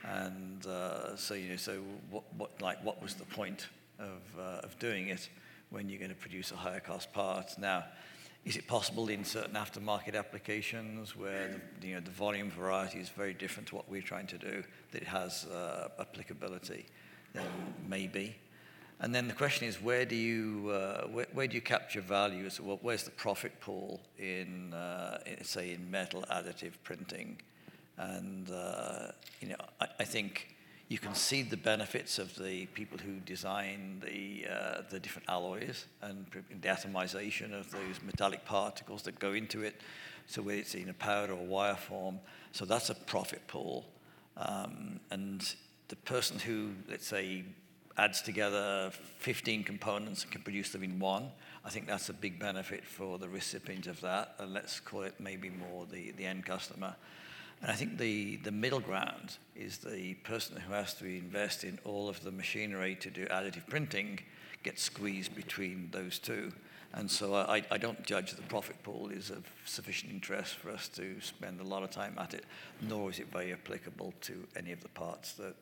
You know, so what. Like, what was the point of doing it when you're gonna produce a higher cost part? Now, is it possible in certain aftermarket applications where, you know, the volume variety is very different to what we're trying to do that it has applicability? Maybe. Then the question is: Where do you capture value? Where's the profit pool in, say, metal additive printing? You know, I think you can see the benefits of the people who design the different alloys and the atomization of those metallic particles that go into it, so whether it's in a powder or a wire form, so that's a profit pool. The person who, let's say, adds together 15 components and can produce them in one, I think that's a big benefit for the recipient of that, and let's call it maybe more the end customer. I think the middle ground is the person who has to invest in all of the machinery to do additive printing gets squeezed between those two. I don't judge the profit pool is of sufficient interest for us to spend a lot of time at it, nor is it very applicable to any of the parts that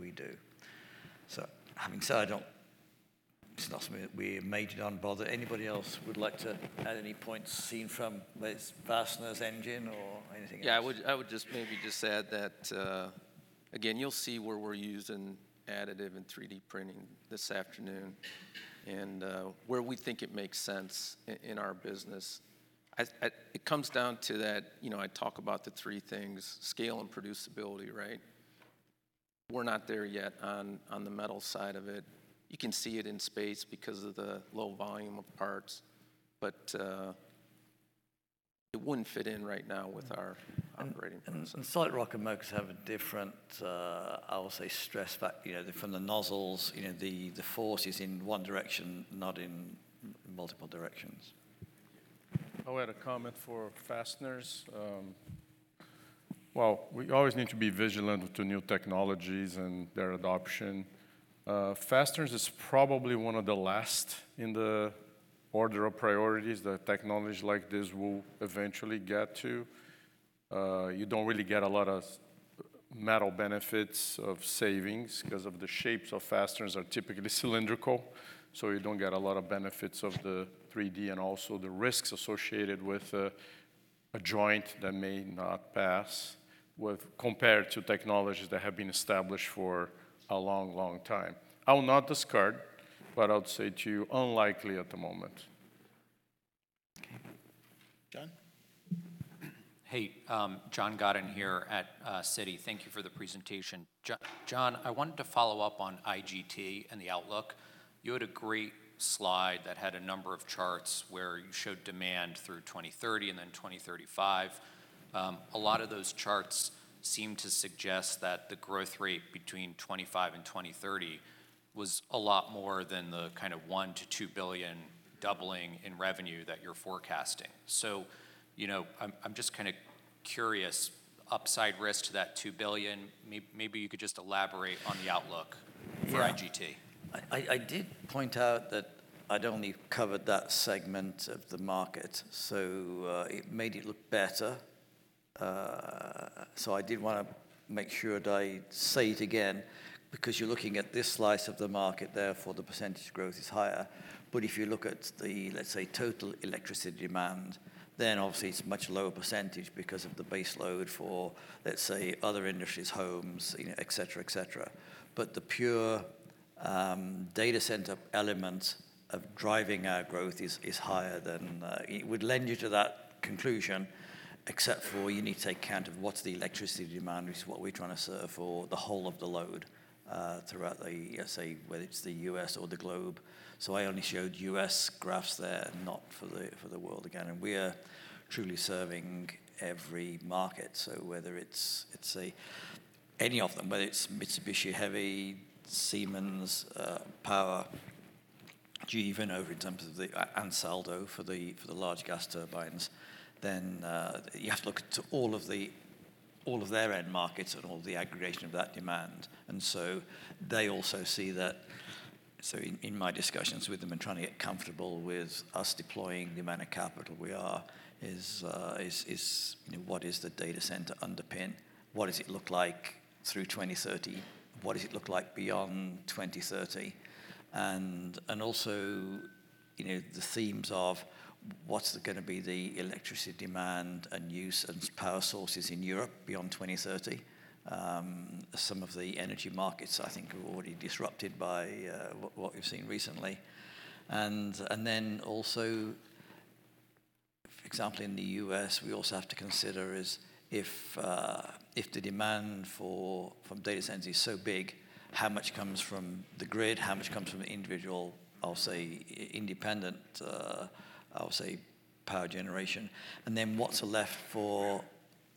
we do. Having said that, it's not something that we're majorly bothered. Anybody else would like to add any points seen from fasteners, engine, or anything else? Yeah. I would just maybe add that, again, you'll see where we're using additive and 3D printing this afternoon and, where we think it makes sense in our business. It comes down to that, you know. I talk about the three things, scale and producibility, right? We're not there yet on the metal side of it. You can see it in space because of the low volume of parts, but it wouldn't fit in right now with our operating business. Solid rocket motors have a different. I'll say stress factor, you know, from the nozzles, you know, the force is in one direction, not in multiple directions. I would add a comment for fasteners. Well, we always need to be vigilant to new technologies and their adoption. Fasteners is probably one of the last in the order of priorities that technology like this will eventually get to. You don't really get a lot of metal benefits of savings 'cause of the shapes of fasteners are typically cylindrical, so you don't get a lot of benefits of the 3D and also the risks associated with a joint that may not pass compared to technologies that have been established for a long, long time. I will not discard, but I'll say to you, unlikely at the moment. Okay. John? Hey, John Godyn here at Citigroup. Thank you for the presentation. John, I wanted to follow up on IGT and the outlook. You had a great slide that had a number of charts where you showed demand through 2030 and then 2035. A lot of those charts seem to suggest that the growth rate between 2025 and 2030 was a lot more than the kind of $1 billion-$2 billion doubling in revenue that you're forecasting. You know, I'm just kinda curious, upside risk to that $2 billion, maybe you could just elaborate on the outlook. Yeah for IGT. I did point out that I'd only covered that segment of the market. It made it look better. I did wanna make sure that I say it again, because you're looking at this slice of the market, therefore the percentage growth is higher. If you look at the, let's say, total electricity demand, then obviously it's much lower percentage because of the base load for, let's say, other industries, homes, you know, et cetera, et cetera. The pure data center element of driving our growth is higher than. It would lend you to that conclusion, except for you need to take account of what's the electricity demand, which is what we're trying to serve for the whole of the load, throughout the, let's say, whether it's the US or the globe. I only showed U.S. graphs there, not for the world, again. We are truly serving every market. Whether it's, let's say, any of them, whether it's Mitsubishi Heavy Industries, Siemens Energy, GE Vernova in terms of the Ansaldo Energia for the large gas turbines, then you have to look to all of their end markets and all the aggregation of that demand. They also see that. In my discussions with them and trying to get comfortable with us deploying the amount of capital we are is, you know, what is the data center underpin? What does it look like through 2030? What does it look like beyond 2030? you know, the themes of what's gonna be the electricity demand and use and power sources in Europe beyond 2030. Some of the energy markets, I think, are already disrupted by what we've seen recently. For example, in the US, we also have to consider is if the demand for, from data centers is so big, how much comes from the grid? How much comes from individual, I'll say independent power generation. What's left for,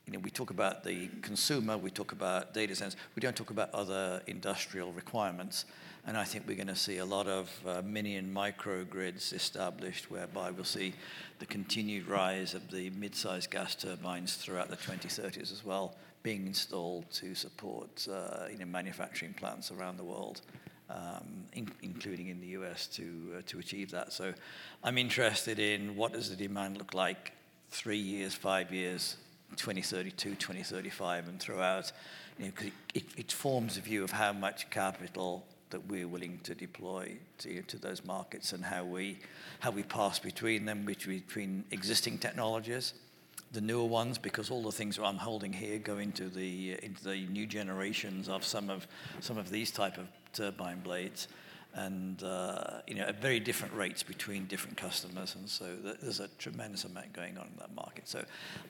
you know, we talk about the consumer, we talk about data centers, we don't talk about other industrial requirements. I think we're gonna see a lot of mini and micro grids established whereby we'll see the continued rise of the mid-sized gas turbines throughout the 2030s as well, being installed to support you know manufacturing plants around the world, including in the US to achieve that. I'm interested in what does the demand look like 3 years, 5 years, 2032, 2035, and throughout. You know, cause it forms a view of how much capital that we're willing to deploy to those markets and how we pass between them, between existing technologies, the newer ones, because all the things that I'm holding here go into the new generations of some of these type of turbine blades and, you know, at very different rates between different customers, and so there's a tremendous amount going on in that market. I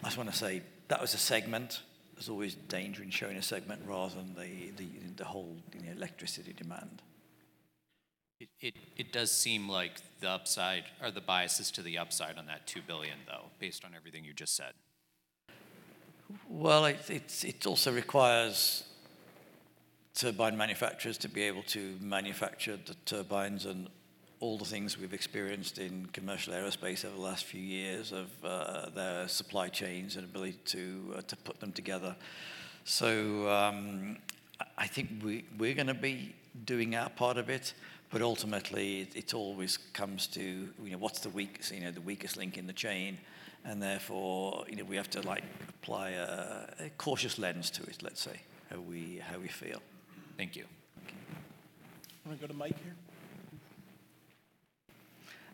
just wanna say that was a segment. There's always danger in showing a segment rather than the whole, you know, electricity demand. It does seem like the upside or the bias is to the upside on that $2 billion though, based on everything you just said. Well, it also requires turbine manufacturers to be able to manufacture the turbines and all the things we've experienced in commercial aerospace over the last few years, their supply chains and ability to put them together. I think we're gonna be doing our part of it, but ultimately it always comes to, you know, what's the weakest link in the chain, and therefore, you know, we have to, like, apply a cautious lens to it, let's say, how we feel. Thank you. Okay. I'm gonna go to Mike here.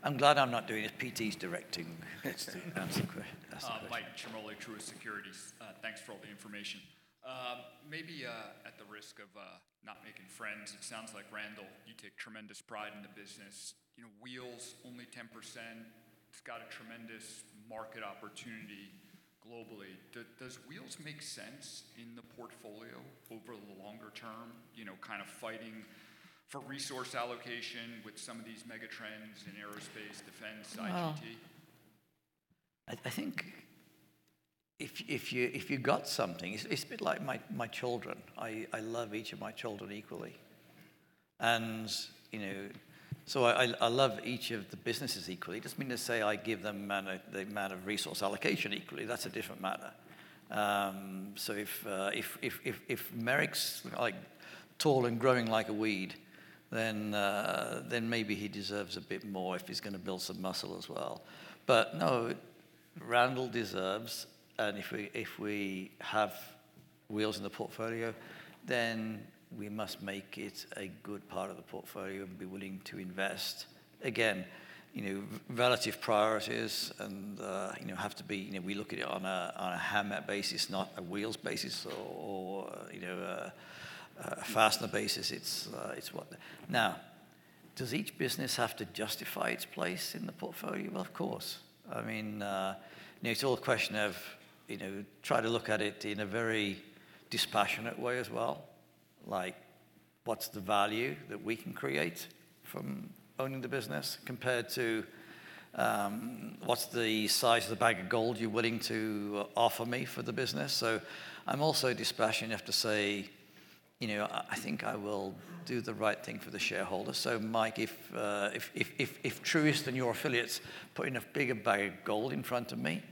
I'm glad I'm not doing this. Peter's directing us to answer the question. Michael Ciarmoli, Truist Securities. Thanks for all the information. Maybe at the risk of not making friends, it sounds like Randall, you take tremendous pride in the business. You know, Wheels only 10%. It's got a tremendous market opportunity globally. Does Wheels make sense in the portfolio over the longer term? You know, kind of fighting for resource allocation with some of these mega trends in aerospace, defense, ICT? Well, I think if you've got something, it's a bit like my children. I love each of my children equally. You know, I love each of the businesses equally. It doesn't mean to say I give them the amount of resource allocation equally. That's a different matter. If Merrick's like tall and growing like a weed, then maybe he deserves a bit more if he's gonna build some muscle as well. No, Randall deserves, and if we have Wheels in the portfolio, then we must make it a good part of the portfolio and be willing to invest. Again, you know, relative priorities and, you know, have to be, you know, we look at it on a Howmet basis, not a Wheels basis or you know a fastener basis. Now, does each business have to justify its place in the portfolio? Of course. I mean, you know, it's all a question of, you know, try to look at it in a very dispassionate way as well. Like, what's the value that we can create from owning the business compared to, what's the size of the bag of gold you're willing to offer me for the business? I'm also dispassionate enough to say, you know, I think I will do the right thing for the shareholder. Mike, if Truist and your affiliates put a bigger bag of gold in front of me,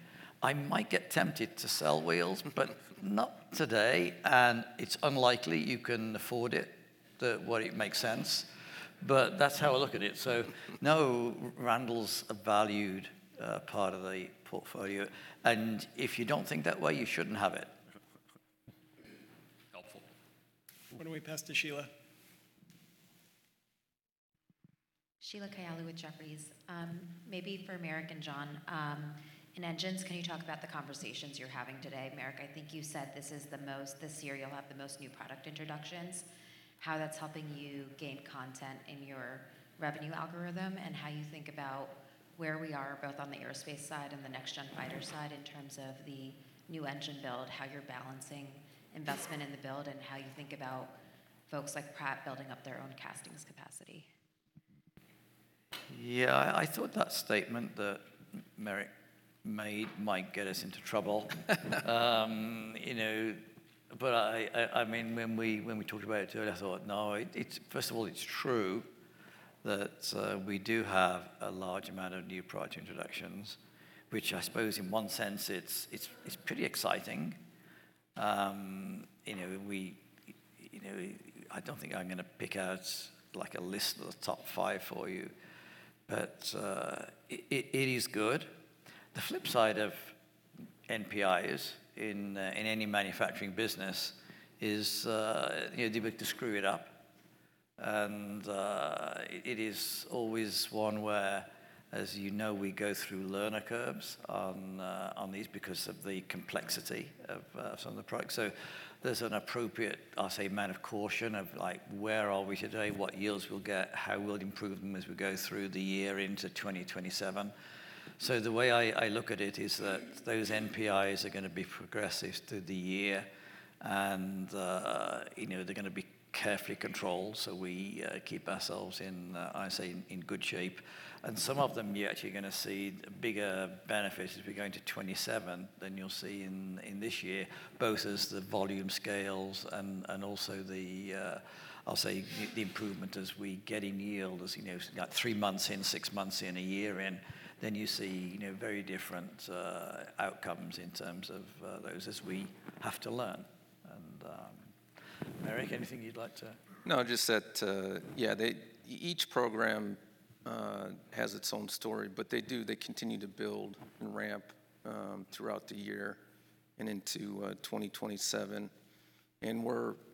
I might get tempted to sell Wheels, but not today, and it's unlikely you can afford it, the way it makes sense. That's how I look at it. No, Randall's a valued part of the portfolio. If you don't think that way, you shouldn't have it. Helpful. Why don't we pass to Sheila? Sheila Kahyaoglu with Jefferies. Maybe for Merrick and John, in engines, can you talk about the conversations you're having today? Merrick, I think you said this is the most, this year you'll have the most new product introductions. How that's helping you gain content in your revenue algorithm, and how you think about where we are both on the aerospace side and the next gen fighter side in terms of the new engine build, how you're balancing investment in the build, and how you think about folks like Pratt & Whitney building up their own castings capacity. Yeah, I thought that statement that Merrick made might get us into trouble. You know, but I mean, when we talked about it earlier, I thought, no, it's first of all, it's true that we do have a large amount of new product introductions, which I suppose in one sense, it's pretty exciting. You know, I don't think I'm gonna pick out, like, a list of the top five for you, but it is good. The flip side of NPIs in any manufacturing business is, you know, the ability to screw it up. It is always one where, as you know, we go through learning curves on these because of the complexity of some of the products. There's an appropriate, I'll say, amount of caution of like, where are we today? What yields we'll get? How we'll improve them as we go through the year into 2027. The way I look at it is that those NPIs are gonna be progressive through the year and, you know, they're gonna be carefully controlled, so we keep ourselves in, I say, in good shape. Some of them, you're actually gonna see bigger benefits as we go into 2027 than you'll see in this year, both as the volume scales and also the, I'll say, the improvement as we get in yield, as you know, like three months in, six months in, a year in. You see, you know, very different outcomes in terms of those as we have to learn. Merrick, anything you'd like to? No, just that each program has its own story, but they do, they continue to build and ramp throughout the year and into 2027. You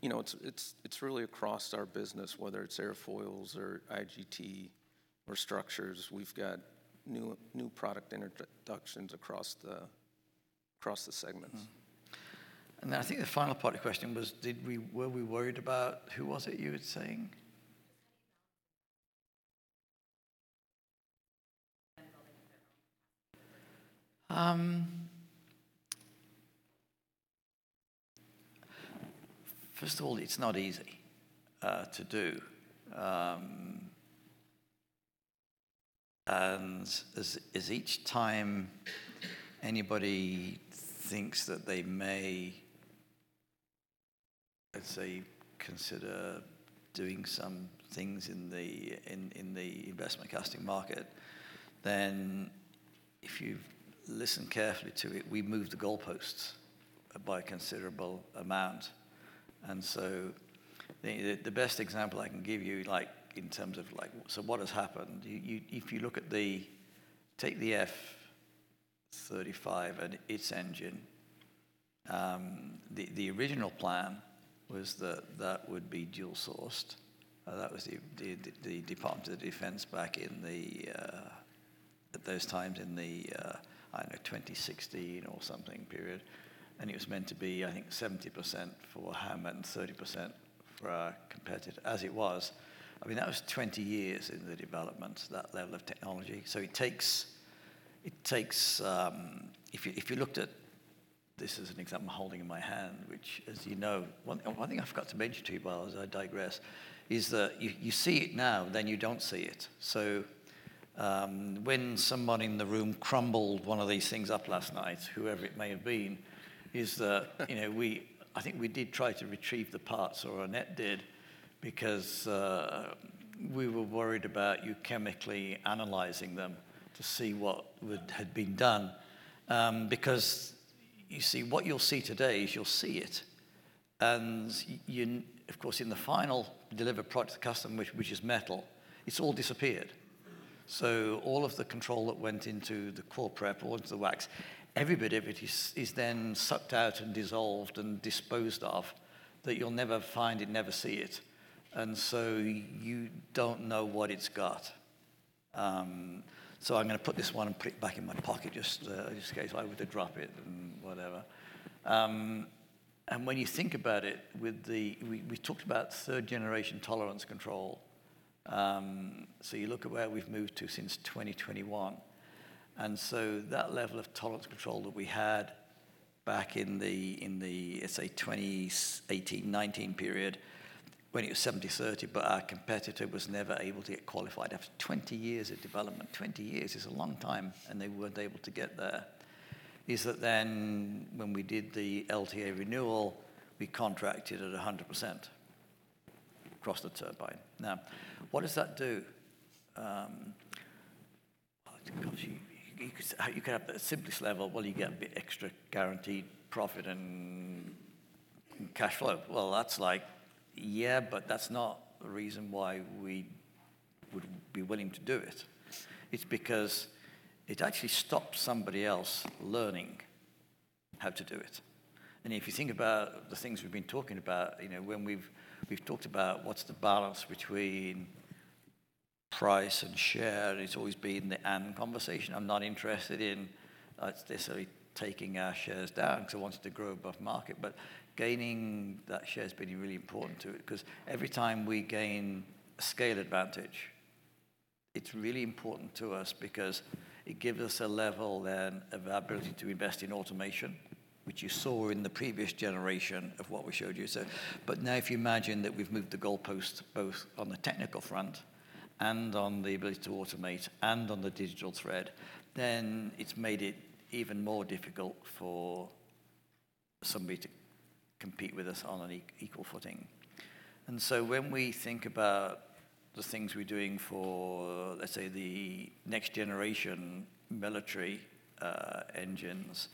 know, it's really across our business, whether it's airfoils or IGT or structures. We've got new product introductions across the segments. I think the final part of the question was, were we worried about who it was you were saying? First of all, it's not easy to do. As each time anybody thinks that they may, let's say, consider doing some things in the investment casting market, if you've listened carefully to it, we move the goalposts by a considerable amount. The best example I can give you, like, in terms of like, so what has happened, you take the F-35 and its engine, the original plan was that that would be dual-sourced. That was the Department of Defense back in, at those times in the, I don't know, 2016 or something period. It was meant to be, I think, 70% for Hammond, 30% for our competitor. As it was, I mean, that was 20 years in the development, that level of technology. It takes. If you looked at this as an example I'm holding in my hand, which, as you know, one thing I forgot to mention to you, but as I digress, is that you see it now, then you don't see it. When someone in the room crumbled one of these things up last night, whoever it may have been, is that, you know, we I think we did try to retrieve the parts, or Annette did, because we were worried about you chemically analyzing them to see what would had been done. Because you see, what you'll see today is you'll see it, and of course, in the final delivered product to the customer, which is metal, it's all disappeared. So all of the control that went into the core prep or into the wax, every bit of it is then sucked out and dissolved and disposed of, that you'll never find it, never see it. You don't know what it's got. So I'm gonna put this one and put it back in my pocket just in case I were to drop it and whatever. When you think about it, we talked about third generation tolerance control. You look at where we've moved to since 2021, and that level of tolerance control that we had back in the, let's say, 2018, 2019 period, when it was 70/30, but our competitor was never able to get qualified after 20 years of development. 20 years is a long time, and they weren't able to get there. That then when we did the LTA renewal, we contracted at 100% across the turbine. Now, what does that do? You could have the simplest level. Well, you get a bit extra guaranteed profit and cash flow. Well, that's like, yeah, but that's not the reason why we would be willing to do it. It's because it actually stops somebody else learning how to do it. If you think about the things we've been talking about, you know, when we've talked about what's the balance between price and share, and it's always been the and conversation. I'm not interested in necessarily taking our shares down 'cause I want it to grow above market. But gaining that share has been really important to it 'cause every time we gain a scale advantage, it's really important to us because it gives us a level then of our ability to invest in automation, which you saw in the previous generation of what we showed you. But now if you imagine that we've moved the goalposts both on the technical front and on the ability to automate and on the digital thread, then it's made it even more difficult for somebody to compete with us on an equal footing. When we think about the things we're doing for, let's say, the next generation military engines,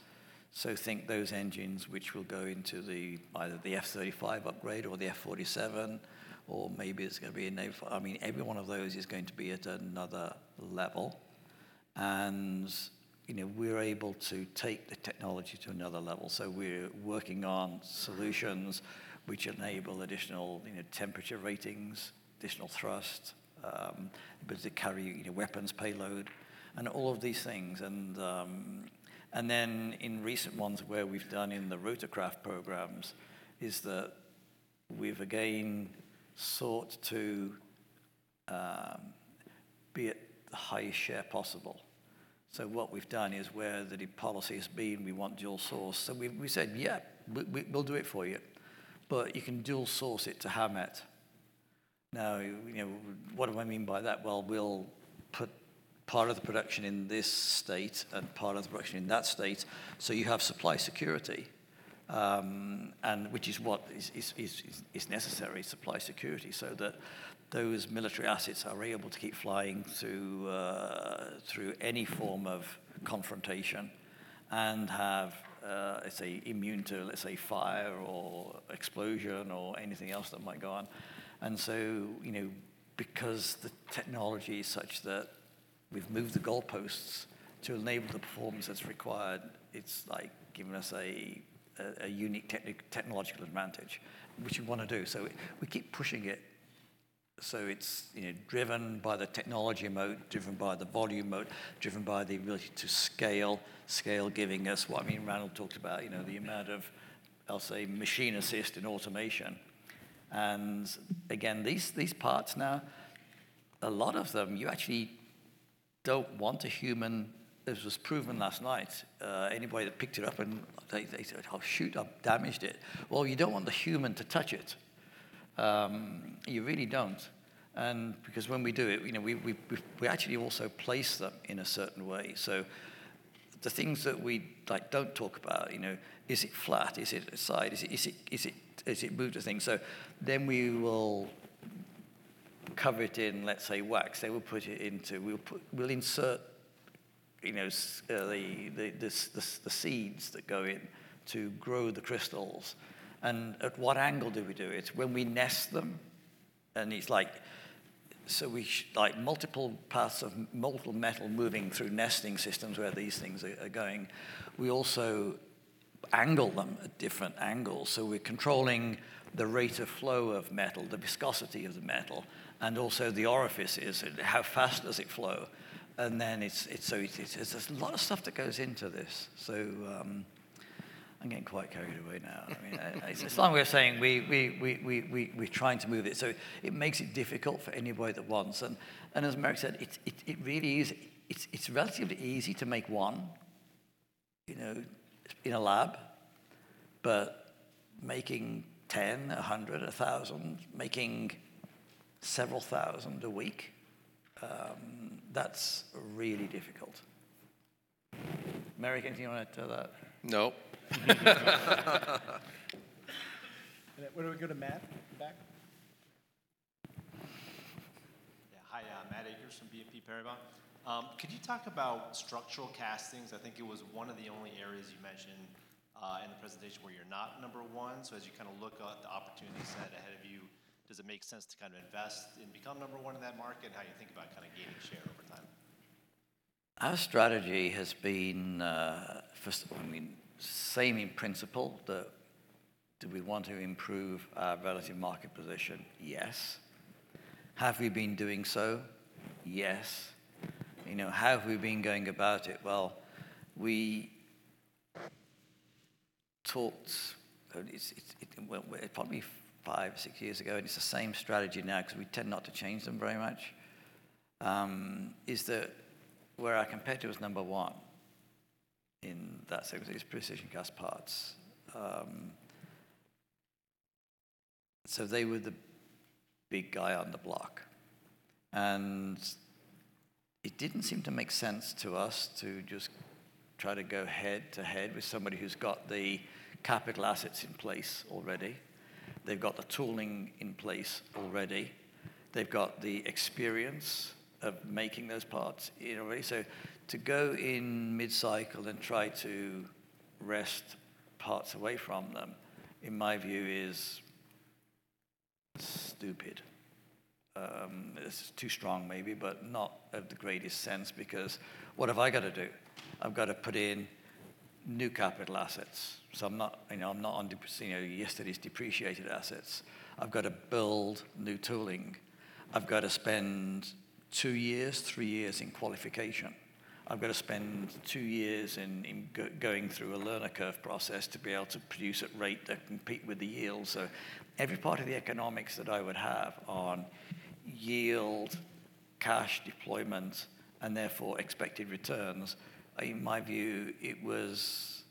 think those engines which will go into either the F-35 upgrade or the F-47, or maybe it's gonna be, I mean, every one of those is going to be at another level. You know, we're able to take the technology to another level. We're working on solutions which enable additional, you know, temperature ratings, additional thrust, ability to carry, you know, weapons payload, and all of these things. Then in recent ones what we've done in the rotorcraft programs is that we've again sought to be at the highest share possible. What we've done is where the policy has been, we want dual source. We said, "Yeah, we'll do it for you, but you can dual source it to Howmet." Now, you know, what do I mean by that? Well, we'll put part of the production in this state and part of the production in that state, so you have supply security, and which is what is necessary, supply security, so that those military assets are able to keep flying through any form of confrontation and have, let's say, immune to, let's say, fire or explosion or anything else that might go on. You know, because the technology is such that we've moved the goalposts to enable the performance that's required, it's like given us a unique technological advantage, which you wanna do. We keep pushing it so it's, you know, driven by the technology mode, driven by the volume mode, driven by the ability to scale giving us what, I mean, Randall talked about, you know, the amount of, I'll say, machine assist and automation. Again, these parts now, a lot of them you actually don't want a human. This was proven last night. Anybody that picked it up and they said, "Oh, shoot, I've damaged it." Well, you don't want the human to touch it. You really don't. Because when we do it, you know, we actually also place them in a certain way. The things that we, like, don't talk about, you know, is it flat? Is it aside? Is it moved a thing? We will cover it in, let's say, wax. We'll insert, you know, the seeds that go in to grow the crystals. At what angle do we do it? When we nest them, and it's like multiple paths of multiple metal moving through nesting systems where these things are going. We also angle them at different angles, so we're controlling the rate of flow of metal, the viscosity of the metal, and also the orifices, how fast does it flow. It's so. It's, there's a lot of stuff that goes into this. I'm getting quite carried away now. I mean, as long as we're saying we're trying to move it. It makes it difficult for anybody that wants. As Merrick said, it really is, it's relatively easy to make one, you know, in a lab. But making 10, 100, 1,000, making several thousand a week, that's really difficult. Merrick, anything you wanna add to that? Nope. Why don't we go to Matt at the back? Yeah. Hi, Matthew Akers from BNP Paribas. Could you talk about structural castings? I think it was one of the only areas you mentioned in the presentation where you're not number one. As you kinda look at the opportunity set ahead of you, does it make sense to kind of invest and become number one in that market? How do you think about kinda gaining share over time? Our strategy has been, first of all, I mean, same in principle that do we want to improve our relative market position? Yes. Have we been doing so? Yes. You know, have we been going about it? Well, we talked. Well, probably 5, 6 years ago, and it's the same strategy now 'cause we tend not to change them very much, is that where our competitor was number one in that segment is Precision Castparts. So they were the big guy on the block. It didn't seem to make sense to us to just try to go head-to-head with somebody who's got the capital assets in place already. They've got the tooling in place already. They've got the experience of making those parts, you know. To go in mid-cycle and try to wrest parts away from them, in my view, is stupid. It's too strong maybe, but not of the greatest sense because what have I gotta do? I've gotta put in new capital assets. I'm not, you know, I'm not on yesterday's depreciated assets. I've gotta build new tooling. I've gotta spend 2 years, 3 years in qualification. I've gotta spend 2 years in going through a learning curve process to be able to produce at rate to compete with the yield. Every part of the economics that I would have on yield, cash deployment, and therefore expected returns, in my view, it was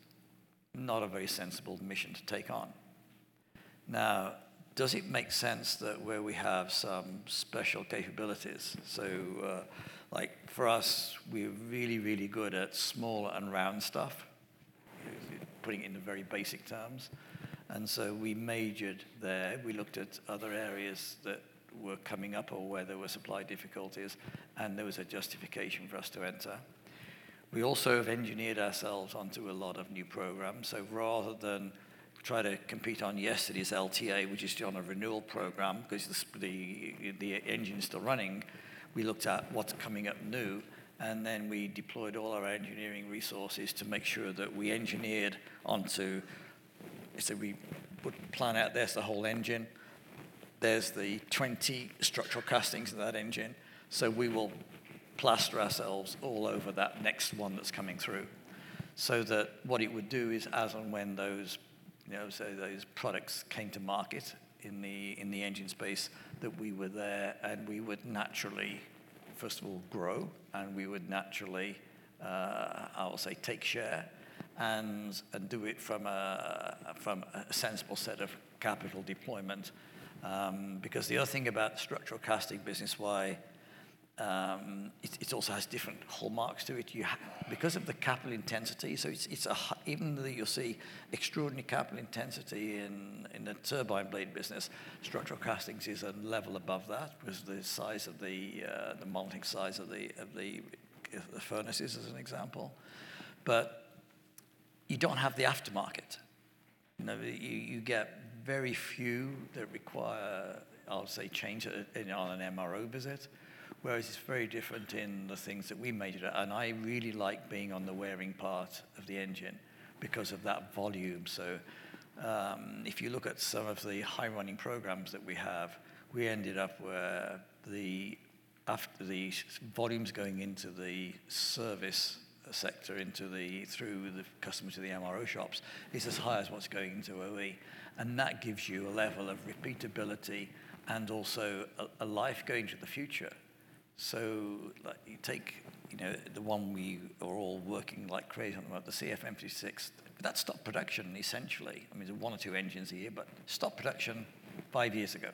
not a very sensible mission to take on. Now, does it make sense that where we have some special capabilities? Like for us, we're really good at small and round stuff, putting it into very basic terms. We majored there. We looked at other areas that were coming up or where there were supply difficulties, and there was a justification for us to enter. We also have engineered ourselves onto a lot of new programs. Rather than try to compete on yesterday's LTA, which is still on a renewal program 'cause the engine's still running, we looked at what's coming up new, and then we deployed all our engineering resources to make sure that we engineered onto. We would plan out, there's the whole engine, there's the 20 structural castings of that engine. We will plaster ourselves all over that next one that's coming through, so that what it would do is as and when those, you know, say, those products came to market in the engine space, that we were there and we would naturally, first of all grow, and we would naturally, I will say take share and do it from a sensible set of capital deployment. Because the other thing about the structural castings business why it also has different hallmarks to it because of the capital intensity, so it's a high even though you'll see extraordinary capital intensity in the turbine blade business, structural castings is a level above that because the size of the mounting size of the furnaces as an example. You don't have the aftermarket. You know, you get very few that require, I'll say, change on an MRO visit, whereas it's very different in the things that we major. I really like being on the wearing part of the engine because of that volume. If you look at some of the high running programs that we have, we ended up after the volumes going into the service sector, through the customers to the MRO shops, is as high as what's going into OE. That gives you a level of repeatability and also a life going to the future. Like you take, you know, the one we are all working like crazy on, the CFM56, that stopped production essentially. I mean, there's one or two engines a year, but stopped production five years ago.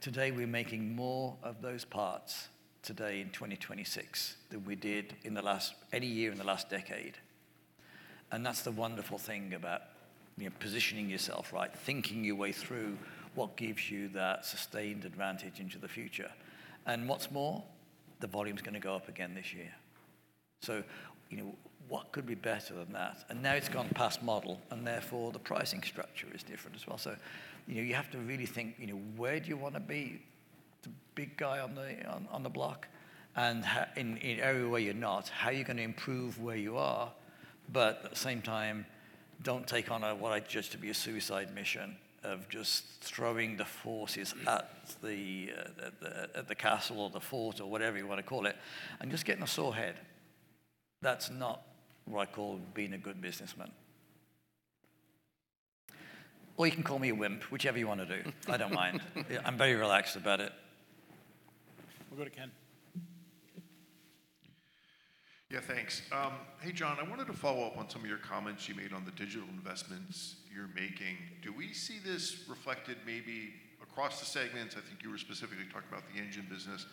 Today, we're making more of those parts today in 2026 than we did in the last any year in the last decade. That's the wonderful thing about, you know, positioning yourself right, thinking your way through what gives you that sustained advantage into the future. What's more, the volume's gonna go up again this year. You know, what could be better than that? Now it's gone past model, and therefore the pricing structure is different as well. You know, you have to really think, you know, where do you wanna be the big guy on the block? In every way you're not, how are you gonna improve where you are? At the same time, don't take on a, what I judge to be a suicide mission of just throwing the forces at the castle or the fort or whatever you wanna call it, and just getting a sore head. That's not what I call being a good businessman. Or you can call me a wimp, whichever you wanna do. I don't mind. Yeah, I'm very relaxed about it. We'll go to Ken. Yeah, thanks. Hey, John. I wanted to follow up on some of your comments you made on the digital investments you're making. Do we see this reflected maybe across the segments? I think you were specifically talking about the engine business.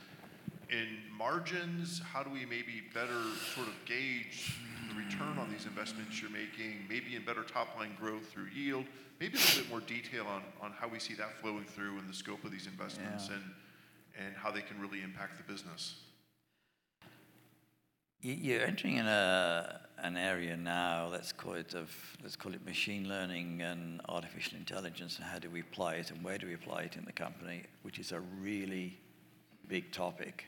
In margins, how do we maybe better sort of gauge the return on these investments you're making, maybe in better top-line growth through yield? Maybe a little bit more detail on how we see that flowing through in the scope of these investments. Yeah how they can really impact the business. You're entering in an area now, let's call it machine learning and artificial intelligence, and how do we apply it and where do we apply it in the company, which is a really big topic.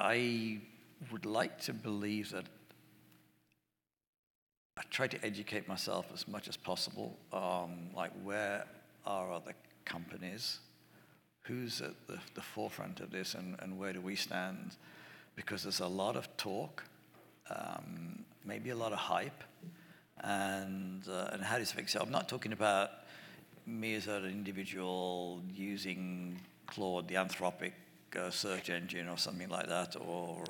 I would like to believe that I try to educate myself as much as possible, like where are other companies, who's at the forefront of this and where do we stand? Because there's a lot of talk, maybe a lot of hype and how does it fix it? I'm not talking about me as an individual using Claude, the Anthropic search engine or something like that, or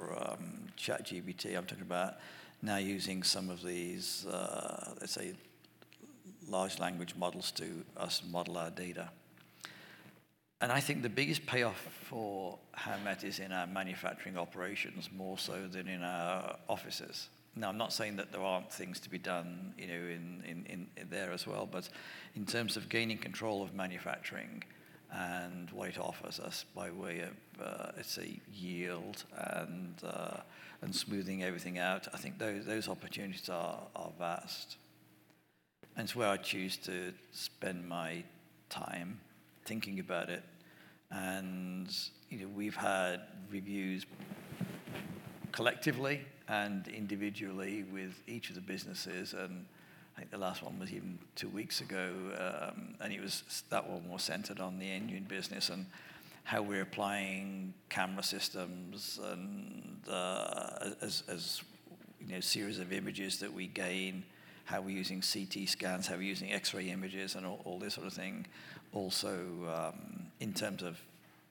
ChatGPT. I'm talking about now using some of these, let's say large language models to model our data. I think the biggest payoff for Howmet is in our manufacturing operations more so than in our offices. Now, I'm not saying that there aren't things to be done, you know, in there as well, but in terms of gaining control of manufacturing and what it offers us by way of, let's say yield and smoothing everything out, I think those opportunities are vast. It's where I choose to spend my time thinking about it. You know, we've had reviews collectively and individually with each of the businesses, and I think the last one was even two weeks ago, and it was that one more centered on the engine business and how we're applying camera systems and, as you know, series of images that we gain, how we're using CT scans, how we're using X-ray images and all this sort of thing. Also, in terms of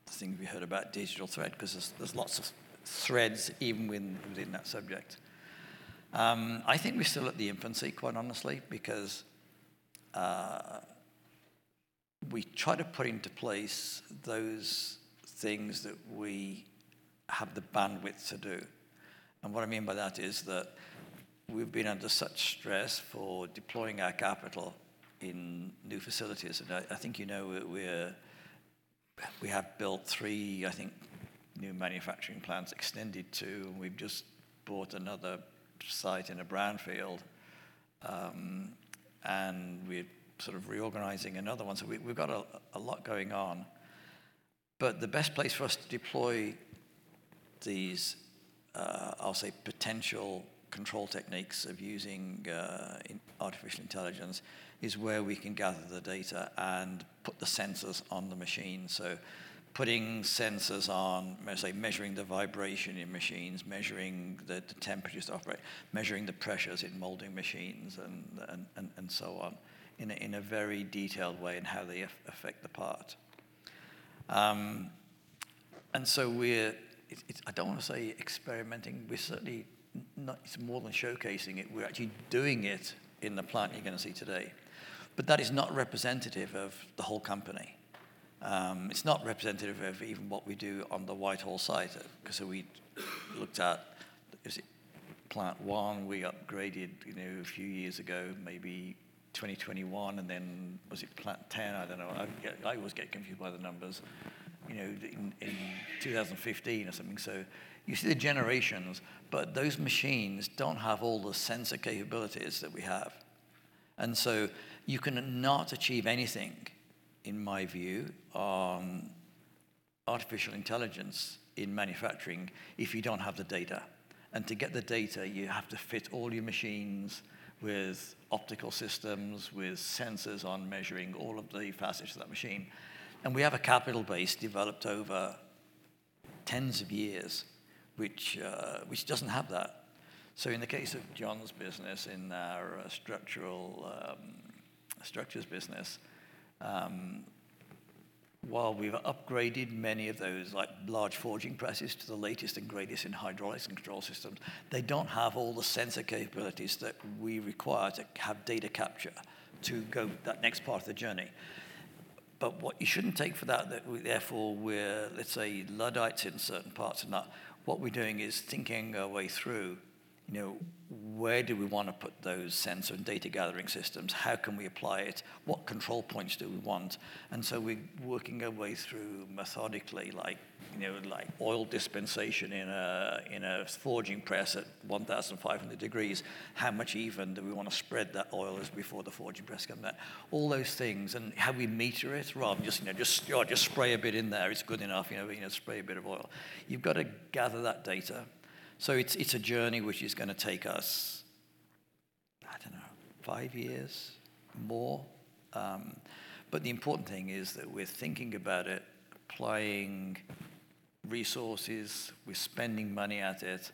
the things we heard about digital thread, 'cause there's lots of threads even within that subject. I think we're still in its infancy, quite honestly, because we try to put into place those things that we have the bandwidth to do. What I mean by that is that we've been under such stress for deploying our capital in new facilities, and I think, you know, we have built three, I think, new manufacturing plants, extended two, and we've just bought another site in a brownfield. We're sort of reorganizing another one, so we've got a lot going on. The best place for us to deploy these, I'll say potential control techniques of using artificial intelligence is where we can gather the data and put the sensors on the machine. Putting sensors on, say, measuring the vibration in machines, measuring the temperatures to operate, measuring the pressures in molding machines and so on in a very detailed way in how they affect the part. We're I don't wanna say experimenting. We're certainly not. It's more than showcasing it, we're actually doing it in the plant you're gonna see today. That is not representative of the whole company. It's not representative of even what we do on the Whitehall site. Because, so we looked at, is it Plant 1 we upgraded, you know, a few years ago, maybe 2021. Then was it Plant 10? I don't know. I always get confused by the numbers. You know, in 2015 or something. You see the generations, but those machines don't have all the sensor capabilities that we have. You cannot achieve anything, in my view, on artificial intelligence in manufacturing if you don't have the data. To get the data, you have to fit all your machines with optical systems, with sensors on measuring all of the facets of that machine. We have a capital base developed over tens of years which doesn't have that. In the case of John Wall's business, in our Engineered Structures business, while we've upgraded many of those, like large forging presses to the latest and greatest in hydraulics and control systems, they don't have all the sensor capabilities that we require to have data capture to go that next part of the journey. What you shouldn't take from that is that we're, let's say, Luddites in certain parts. We are not. What we're doing is thinking our way through, you know, where do we wanna put those sensor and data gathering systems? How can we apply it? What control points do we want? We're working our way through methodically, like, you know, like oil dispensation in a forging press at 1,500 degrees. How much even do we wanna spread that oil is before the forging press come out? All those things. And how we meter it rather than just, you know, just, oh, just spray a bit in there. It's good enough, you know, we're gonna spray a bit of oil. You've got to gather that data. It's a journey which is gonna take us, I don't know, 5 years, more. The important thing is that we're thinking about it, applying resources, we're spending money at it,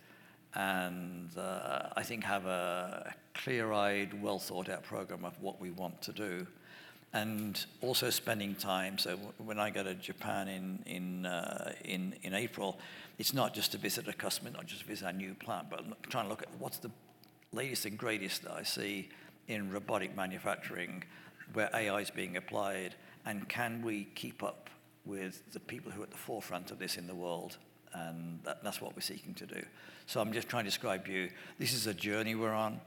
and I think have a clear-eyed, well-thought-out program of what we want to do. Spending time when I go to Japan in April, it's not just to visit a customer, not just to visit our new plant, but trying to look at what's the latest and greatest that I see in robotic manufacturing where AI's being applied, and can we keep up with the people who are at the forefront of this in the world? That's what we're seeking to do. I'm just trying to describe to you, this is a journey we're on.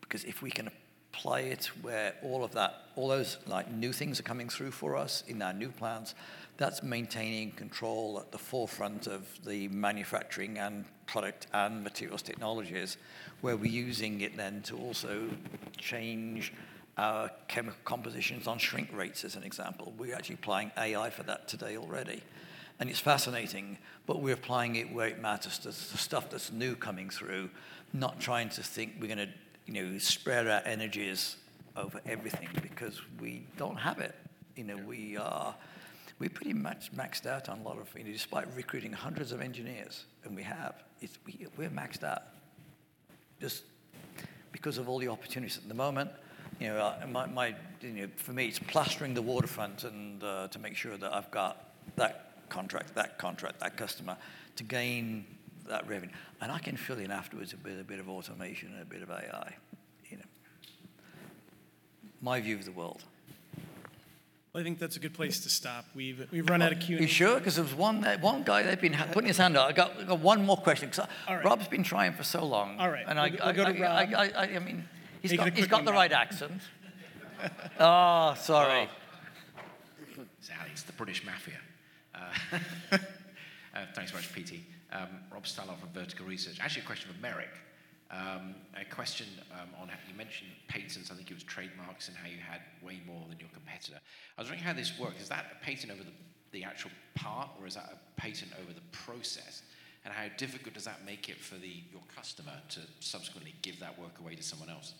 Because if we can apply it where all of that, all those like new things are coming through for us in our new plants, that's maintaining control at the forefront of the manufacturing and product and materials technologies, where we're using it then to also change our chemical compositions on shrink rates, as an example. We're actually applying AI for that today already. It's fascinating, but we're applying it where it matters to stuff that's new coming through, not trying to think we're gonna, you know, spread our energies over everything because we don't have it. You know, we're pretty much maxed out on a lot of. Despite recruiting hundreds of engineers, we're maxed out just because of all the opportunities at the moment. You know, my you know, for me, it's plastering the waterfront and to make sure that I've got that contract, that customer to gain that revenue. I can fill in afterwards a bit of automation and a bit of AI, you know. My view of the world. Well, I think that's a good place to stop. We've run out of Q&A. You sure? 'Cause there's one guy there been putting his hand up. I got one more question 'cause. All right. Rob's been trying for so long. All right. We'll go to Rob. I mean, he's got the right accent. Oh, sorry. It's Alex, the British mafia. Thanks very much, Peter Arment. Robert Stallard from Vertical Research Partners. Actually, a question for Merrick Murphy. You mentioned patents, I think it was trademarks, and how you had way more than your competitor. I was wondering how this works. Is that a patent over the actual part, or is that a patent over the process? And how difficult does that make it for your customer to subsequently give that work away to someone else?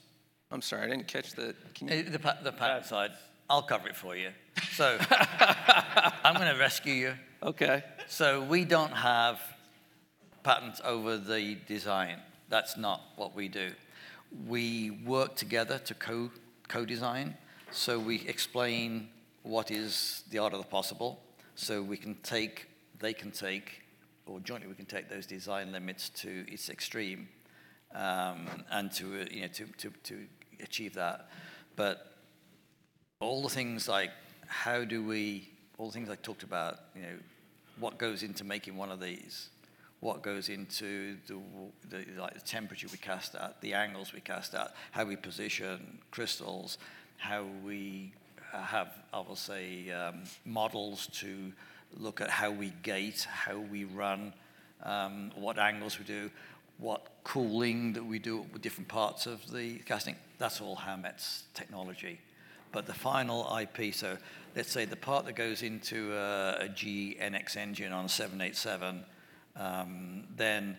I'm sorry, I didn't catch the. Can you? The patent side. I'll cover it for you. I'm gonna rescue you. Okay. We don't have patents over the design. That's not what we do. We work together to co-design, so we explain what is the art of the possible. We can take, they can take, or jointly we can take those design limits to its extreme, and to achieve that. All the things I talked about, what goes into making one of these? What goes into the temperature we cast at, the angles we cast at, how we position crystals, how we have, I will say, models to look at how we gate, how we run, what angles we do, what cooling that we do with different parts of the casting, that's all Howmet's technology. The final IP, so let's say the part that goes into a GEnx engine on a 787, then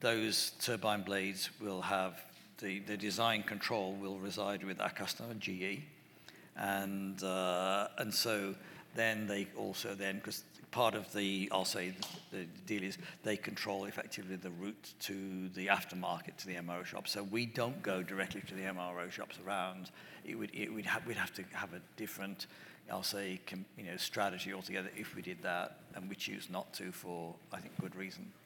those turbine blades will have the design control reside with our customer, GE. They also then, 'cause part of the deal is they control effectively the route to the aftermarket, to the MRO shop. We don't go directly to the MRO shops around. We'd have to have a different, I'll say, commercial, you know, strategy altogether if we did that, and we choose not to for, I think, good reason. Thank you.